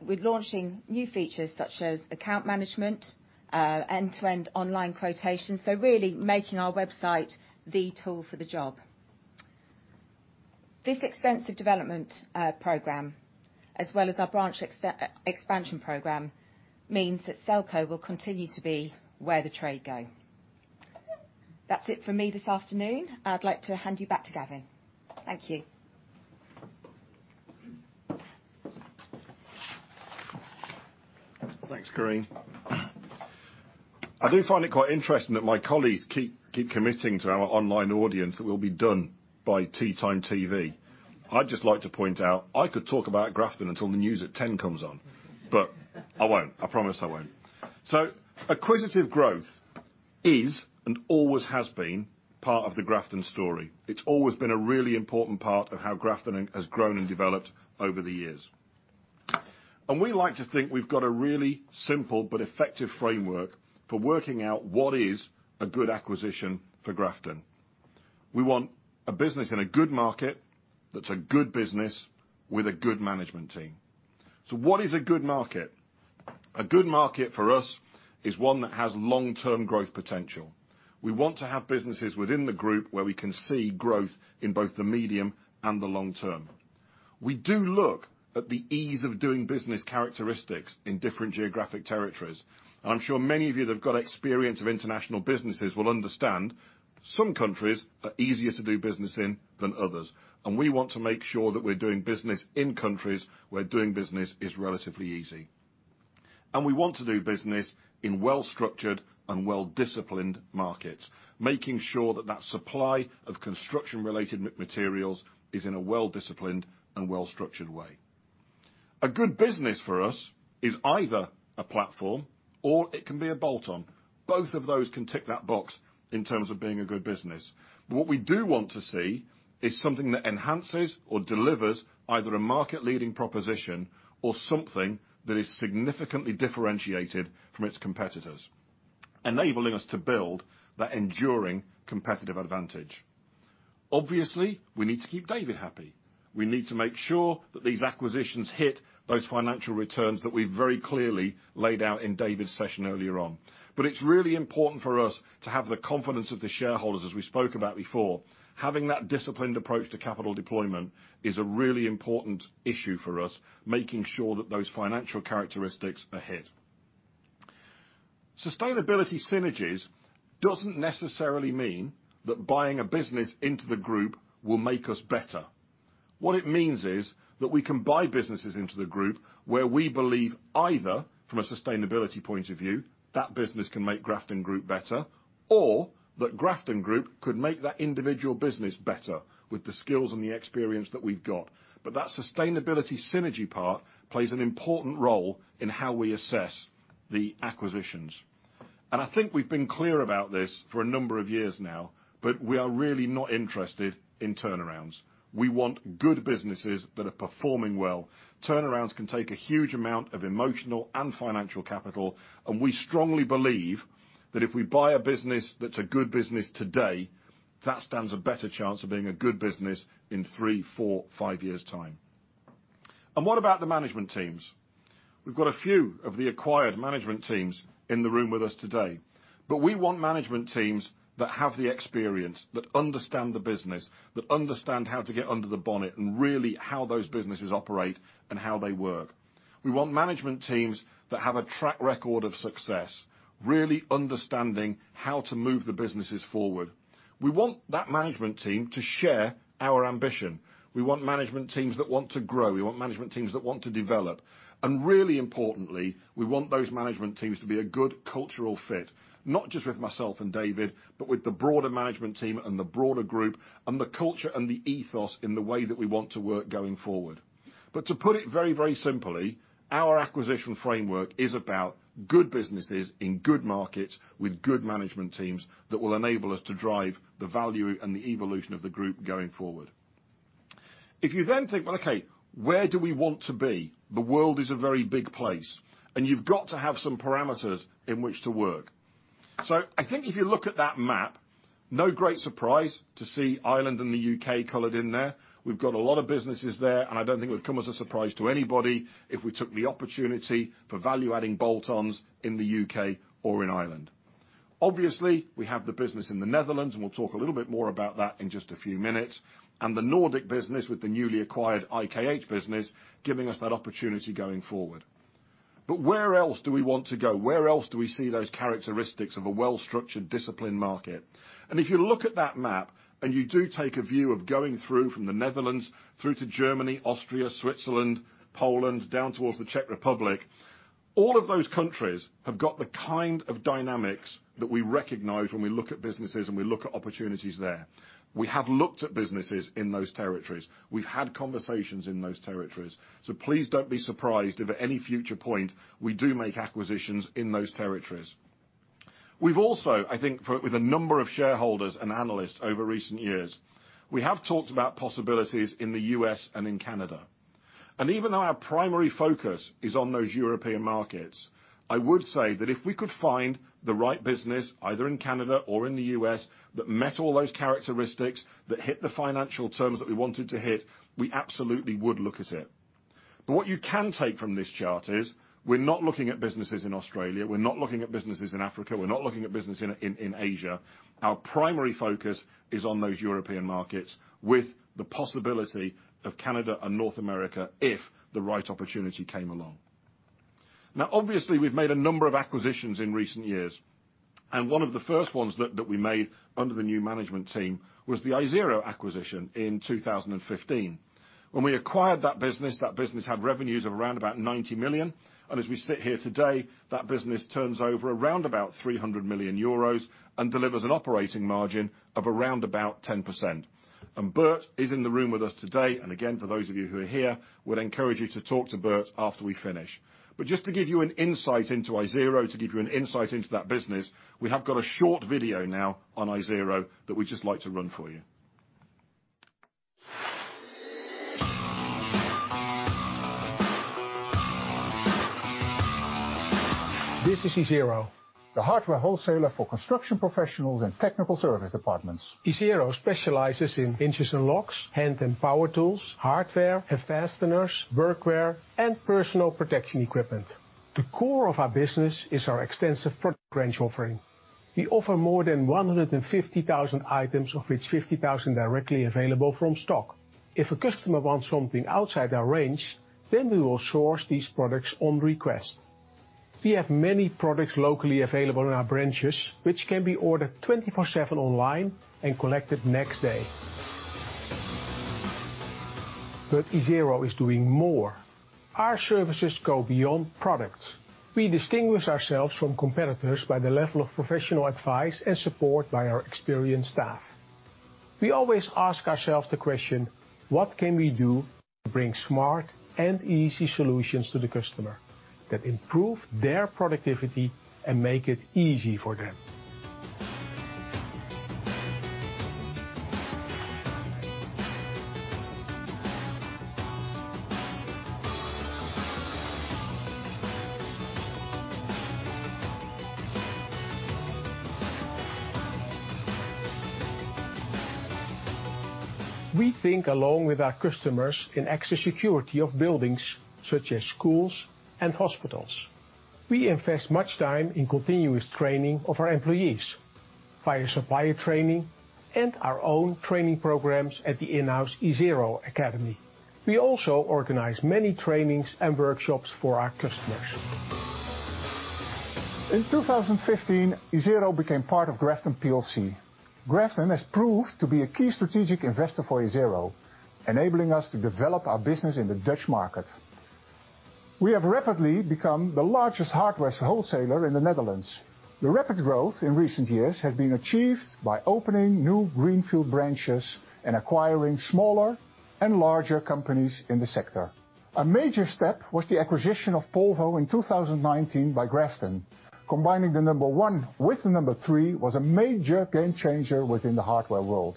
We're launching new features such as account management, end-to-end online quotations, so really making our website the tool for the job. This extensive development program, as well as our branch expansion program, means that Selco will continue to be where the trade go. That's it for me this afternoon. I'd like to hand you back to Gavin. Thank you. Thanks, Carine. I do find it quite interesting that my colleagues keep committing to our online audience that we'll be done by tea time TV. I'd just like to point out, I could talk about Grafton until the news at ten comes on, but I won't. I promise I won't. Acquisitive growth is, and always has been, part of the Grafton story. It's always been a really important part of how Grafton has grown and developed over the years. We like to think we've got a really simple but effective framework for working out what is a good acquisition for Grafton. We want a business in a good market that's a good business with a good management team. What is a good market? A good market for us is one that has long-term growth potential. We want to have businesses within the group where we can see growth in both the medium and the long term. We do look at the ease of doing business characteristics in different geographic territories. I'm sure many of you that have got experience of international businesses will understand some countries are easier to do business in than others, and we want to make sure that we're doing business in countries where doing business is relatively easy. We want to do business in well-structured and well-disciplined markets, making sure that that supply of construction-related materials is in a well-disciplined and well-structured way. A good business for us is either a platform or it can be a bolt-on. Both of those can tick that box in terms of being a good business. What we do want to see is something that enhances or delivers either a market-leading proposition or something that is significantly differentiated from its competitors, enabling us to build that enduring competitive advantage. Obviously, we need to keep David happy. We need to make sure that these acquisitions hit those financial returns that we very clearly laid out in David's session earlier on. It's really important for us to have the confidence of the shareholders, as we spoke about before. Having that disciplined approach to capital deployment is a really important issue for us, making sure that those financial characteristics are hit. Sustainability synergies doesn't necessarily mean that buying a business into the group will make us better. What it means is that we can buy businesses into the group where we believe either from a sustainability point of view, that business can make Grafton Group better, or that Grafton Group could make that individual business better with the skills and the experience that we've got. That sustainability synergy part plays an important role in how we assess the acquisitions. I think we've been clear about this for a number of years now, but we are really not interested in turnarounds. We want good businesses that are performing well. Turnarounds can take a huge amount of emotional and financial capital, and we strongly believe that if we buy a business that's a good business today, that stands a better chance of being a good business in three, four, five years' time. What about the management teams? We've got a few of the acquired management teams in the room with us today, but we want management teams that have the experience, that understand the business, that understand how to get under the bonnet and really how those businesses operate and how they work. We want management teams that have a track record of success, really understanding how to move the businesses forward. We want that management team to share our ambition. We want management teams that want to grow. We want management teams that want to develop. Really importantly, we want those management teams to be a good cultural fit, not just with myself and David, but with the broader management team and the broader group, and the culture and the ethos in the way that we want to work going forward. To put it very, very simply, our acquisition framework is about good businesses in good markets with good management teams that will enable us to drive the value and the evolution of the group going forward. If you then think, well, okay, where do we want to be? The world is a very big place, and you've got to have some parameters in which to work. I think if you look at that map, no great surprise to see Ireland and the U.K. colored in there. We've got a lot of businesses there, and I don't think it would come as a surprise to anybody if we took the opportunity for value-adding bolt-ons in the U.K. or in Ireland. Obviously, we have the business in the Netherlands, and we'll talk a little bit more about that in just a few minutes, and the Nordic business with the newly acquired IKH business, giving us that opportunity going forward. Where else do we want to go? Where else do we see those characteristics of a well-structured, disciplined market? If you look at that map and you do take a view of going through from the Netherlands through to Germany, Austria, Switzerland, Poland, down towards the Czech Republic, all of those countries have got the kind of dynamics that we recognize when we look at businesses and we look at opportunities there. We have looked at businesses in those territories. We've had conversations in those territories. Please don't be surprised if at any future point we do make acquisitions in those territories. We've also, I think with a number of shareholders and analysts over recent years, we have talked about possibilities in the U.S. and in Canada. Even though our primary focus is on those European markets, I would say that if we could find the right business, either in Canada or in the U.S., that met all those characteristics, that hit the financial terms that we wanted to hit, we absolutely would look at it. What you can take from this chart is we're not looking at businesses in Australia, we're not looking at businesses in Africa, we're not looking at business in Asia. Our primary focus is on those European markets with the possibility of Canada and North America if the right opportunity came along. Now, obviously, we've made a number of acquisitions in recent years, and one of the first ones that we made under the new management team was the Isero acquisition in 2015. When we acquired that business, that business had revenues of around about 90 million. As we sit here today, that business turns over around about 300 million euros and delivers an operating margin of around about 10%. Bert is in the room with us today. Again, for those of you who are here, I would encourage you to talk to Bert after we finish. Just to give you an insight into Isero, to give you an insight into that business, we have got a short video now on Isero that we'd just like to run for you. This is Isero. The hardware wholesaler for construction professionals and technical service departments. Isero specializes in hinges and locks, hand and power tools, hardware and fasteners, workwear, and personal protective equipment. The core of our business is our extensive product range offering. We offer more than 150,000 items, of which 50,000 directly available from stock. If a customer wants something outside our range, we will source these products on request. We have many products locally available in our branches, which can be ordered 24/7 online and collected next day. Isero is doing more. Our services go beyond products. We distinguish ourselves from competitors by the level of professional advice and support by our experienced staff. We always ask ourselves the question: What can we do to bring smart and easy solutions to the customer that improve their productivity and make it easy for them? We think along with our customers in access security of buildings such as schools and hospitals. We invest much time in continuous training of our employees via supplier training and our own training programs at the in-house Isero Academy. We also organize many trainings and workshops for our customers. In 2015, Isero became part of Grafton plc. Grafton has proved to be a key strategic investor for Isero, enabling us to develop our business in the Dutch market. We have rapidly become the largest hardware wholesaler in the Netherlands. The rapid growth in recent years has been achieved by opening new greenfield branches and acquiring smaller and larger companies in the sector. A major step was the acquisition of Polvo in 2019 by Grafton. Combining the number one with the number three was a major game changer within the hardware world.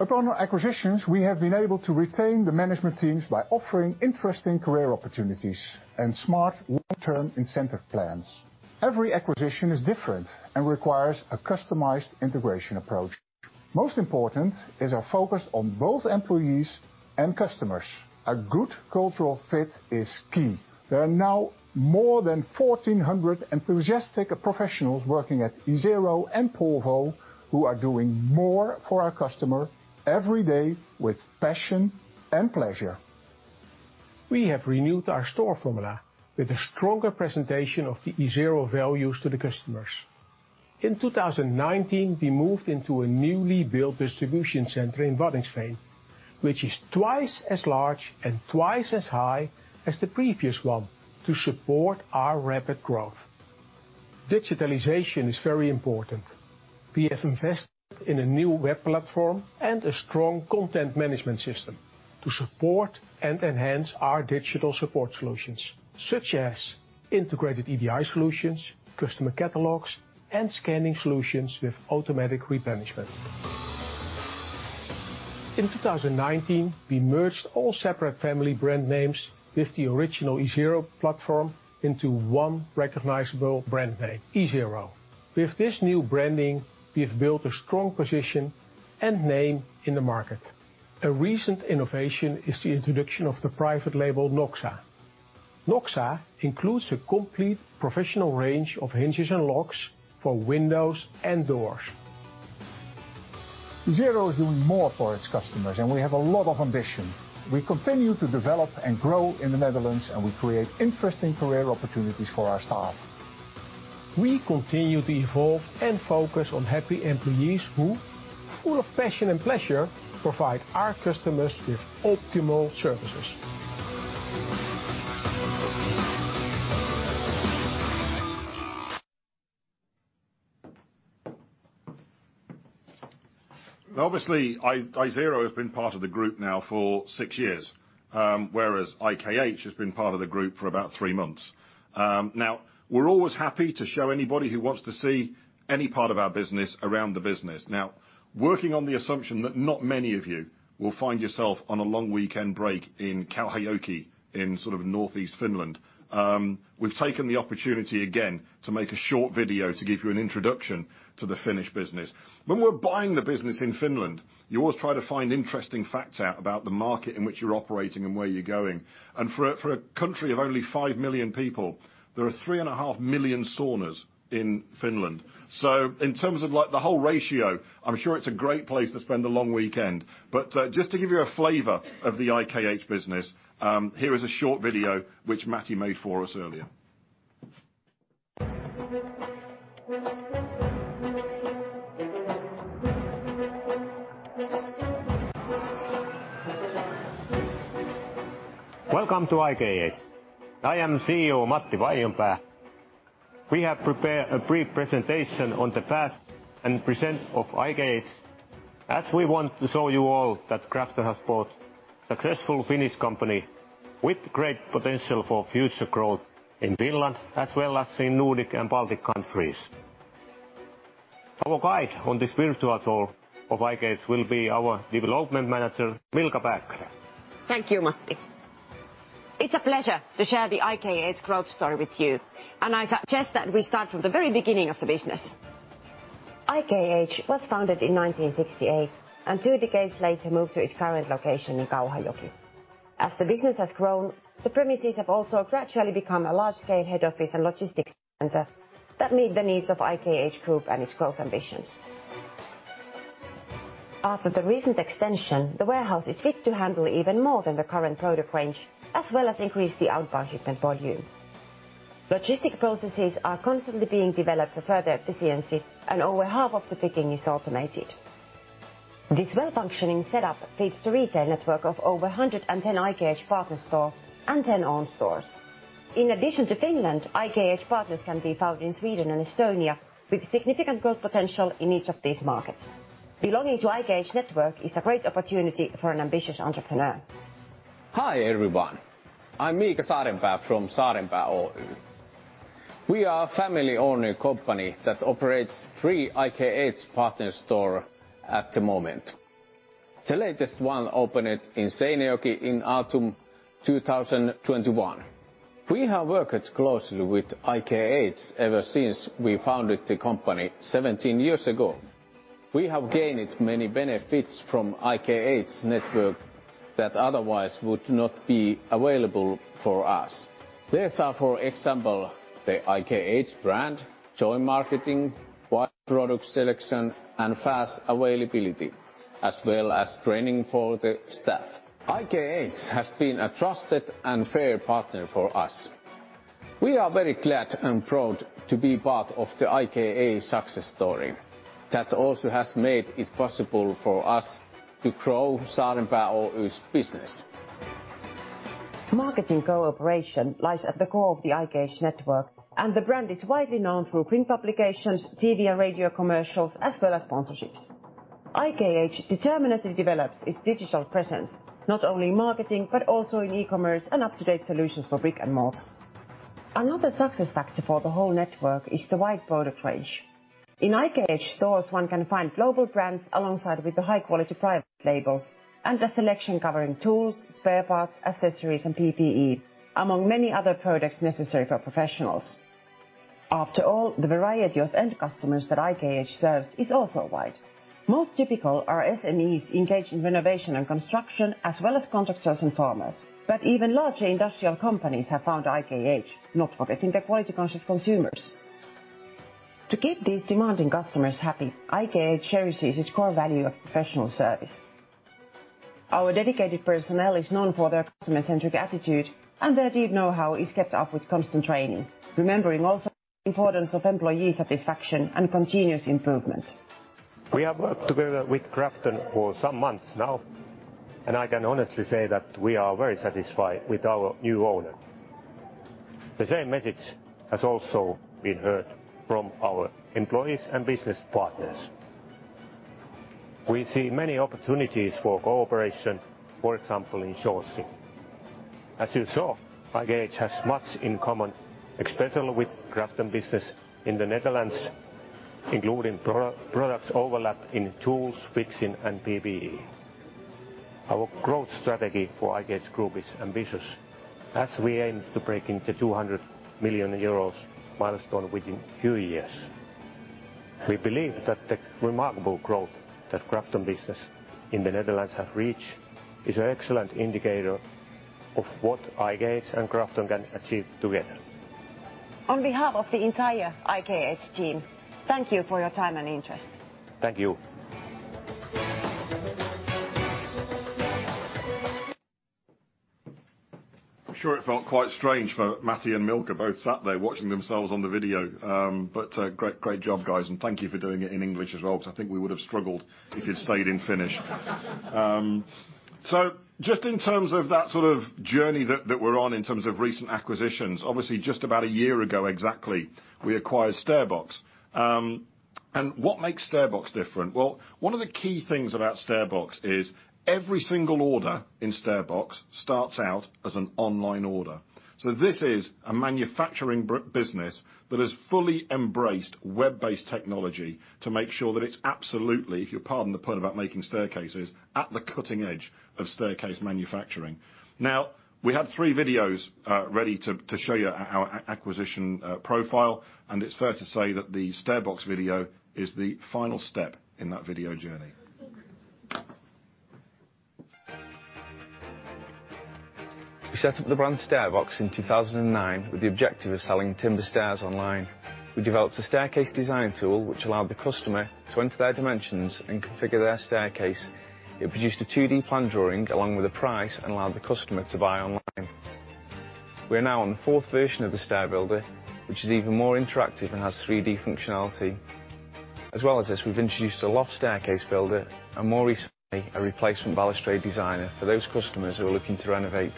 Upon our acquisitions, we have been able to retain the management teams by offering interesting career opportunities and smart long-term incentive plans. Every acquisition is different and requires a customized integration approach. Most important is our focus on both employees and customers. A good cultural fit is key. There are now more than 1,400 enthusiastic professionals working at Isero and Polvo who are doing more for our customer every day with passion and pleasure. We have renewed our store formula with a stronger presentation of the Isero values to the customers. In 2019, we moved into a newly built distribution center in Waddinxveen, which is twice as large and twice as high as the previous one to support our rapid growth. Digitalization is very important. We have invested in a new web platform and a strong content management system to support and enhance our digital support solutions, such as integrated EDI solutions, customer catalogs, and scanning solutions with automatic replenishment. In 2019, we merged all separate family brand names with the original Isero platform into one recognizable brand name, Isero. With this new branding, we have built a strong position and name in the market. A recent innovation is the introduction of the private label, NOXA. NOXA includes a complete professional range of hinges and locks for windows and doors. Isero is doing more for its customers, and we have a lot of ambition. We continue to develop and grow in the Netherlands, and we create interesting career opportunities for our staff. We continue to evolve and focus on happy employees who, full of passion and pleasure, provide our customers with optimal services. Obviously, Isero has been part of the group now for six years, whereas IKH has been part of the group for about three months. Now, we're always happy to show anybody who wants to see any part of our business around the business. Now, working on the assumption that not many of you will find yourself on a long weekend break in Kauhajoki in sort of northeast Finland, we've taken the opportunity again to make a short video to give you an introduction to the Finnish business. When we're buying the business in Finland, you always try to find interesting facts out about the market in which you're operating and where you're going. For a country of only 5 million people, there are 3.5 million saunas in Finland. In terms of like the whole ratio, I'm sure it's a great place to spend a long weekend. Just to give you a flavor of the IKH business, here is a short video which Matti made for us earlier. Welcome to IKH. I am CEO Matti Vainionpää. We have prepared a brief presentation on the past and present of IKH, as we want to show you all that Grafton has bought successful Finnish company with great potential for future growth in Finland, as well as in Nordic and Baltic countries. Our guide on this virtual tour of IKH will be our development manager, Milka Pääkkönen. Thank you, Matti. It's a pleasure to share the IKH growth story with you, and I suggest that we start from the very beginning of the business. IKH was founded in 1968, and two decades later moved to its current location in Kauhajoki. As the business has grown, the premises have also gradually become a large-scale head office and logistics center that meet the needs of IKH Group and its growth ambitions. After the recent extension, the warehouse is fit to handle even more than the current product range, as well as increase the outbound shipment volume. Logistics processes are constantly being developed for further efficiency and over half of the picking is automated. This well-functioning setup feeds the retail network of over 110 IKH partner stores and 10 own stores. In addition to Finland, IKH partners can be found in Sweden and Estonia with significant growth potential in each of these markets. Belonging to IKH network is a great opportunity for an ambitious entrepreneur. Hi everyone. I'm Miika Saarenpää from Saarenpää Oy. We are a family-owned company that operates three IKH partner stores at the moment. The latest one opened in Seinäjoki in autumn 2021. We have worked closely with IKH ever since we founded the company 17 years ago. We have gained many benefits from IKH network that otherwise would not be available for us. These are, for example, the IKH brand, joint marketing, wide product selection, and fast availability, as well as training for the staff. IKH has been a trusted and fair partner for us. We are very glad and proud to be part of the IKH success story that also has made it possible for us to grow Saarenpää Oy's business. Marketing cooperation lies at the core of the IKH network, and the brand is widely known through print publications, TV and radio commercials, as well as sponsorships. IKH determinately develops its digital presence, not only in marketing, but also in e-commerce and up-to-date solutions for brick-and-mortar. Another success factor for the whole network is the wide product range. In IKH stores, one can find global brands alongside with the high-quality private labels and a selection covering tools, spare parts, accessories, and PPE, among many other products necessary for professionals. After all, the variety of end customers that IKH serves is also wide. Most typical are SMEs engaged in renovation and construction, as well as contractors and farmers. But even larger industrial companies have found IKH, not forgetting the quality-conscious consumers. To keep these demanding customers happy, IKH cherishes its core value of professional service. Our dedicated personnel is known for their customer-centric attitude and their deep know-how is kept up with constant training, remembering also the importance of employee satisfaction and continuous improvement. We have worked together with Grafton for some months now, and I can honestly say that we are very satisfied with our new owner. The same message has also been heard from our employees and business partners. We see many opportunities for cooperation, for example, in sourcing. As you saw, IKH has much in common, especially with Grafton business in the Netherlands, including products overlap in tools, fixing, and PPE. Our growth strategy for IKH Group is ambitious as we aim to break into 200 million euros milestone within two years. We believe that the remarkable growth that Grafton business in the Netherlands have reached is an excellent indicator of what IKH and Grafton can achieve together. On behalf of the entire IKH team, thank you for your time and interest. Thank you. I'm sure it felt quite strange for Matti and Milka both sat there watching themselves on the video. Great job, guys, and thank you for doing it in English as well because I think we would have struggled if you'd stayed in Finnish. Just in terms of that sort of journey that we're on in terms of recent acquisitions. Obviously, just about a year ago exactly, we acquired StairBox. What makes StairBox different? Well, one of the key things about StairBox is every single order in StairBox starts out as an online order. This is a manufacturing business that has fully embraced web-based technology to make sure that it's absolutely, if you'll pardon the pun about making staircases, at the cutting edge of staircase manufacturing. Now, we have three videos ready to show you our acquisition profile, and it's fair to say that the StairBox video is the final step in that video journey. We set up the brand StairBox in 2009 with the objective of selling timber stairs online. We developed a staircase design tool which allowed the customer to enter their dimensions and configure their staircase. It produced a 2D plan drawing along with a price and allowed the customer to buy online. We're now on the fourth version of the stair builder, which is even more interactive and has 3D functionality. As well as this, we've introduced a loft staircase builder and, more recently, a replacement balustrade designer for those customers who are looking to renovate.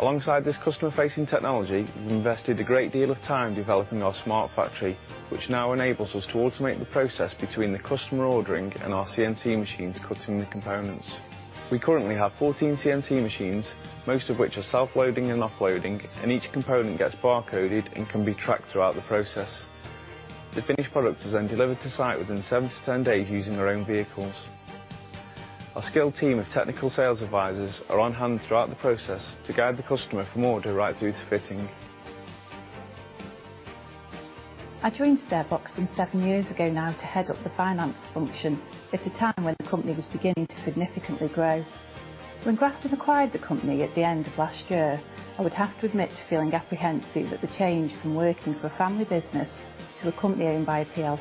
Alongside this customer-facing technology, we've invested a great deal of time developing our smart factory, which now enables us to automate the process between the customer ordering and our CNC machines cutting the components. We currently have 14 CNC machines, most of which are self-loading and offloading, and each component gets barcoded and can be tracked throughout the process. The finished product is then delivered to site within 7-10 days using our own vehicles. Our skilled team of technical sales advisors are on hand throughout the process to guide the customer from order right through to fitting. I joined StairBox some seven years ago now to head up the finance function at a time when the company was beginning to significantly grow. When Grafton acquired the company at the end of last year, I would have to admit to feeling apprehensive at the change from working for a family business to a company owned by a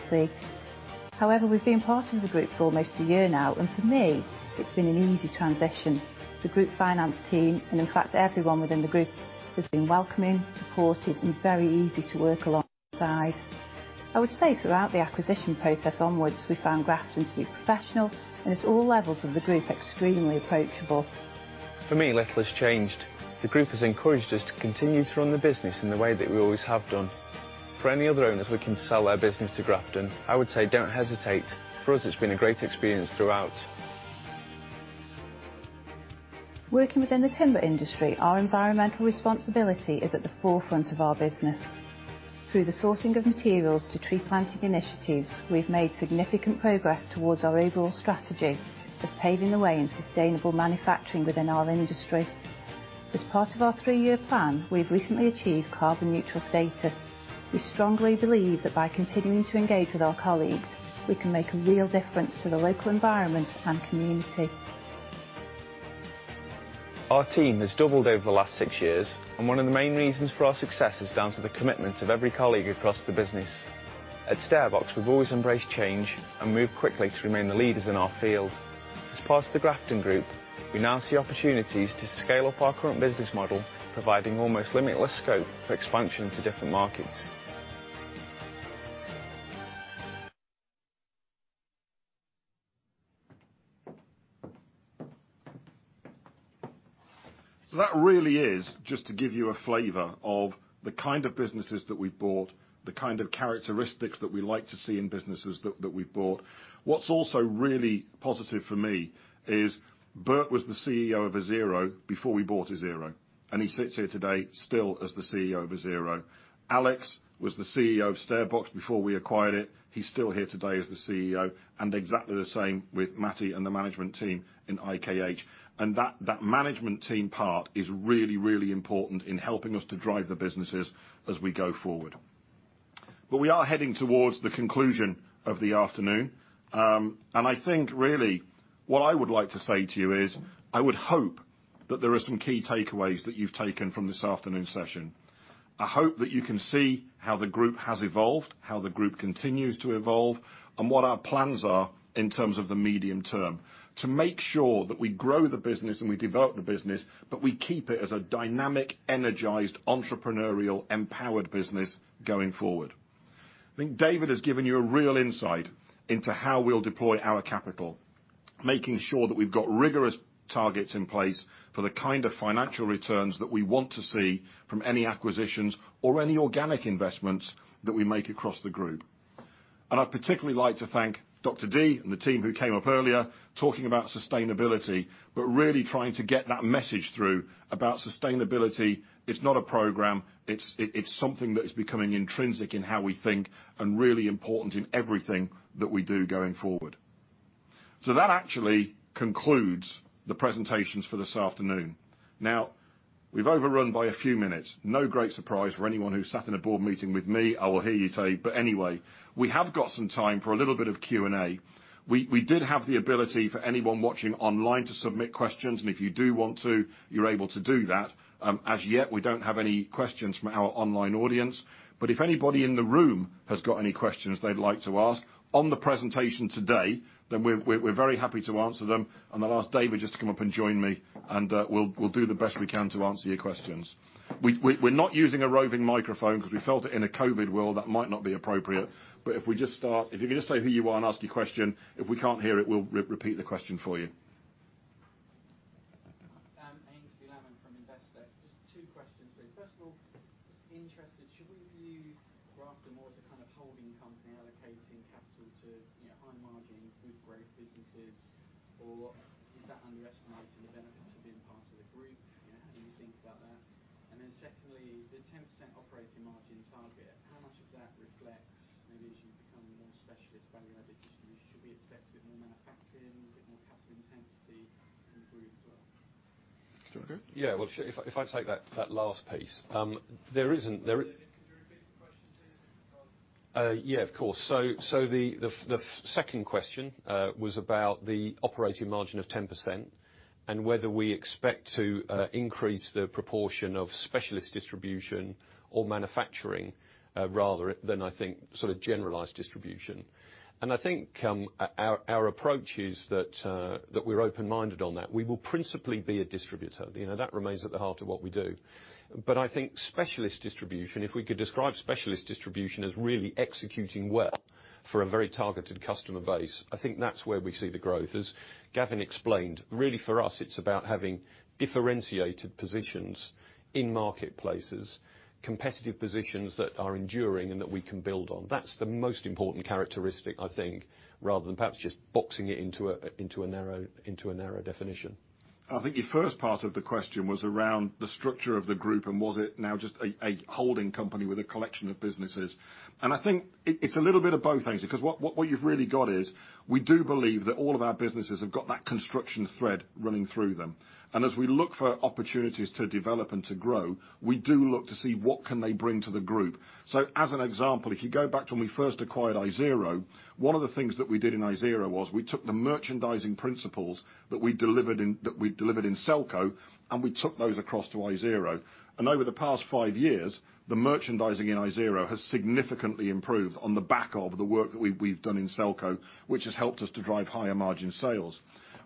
PLC. However, we've been part of the group for almost a year now, and for me, it's been an easy transition. The group finance team, and in fact everyone within the group, has been welcoming, supportive, and very easy to work alongside. I would say throughout the acquisition process onwards, we found Grafton to be professional and, at all levels of the group, extremely approachable. For me, little has changed. The group has encouraged us to continue to run the business in the way that we always have done. For any other owners looking to sell their business to Grafton, I would say don't hesitate. For us, it's been a great experience throughout. Working within the timber industry, our environmental responsibility is at the forefront of our business. Through the sourcing of materials to tree planting initiatives, we've made significant progress towards our overall strategy of paving the way in sustainable manufacturing within our industry. As part of our three-year plan, we've recently achieved carbon neutral status. We strongly believe that by continuing to engage with our colleagues, we can make a real difference to the local environment and community. Our team has doubled over the last six years, and one of the main reasons for our success is down to the commitment of every colleague across the business. At StairBox, we've always embraced change and moved quickly to remain the leaders in our field. As part of the Grafton Group, we now see opportunities to scale up our current business model, providing almost limitless scope for expansion to different markets. That really is just to give you a flavor of the kind of businesses that we bought, the kind of characteristics that we like to see in businesses that we've bought. What's also really positive for me is Bert was the CEO of Isero before we bought Isero, and he sits here today still as the CEO of Isero. Alex was the CEO of StairBox before we acquired it. He's still here today as the CEO. Exactly the same with Matti and the management team in IKH. That management team part is really, really important in helping us to drive the businesses as we go forward. We are heading towards the conclusion of the afternoon. I think really what I would like to say to you is I would hope that there are some key takeaways that you've taken from this afternoon's session. I hope that you can see how the group has evolved, how the group continues to evolve, and what our plans are in terms of the medium term to make sure that we grow the business and we develop the business. We keep it as a dynamic, energized, entrepreneurial, empowered business going forward. I think David has given you a real insight into how we'll deploy our capital, making sure that we've got rigorous targets in place for the kind of financial returns that we want to see from any acquisitions or any organic investments that we make across the group. I'd particularly like to thank Dr. Dee and the team who came up earlier talking about sustainability, but really trying to get that message through about sustainability. It's not a program, it's something that is becoming intrinsic in how we think and really important in everything that we do going forward. That actually concludes the presentations for this afternoon. Now, we've overrun by a few minutes. No great surprise for anyone who sat in a board meeting with me, I will hear you say. Anyway, we have got some time for a little bit of Q&A. We did have the ability for anyone watching online to submit questions, and if you do want to, you're able to do that. As yet, we don't have any questions from our online audience. If anybody in the room has got any questions they'd like to ask on the presentation today, then we're very happy to answer them. I'll ask David just to come up and join me, and we'll do the best we can to answer your questions. We're not using a roving microphone because we felt in a COVID world that might not be appropriate. If we just start, if you could just say who you are and ask your question. If we can't hear it, we'll repeat the question for you. Aynsley Lammin from Investec. Just two questions for you. First of all, just interested, should we view Grafton more as a kind of holding company allocating capital to, you know, high margin with growth businesses? Or is that underestimated in the benefits of being part of the group? You know, how do you think about that? Secondly, the 10% operating margin target, how much of that reflects maybe as you become more specialist value-added distribution? Should we expect a bit more manufacturing, a bit more capital intensity in the group as well? Do you want me? Yeah. Well, if I take that last piece, there isn't, there- David, could you repeat the question too? Yeah, of course. The second question was about the operating margin of 10% and whether we expect to increase the proportion of specialist distribution or manufacturing rather than I think sort of generalized distribution. I think our approach is that we're open-minded on that. We will principally be a distributor. You know, that remains at the heart of what we do. But I think specialist distribution, if we could describe specialist distribution as really executing well for a very targeted customer base, I think that's where we see the growth. As Gavin explained, really for us, it's about having differentiated positions in marketplaces, competitive positions that are enduring and that we can build on. That's the most important characteristic, I think, rather than perhaps just boxing it into a narrow definition. I think your first part of the question was around the structure of the group, and was it now just a holding company with a collection of businesses. I think it's a little bit of both things, because what you've really got is we do believe that all of our businesses have got that construction thread running through them. As we look for opportunities to develop and to grow, we do look to see what can they bring to the group. So as an example, if you go back to when we first acquired Isero, one of the things that we did in Isero was we took the merchandising principles that we delivered in Selco, and we took those across to Isero. Over the past five years, the merchandising in Isero has significantly improved on the back of the work that we've done in Selco, which has helped us to drive higher margin sales.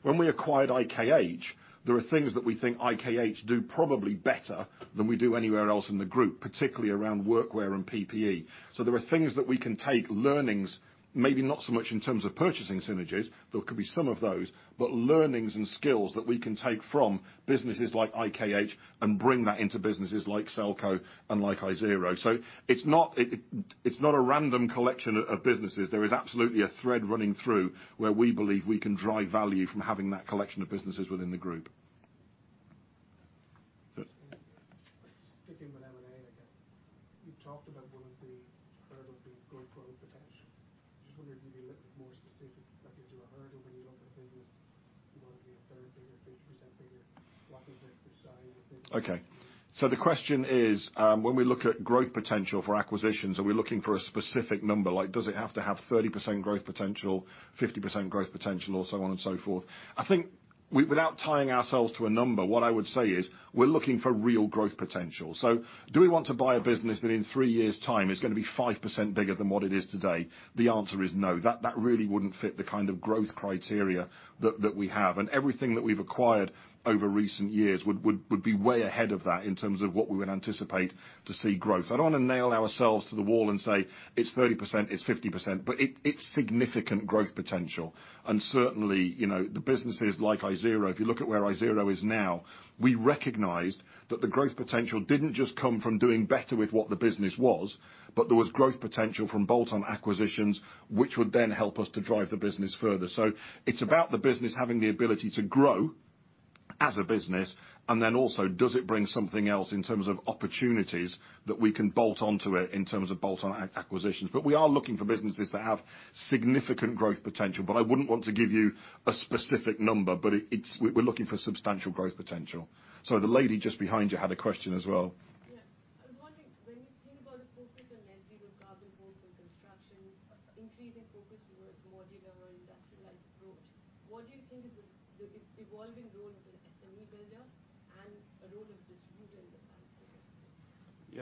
When we acquired IKH, there are things that we think IKH do probably better than we do anywhere else in the group, particularly around work wear and PPE. There are things that we can take learnings, maybe not so much in terms of purchasing synergies, there could be some of those, but learnings and skills that we can take from businesses like IKH and bring that into businesses like Selco and like Isero. It's not a random collection of businesses. There is absolutely a thread running through where we believe we can drive value from having that collection of businesses within the group. Sticking with M&A, I guess. You talked about one of the hurdles being growth potential. Just wondering if you could be a little bit more specific. Like, is there a hurdle when you look at business, you want to be a third bigger, 50% bigger? What is the size of this? Okay. The question is, when we look at growth potential for acquisitions, are we looking for a specific number? Like does it have to have 30% growth potential, 50% growth potential, or so on and so forth? I think without tying ourselves to a number, what I would say is we're looking for real growth potential. Do we want to buy a business that in three years' time is gonna be 5% bigger than what it is today? The answer is no. That really wouldn't fit the kind of growth criteria that we have. Everything that we've acquired over recent years would be way ahead of that in terms of what we would anticipate to see growth. I don't wanna nail ourselves to the wall and say, "It's 30%, it's 50%," but it's significant growth potential. Certainly, you know, the businesses like Isero, if you look at where Isero is now, we recognized that the growth potential didn't just come from doing better with what the business was, but there was growth potential from bolt-on acquisitions, which would then help us to drive the business further. It's about the business having the ability to grow as a business, and then also does it bring something else in terms of opportunities that we can bolt onto it in terms of bolt-on acquisitions. We are looking for businesses that have significant growth potential. I wouldn't want to give you a specific number, but it's, we're looking for substantial growth potential. The lady just behind you had a question as well.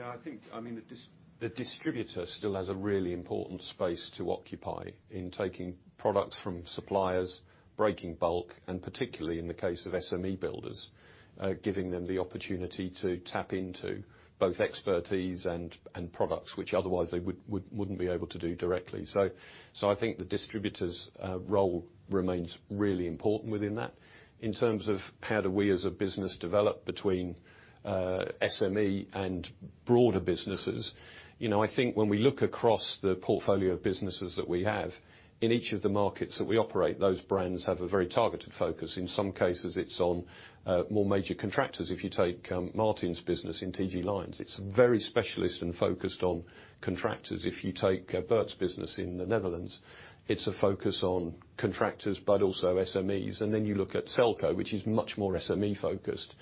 Yeah. I was wondering, when you think about the focus on net zero carbon goals in construction, increasing focus towards modular or industrialized approach, what do you think is the evolving role of an SME builder and the role of distributor in the past decade or so? I think, I mean, the distributor still has a really important space to occupy in taking products from suppliers, breaking bulk, and particularly in the case of SME builders, giving them the opportunity to tap into both expertise and products which otherwise they wouldn't be able to do directly. I think the distributor's role remains really important within that. In terms of how do we as a business develop between SME and broader businesses, you know, I think when we look across the portfolio of businesses that we have, in each of the markets that we operate, those brands have a very targeted focus. In some cases, it's on more major contractors. If you take Martin's business in TG Lynes, it's very specialist and focused on contractors. If you take Bert's business in the Netherlands, it's a focus on contractors but also SMEs. You look at Selco, which is much more SME focused.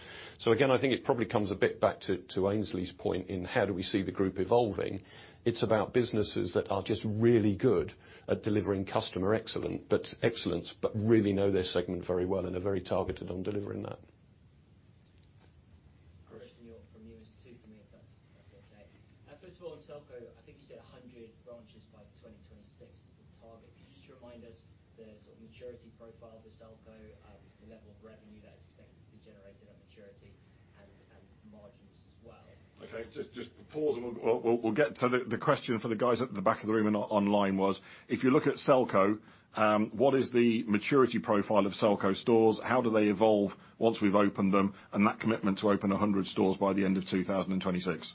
Again, I think it probably comes a bit back to Aynsley's point in how do we see the group evolving. It's about businesses that are just really good at delivering customer excellence, but really know their segment very well and are very targeted on delivering that. Christian, you're up next. From me, two questions if that's okay. First of all, on Selco, I think you said 100 branches by 2026 is the target. Could you just remind us of the sort of maturity profile for Selco, the level of revenue that is expected to be generated at maturity and margins as well? Okay. Just pause and we'll get to the question for the guys at the back of the room and online was if you look at Selco, what is the maturity profile of Selco stores? How do they evolve once we've opened them? That commitment to open 100 stores by the end of 2026.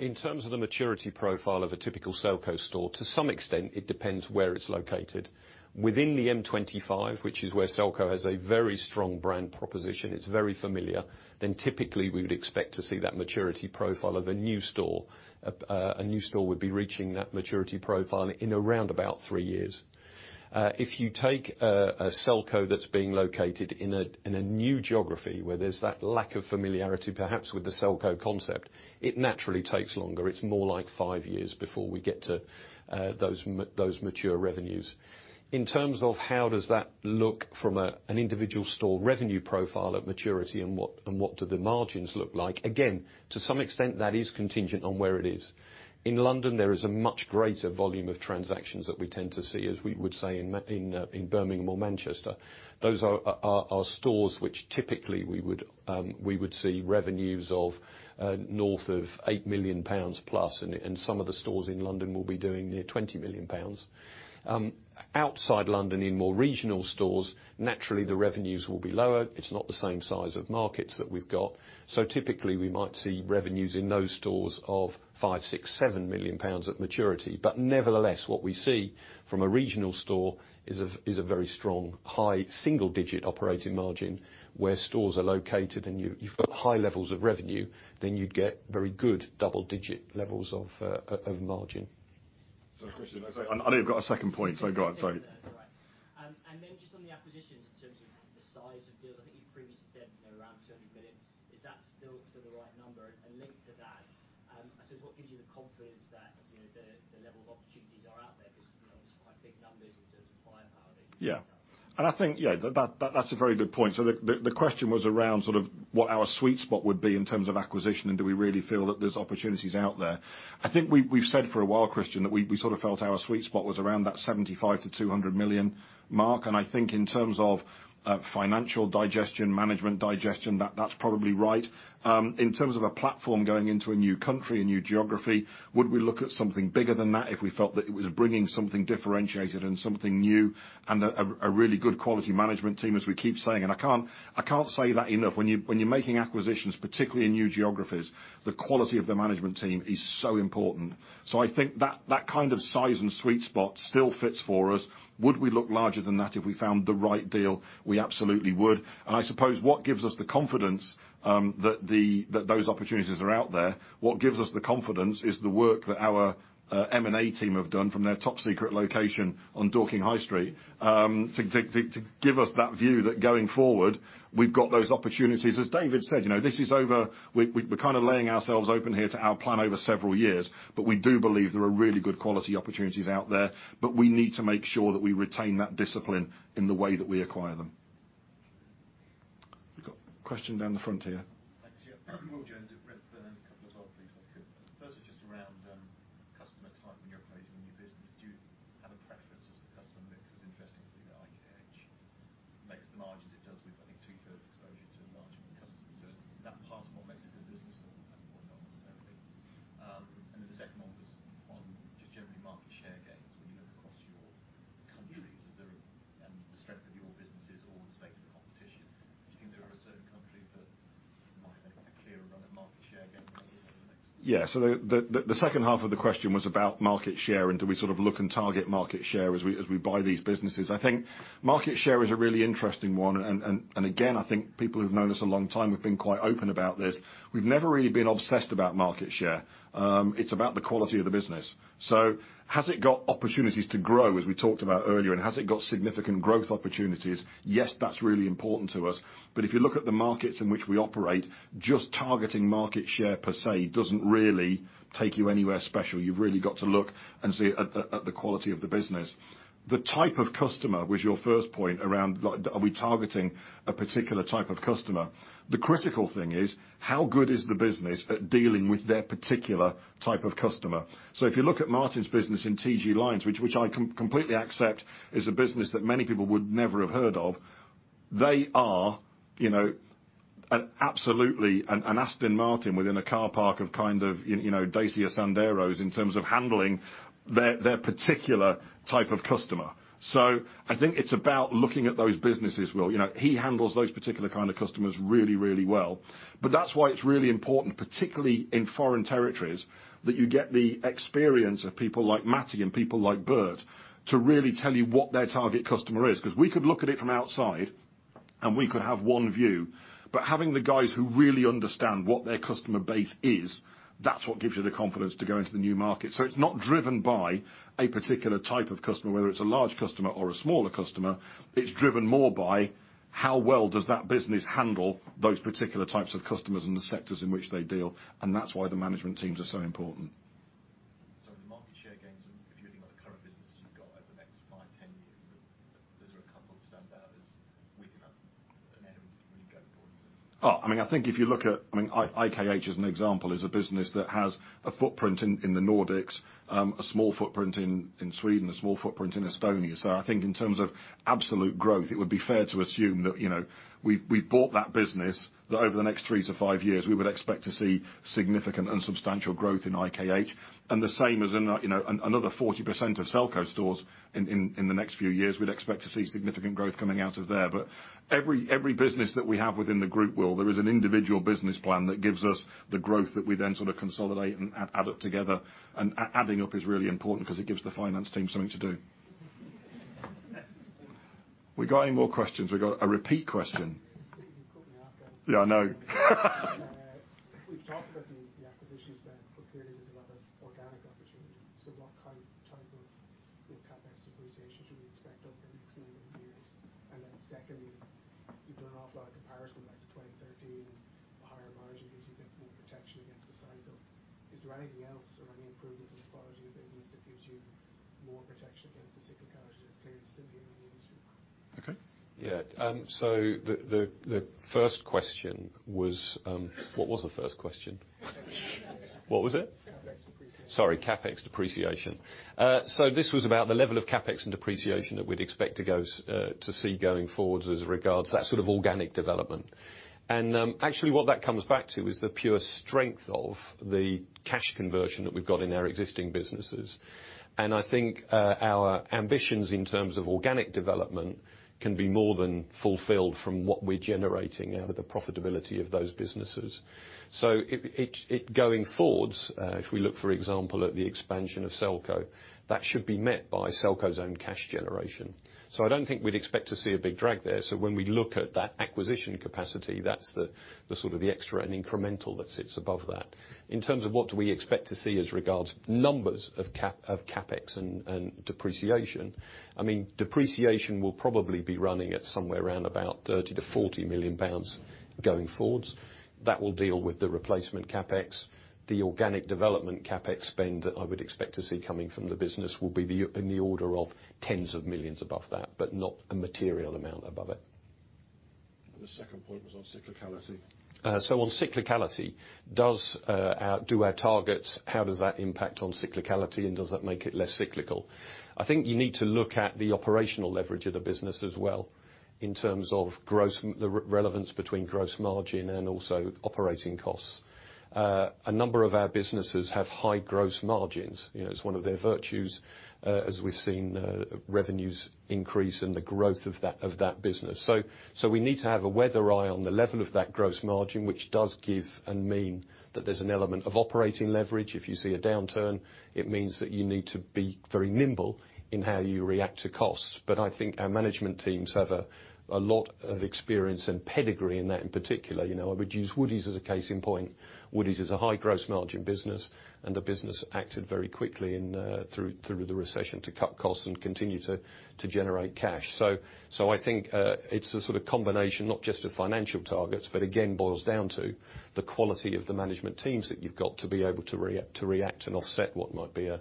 In terms of the maturity profile of a typical Selco store, to some extent it depends where it's located. Within the M25, which is where Selco has a very strong brand proposition, it's very familiar, then typically we would expect to see that maturity profile of a new store. A new store would be reaching that maturity profile in around about three years. If you take a Selco that's being located in a new geography where there's that lack of familiarity, perhaps with the Selco concept, it naturally takes longer. It's more like five years before we get to those mature revenues. In terms of how does that look from an individual store revenue profile at maturity and what do the margins look like? Again, to some extent that is contingent on where it is. In London, there is a much greater volume of transactions that we tend to see, as we would say in in Birmingham or Manchester. Those are stores which typically we would see revenues of north of 8 million pounds plus, and some of the stores in London will be doing near 20 million pounds. Outside London in more regional stores, naturally the revenues will be lower. It's not the same size of markets that we've got. Typically we might see revenues in those stores of 5, 6, 7 million pounds at maturity. Nevertheless, what we see from a regional store is a very strong high single-digit operating margin where stores are located and you've got high levels of revenue, then you'd get very good double-digit levels of margin. Christian, I know you've got a second point, so go on, sorry. Yeah. No, you're all right. Then just on the acquisitions in terms of the size of deals, I think you previously said, you know, around 200 million. Is that still sort of the right number? Linked to that, I suppose what gives you the confidence that, you know, the level of opportunities are out there? 'Cause you know, it's quite big numbers in terms of firepower that you talked about. Yeah. I think that's a very good point. The question was around sort of what our sweet spot would be in terms of acquisition, and do we really feel that there's opportunities out there. I think we've said for a while, Christian, that we sort of felt our sweet spot was around that 75-200 million mark. I think in terms of financial digestion, management digestion, that's probably right. In terms of a platform going into a new country, a new geography, would we look at something bigger than that if we felt that it was bringing something differentiated and something new and a really good quality management team, as we keep saying, and I can't say that enough. When you're making acquisitions, particularly in new geographies, the quality of the management team is so important. I think that kind of size and sweet spot still fits for us. Would we look larger than that if we found the right deal? We absolutely would. I suppose what gives us the confidence that those opportunities are out there is the work that our M&A team have done from their top secret location on Dorking High Street, to give us that view that going forward we've got those opportunities. As David said, this is over. We're kind of laying ourselves open here to our plan over several years, but we do believe there are really good quality opportunities out there. We need to make sure that we retain that discipline in the way that we acquire them. We've got a question down the front here. Thanks. Yeah. Will Jones Has it got opportunities to grow, as we talked about earlier, and has it got significant growth opportunities? Yes, that's really important to us. If you look at the markets in which we operate, just targeting market share per se doesn't really take you anywhere special. You've really got to look and see at the quality of the business. The type of customer was your first point around like are we targeting a particular type of customer? The critical thing is how good is the business at dealing with their particular type of customer? If you look at Martin's business in TG Lynes, which I completely accept is a business that many people would never have heard of, they are, you know. Absolutely. An Aston Martin within a car park of kind of, you know, Dacia Sandero's in terms of handling their particular type of customer. I think it's about looking at those businesses well. You know, he handles those particular kind of customers really, really well. That's why it's really important, particularly in foreign territories, that you get the experience of people like Matti and people like Bert to really tell you what their target customer is. We could look at it from outside, and we could have one view, but having the guys who really understand what their customer base is, that's what gives you the confidence to go into the new market. It's not driven by a particular type of customer, whether it's a large customer or a smaller customer. It's driven more by how well does that business handle those particular types of customers in the sectors in which they deal, and that's why the management teams are so important. The market share gains, if you're thinking about the current businesses you've got over the next 5, 10 years, is there a couple of standouts with customers that you go for? Oh, I mean, I think if you look at, I mean, IKH as an example, is a business that has a footprint in the Nordics, a small footprint in Sweden, a small footprint in Estonia. So I think in terms of absolute growth, it would be fair to assume that, you know, we've bought that business, that over the next 3-5 years, we would expect to see significant and substantial growth in IKH. The same as in, you know, another 40% of Selco stores in the next few years, we'd expect to see significant growth coming out of there. Every business that we have within the group, Will, there is an individual business plan that gives us the growth that we then sort of consolidate and add up together. Adding up is really important because it gives the finance team something to do. We got any more questions? We got a repeat question. You caught me off guard. Yeah, I know. We've talked about the acquisitions, but clearly there's a lot of organic opportunity. What type of CapEx depreciation should we expect over the next nine years? Secondly, you've done an awful lot of comparison back to 2013, the higher margin gives you a bit more protection against the cycle. Is there anything else or any improvements in the quality of the business that gives you more protection against the cyclicality that's clear in the industry? Okay. Yeah. The first question was. What was the first question? What was it? CapEx depreciation. Sorry, CapEx depreciation. This was about the level of CapEx and depreciation that we'd expect to see going forward as regards to that sort of organic development. Actually what that comes back to is the pure strength of the cash conversion that we've got in our existing businesses. I think our ambitions in terms of organic development can be more than fulfilled from what we're generating out of the profitability of those businesses. Going forwards, if we look, for example, at the expansion of Selco, that should be met by Selco's own cash generation. I don't think we'd expect to see a big drag there. When we look at that acquisition capacity, that's the sort of extra and incremental that sits above that. In terms of what do we expect to see as regards numbers of CapEx and depreciation, I mean, depreciation will probably be running at somewhere around about 30 million-40 million pounds going forwards. That will deal with the replacement CapEx. The organic development CapEx spend that I would expect to see coming from the business will be in the order of tens of millions GBP above that, but not a material amount above it. The second point was on cyclicality. On cyclicality, do our targets, how does that impact on cyclicality, and does that make it less cyclical? I think you need to look at the operational leverage of the business as well in terms of the relevance between gross margin and also operating costs. A number of our businesses have high gross margins. You know, it's one of their virtues, as we've seen, revenues increase and the growth of that business. We need to have a weather eye on the level of that gross margin, which does give and mean that there's an element of operating leverage. If you see a downturn, it means that you need to be very nimble in how you react to costs. I think our management teams have a lot of experience and pedigree in that in particular. You know, I would use Woodie's as a case in point. Woodie's is a high gross margin business, and the business acted very quickly in through the recession to cut costs and continue to generate cash. So I think it's a sort of combination, not just of financial targets, but again, boils down to the quality of the management teams that you've got to be able to react and offset what might be a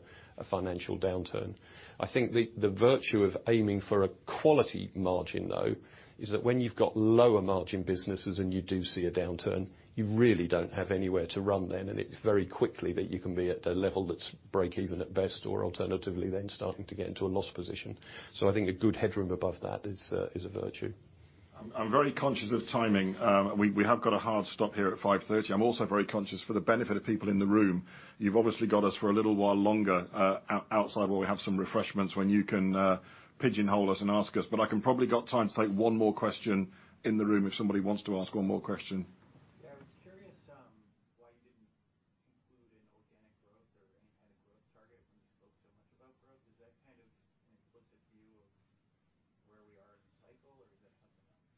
financial downturn. I think the virtue of aiming for a quality margin, though, is that when you've got lower margin businesses and you do see a downturn, you really don't have anywhere to run then, and it's very quickly that you can be at a level that's break even at best, or alternatively then starting to get into a loss position. I think a good headroom above that is a virtue. I'm very conscious of timing. We have got a hard stop here at 5:30 P.M. I'm also very conscious, for the benefit of people in the room, you've obviously got us for a little while longer, outside where we have some refreshments when you can pigeonhole us and ask us, but I've probably got time to take one more question in the room if somebody wants to ask one more question. Yeah, I was curious, why you didn't include an organic growth or any kind of growth target when you spoke so much about growth. Is that kind of an implicit view of where we are in the cycle, or is that something else?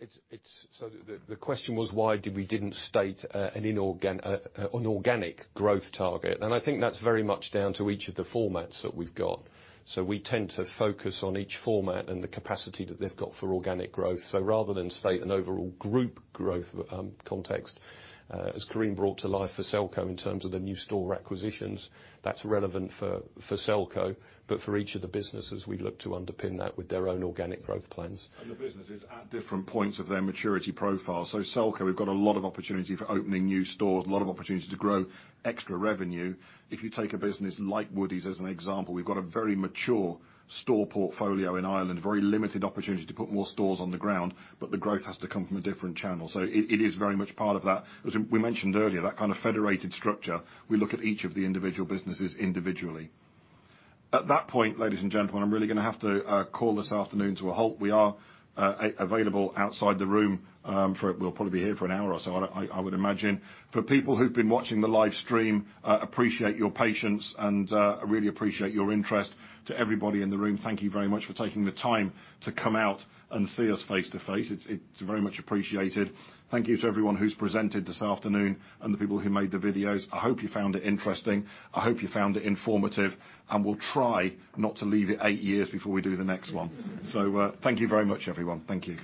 It's the question was why did we didn't state an organic growth target, and I think that's very much down to each of the formats that we've got. We tend to focus on each format and the capacity that they've got for organic growth. Rather than state an overall group growth context, as Carine brought to life for Selco in terms of the new store acquisitions, that's relevant for Selco. For each of the businesses, we look to underpin that with their own organic growth plans. The businesses at different points of their maturity profile. Selco, we've got a lot of opportunity for opening new stores, a lot of opportunity to grow extra revenue. If you take a business like Woodie's as an example, we've got a very mature store portfolio in Ireland, very limited opportunity to put more stores on the ground, but the growth has to come from a different channel. It is very much part of that. As we mentioned earlier, that kind of federated structure, we look at each of the individual businesses individually. At that point, ladies and gentlemen, I'm really gonna have to call this afternoon to a halt. We are available outside the room for, we'll probably be here for an hour or so, I would imagine. For people who've been watching the live stream, I appreciate your patience and really appreciate your interest. To everybody in the room, thank you very much for taking the time to come out and see us face to face. It's very much appreciated. Thank you to everyone who's presented this afternoon and the people who made the videos. I hope you found it interesting. I hope you found it informative, and we'll try not to leave it eight years before we do the next one. Thank you very much, everyone. Thank you.